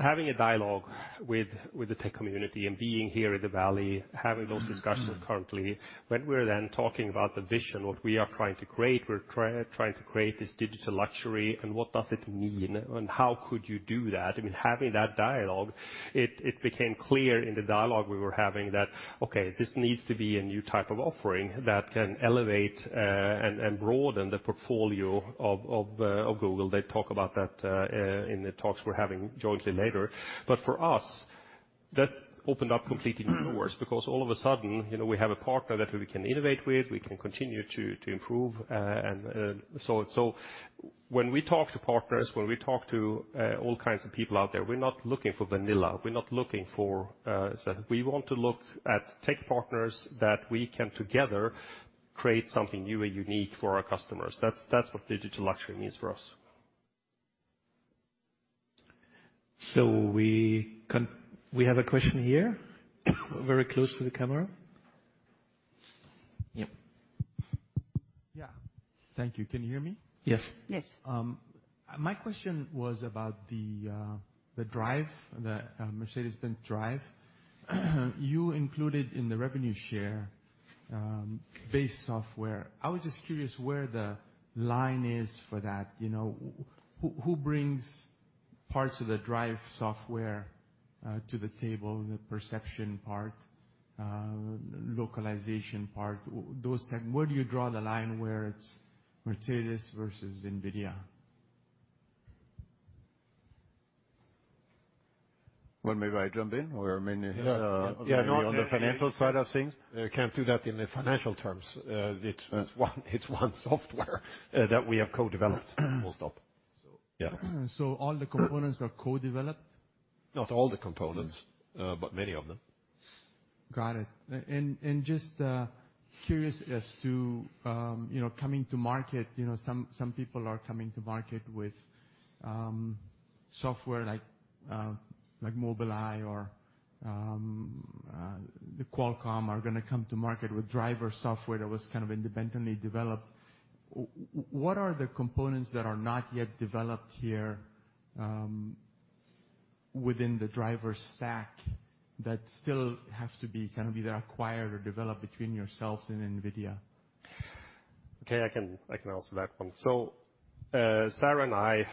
Having a dialogue with the tech community and being here in the Valley, having those discussions currently, when we're talking about the vision, what we are trying to create, we're trying to create this digital luxury and what does it mean and how could you do that? I mean, having that dialogue, it became clear in the dialogue we were having that, okay, this needs to be a new type of offering that can elevate and broaden the portfolio of Google. They talk about that in the talks we're having jointly later. For us, that opened up completely new doors, because all of a sudden, you know, we have a partner that we can innovate with, we can continue to improve. When we talk to partners, when we talk to all kinds of people out there, we're not looking for vanilla. We're not looking for. We want to look at tech partners that we can together create something new and unique for our customers. That's what digital luxury means for us. We have a question here, very close to the camera. Yep. Yeah. Thank you. Can you hear me? Yes. Yes. My question was about the Mercedes-Benz DRIVE. You included in the revenue share, base software. I was just curious where the line is for that. You know, who brings parts of the DRIVE software to the table, the perception part, localization part, those type. Where do you draw the line where it's Mercedes-Benz versus NVIDIA? Well, maybe I jump in. We are mainly- Yeah. No. On the financial side of things. You can't do that in the financial terms. It's one software that we have co-developed. Full stop. Yeah. All the components are co-developed? Not all the components, but many of them. Got it. Just, you know, coming to market, you know, some people are coming to market with software like Mobileye or, Qualcomm are gonna come to market with driver software that was kind of independently developed. What are the components that are not yet developed here, within the driver stack that still have to be kind of either acquired or developed between yourselves and NVIDIA? Okay, I can answer that one. Sarah and I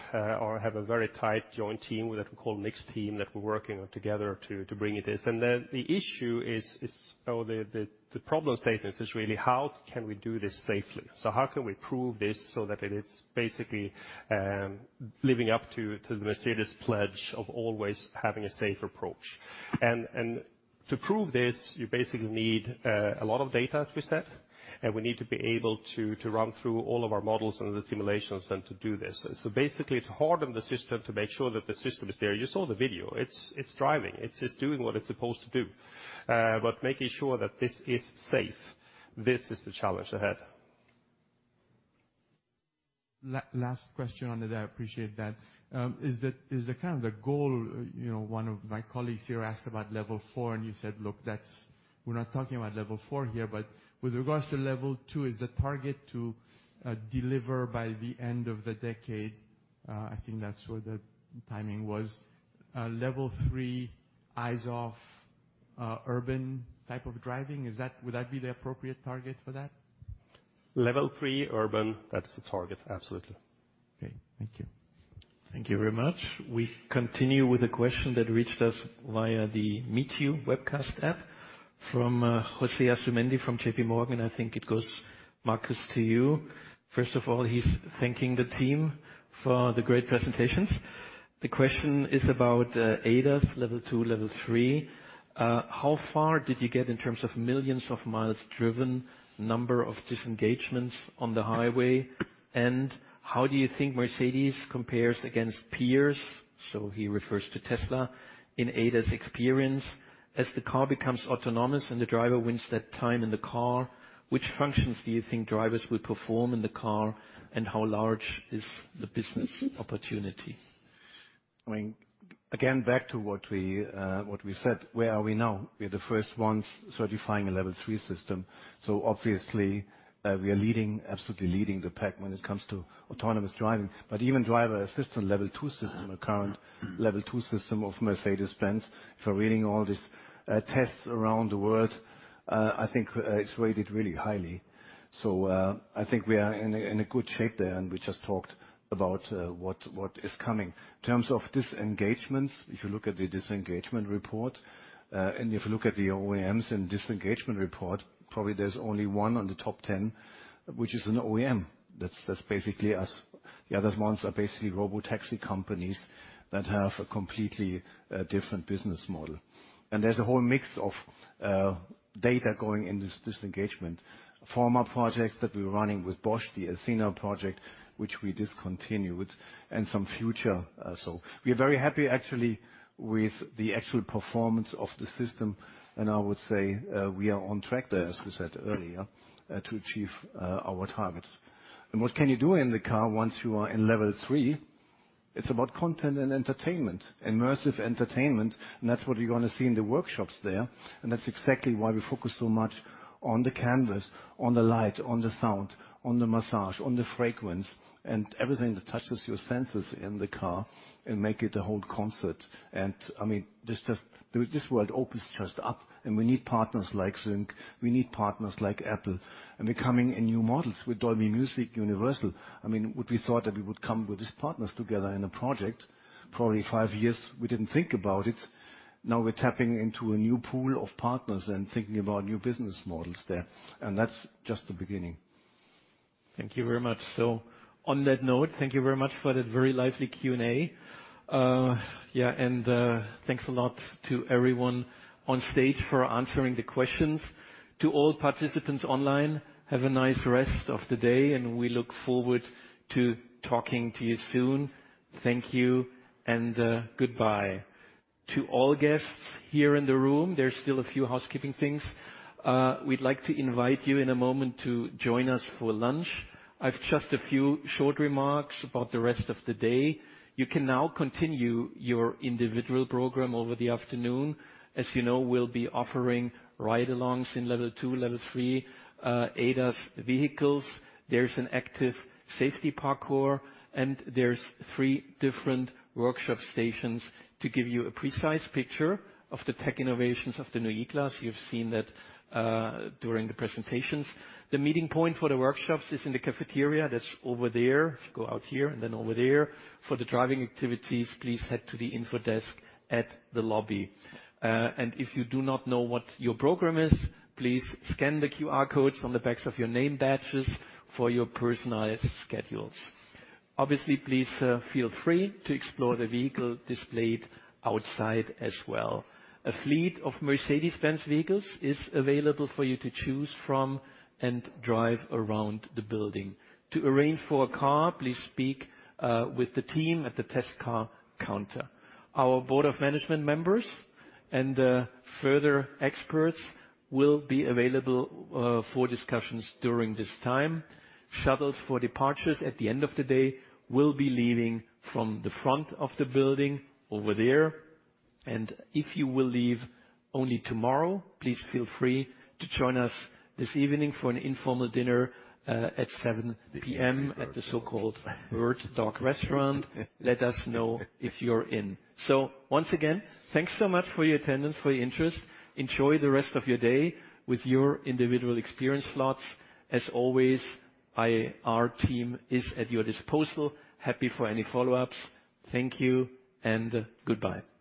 have a very tight joint team that we call mixed team that we're working on together to bring it this. The issue is, or the problem statement is really how can we do this safely? How can we prove this so that it is basically living up to the Mercedes-Benz pledge of always having a safe approach. To prove this, you basically need a lot of data, as we said, and we need to be able to run through all of our models and the simulations and to do this. Basically to harden the system, to make sure that the system is there. You saw the video. It's driving. It's doing what it's supposed to do. Making sure that this is safe, this is the challenge ahead. Last question on that. I appreciate that. Is the kind of the goal, you know, one of my colleagues here asked about Level 4, and you said, "Look, that's we're not talking about Level 4 here." With regards to Level 2, is the target to deliver by the end of the decade, I think that's where the timing was, a Level 3 eyes-off urban type of driving? Would that be the appropriate target for that? Level 3 urban, that's the target, absolutely. Okay. Thank you. Thank you very much. We continue with a question that reached us via the MEETYOO webcast app from José Asumendi from J.P. Morgan. I think it goes, Markus, to you. First of all, he's thanking the team for the great presentations. The question is about ADAS Level 2, Level 3. How far did you get in terms of millions of miles driven, number of disengagements on the highway, and how do you think Mercedes compares against peers? He refers to Tesla in ADAS experience. As the car becomes autonomous and the driver wins that time in the car, which functions do you think drivers will perform in the car, and how large is the business opportunity? I mean, again, back to what we, what we said, where are we now? We're the first ones certifying a Level 3 system. Obviously, we are leading, absolutely leading the pack when it comes to autonomous driving. Even driver assistant level two system, our current level two system of Mercedes-Benz, if you're reading all these, tests around the world, I think, it's rated really highly. I think we are in a good shape there, and we just talked about what is coming. In terms of disengagements, if you look at the disengagement report, and if you look at the OEMs in disengagement report, probably there's only one on the top 10 which is an OEM. That's basically us. The other ones are basically robotaxi companies that have a completely different business model. There's a whole mix of data going in this disengagement. Former projects that we're running with Bosch, the [EC9] project, which we discontinued, and some future. We are very happy actually with the actual performance of the system, and I would say, we are on track there, as we said earlier, to achieve our targets. What can you do in the car once you are in Level 3? It's about content and entertainment, immersive entertainment, and that's what you're gonna see in the workshops there, and that's exactly why we focus so much on the canvas, on the light, on the sound, on the massage, on the fragrance, and everything that touches your senses in the car and make it a whole concert. I mean, this just... This world opens just up, and we need partners like ZYNC, we need partners like Apple. We're coming in new models with Dolby Music Universal. I mean, would we thought that we would come with these partners together in a project? Probably five years, we didn't think about it. Now we're tapping into a new pool of partners and thinking about new business models there, and that's just the beginning. Thank you very much. On that note, thank you very much for that very lively Q&A. Yeah, thanks a lot to everyone on stage for answering the questions. To all participants online, have a nice rest of the day, and we look forward to talking to you soon. Thank you and goodbye. To all guests here in the room, there's still a few housekeeping things. We'd like to invite you in a moment to join us for lunch. I've just a few short remarks about the rest of the day. You can now continue your individual program over the afternoon. As you know, we'll be offering ride-alongs in level two, level three ADAS vehicles. There's an active safety parkour, and there's three different workshop stations to give you a precise picture of the tech innovations of the new E-Class. You've seen that during the presentations. The meeting point for the workshops is in the cafeteria. That's over there. If you go out here and then over there. For the driving activities, please head to the info desk at the lobby. If you do not know what your program is, please scan the QR codes on the backs of your name badges for your personalized schedules. Obviously, please feel free to explore the vehicle displayed outside as well. A fleet of Mercedes-Benz vehicles is available for you to choose from and drive around the building. To arrange for a car, please speak with the team at the test car counter. Our board of management members and further experts will be available for discussions during this time. Shuttles for departures at the end of the day will be leaving from the front of the building over there. If you will leave only tomorrow, please feel free to join us this evening for an informal dinner, at 7:00 P.M. at the so-called Wirtshaus Lautenschlager restaurant. Let us know if you're in. Once again, thanks so much for your attendance, for your interest. Enjoy the rest of your day with your individual experience slots. As always, our team is at your disposal. Happy for any follow-ups. Thank you and goodbye.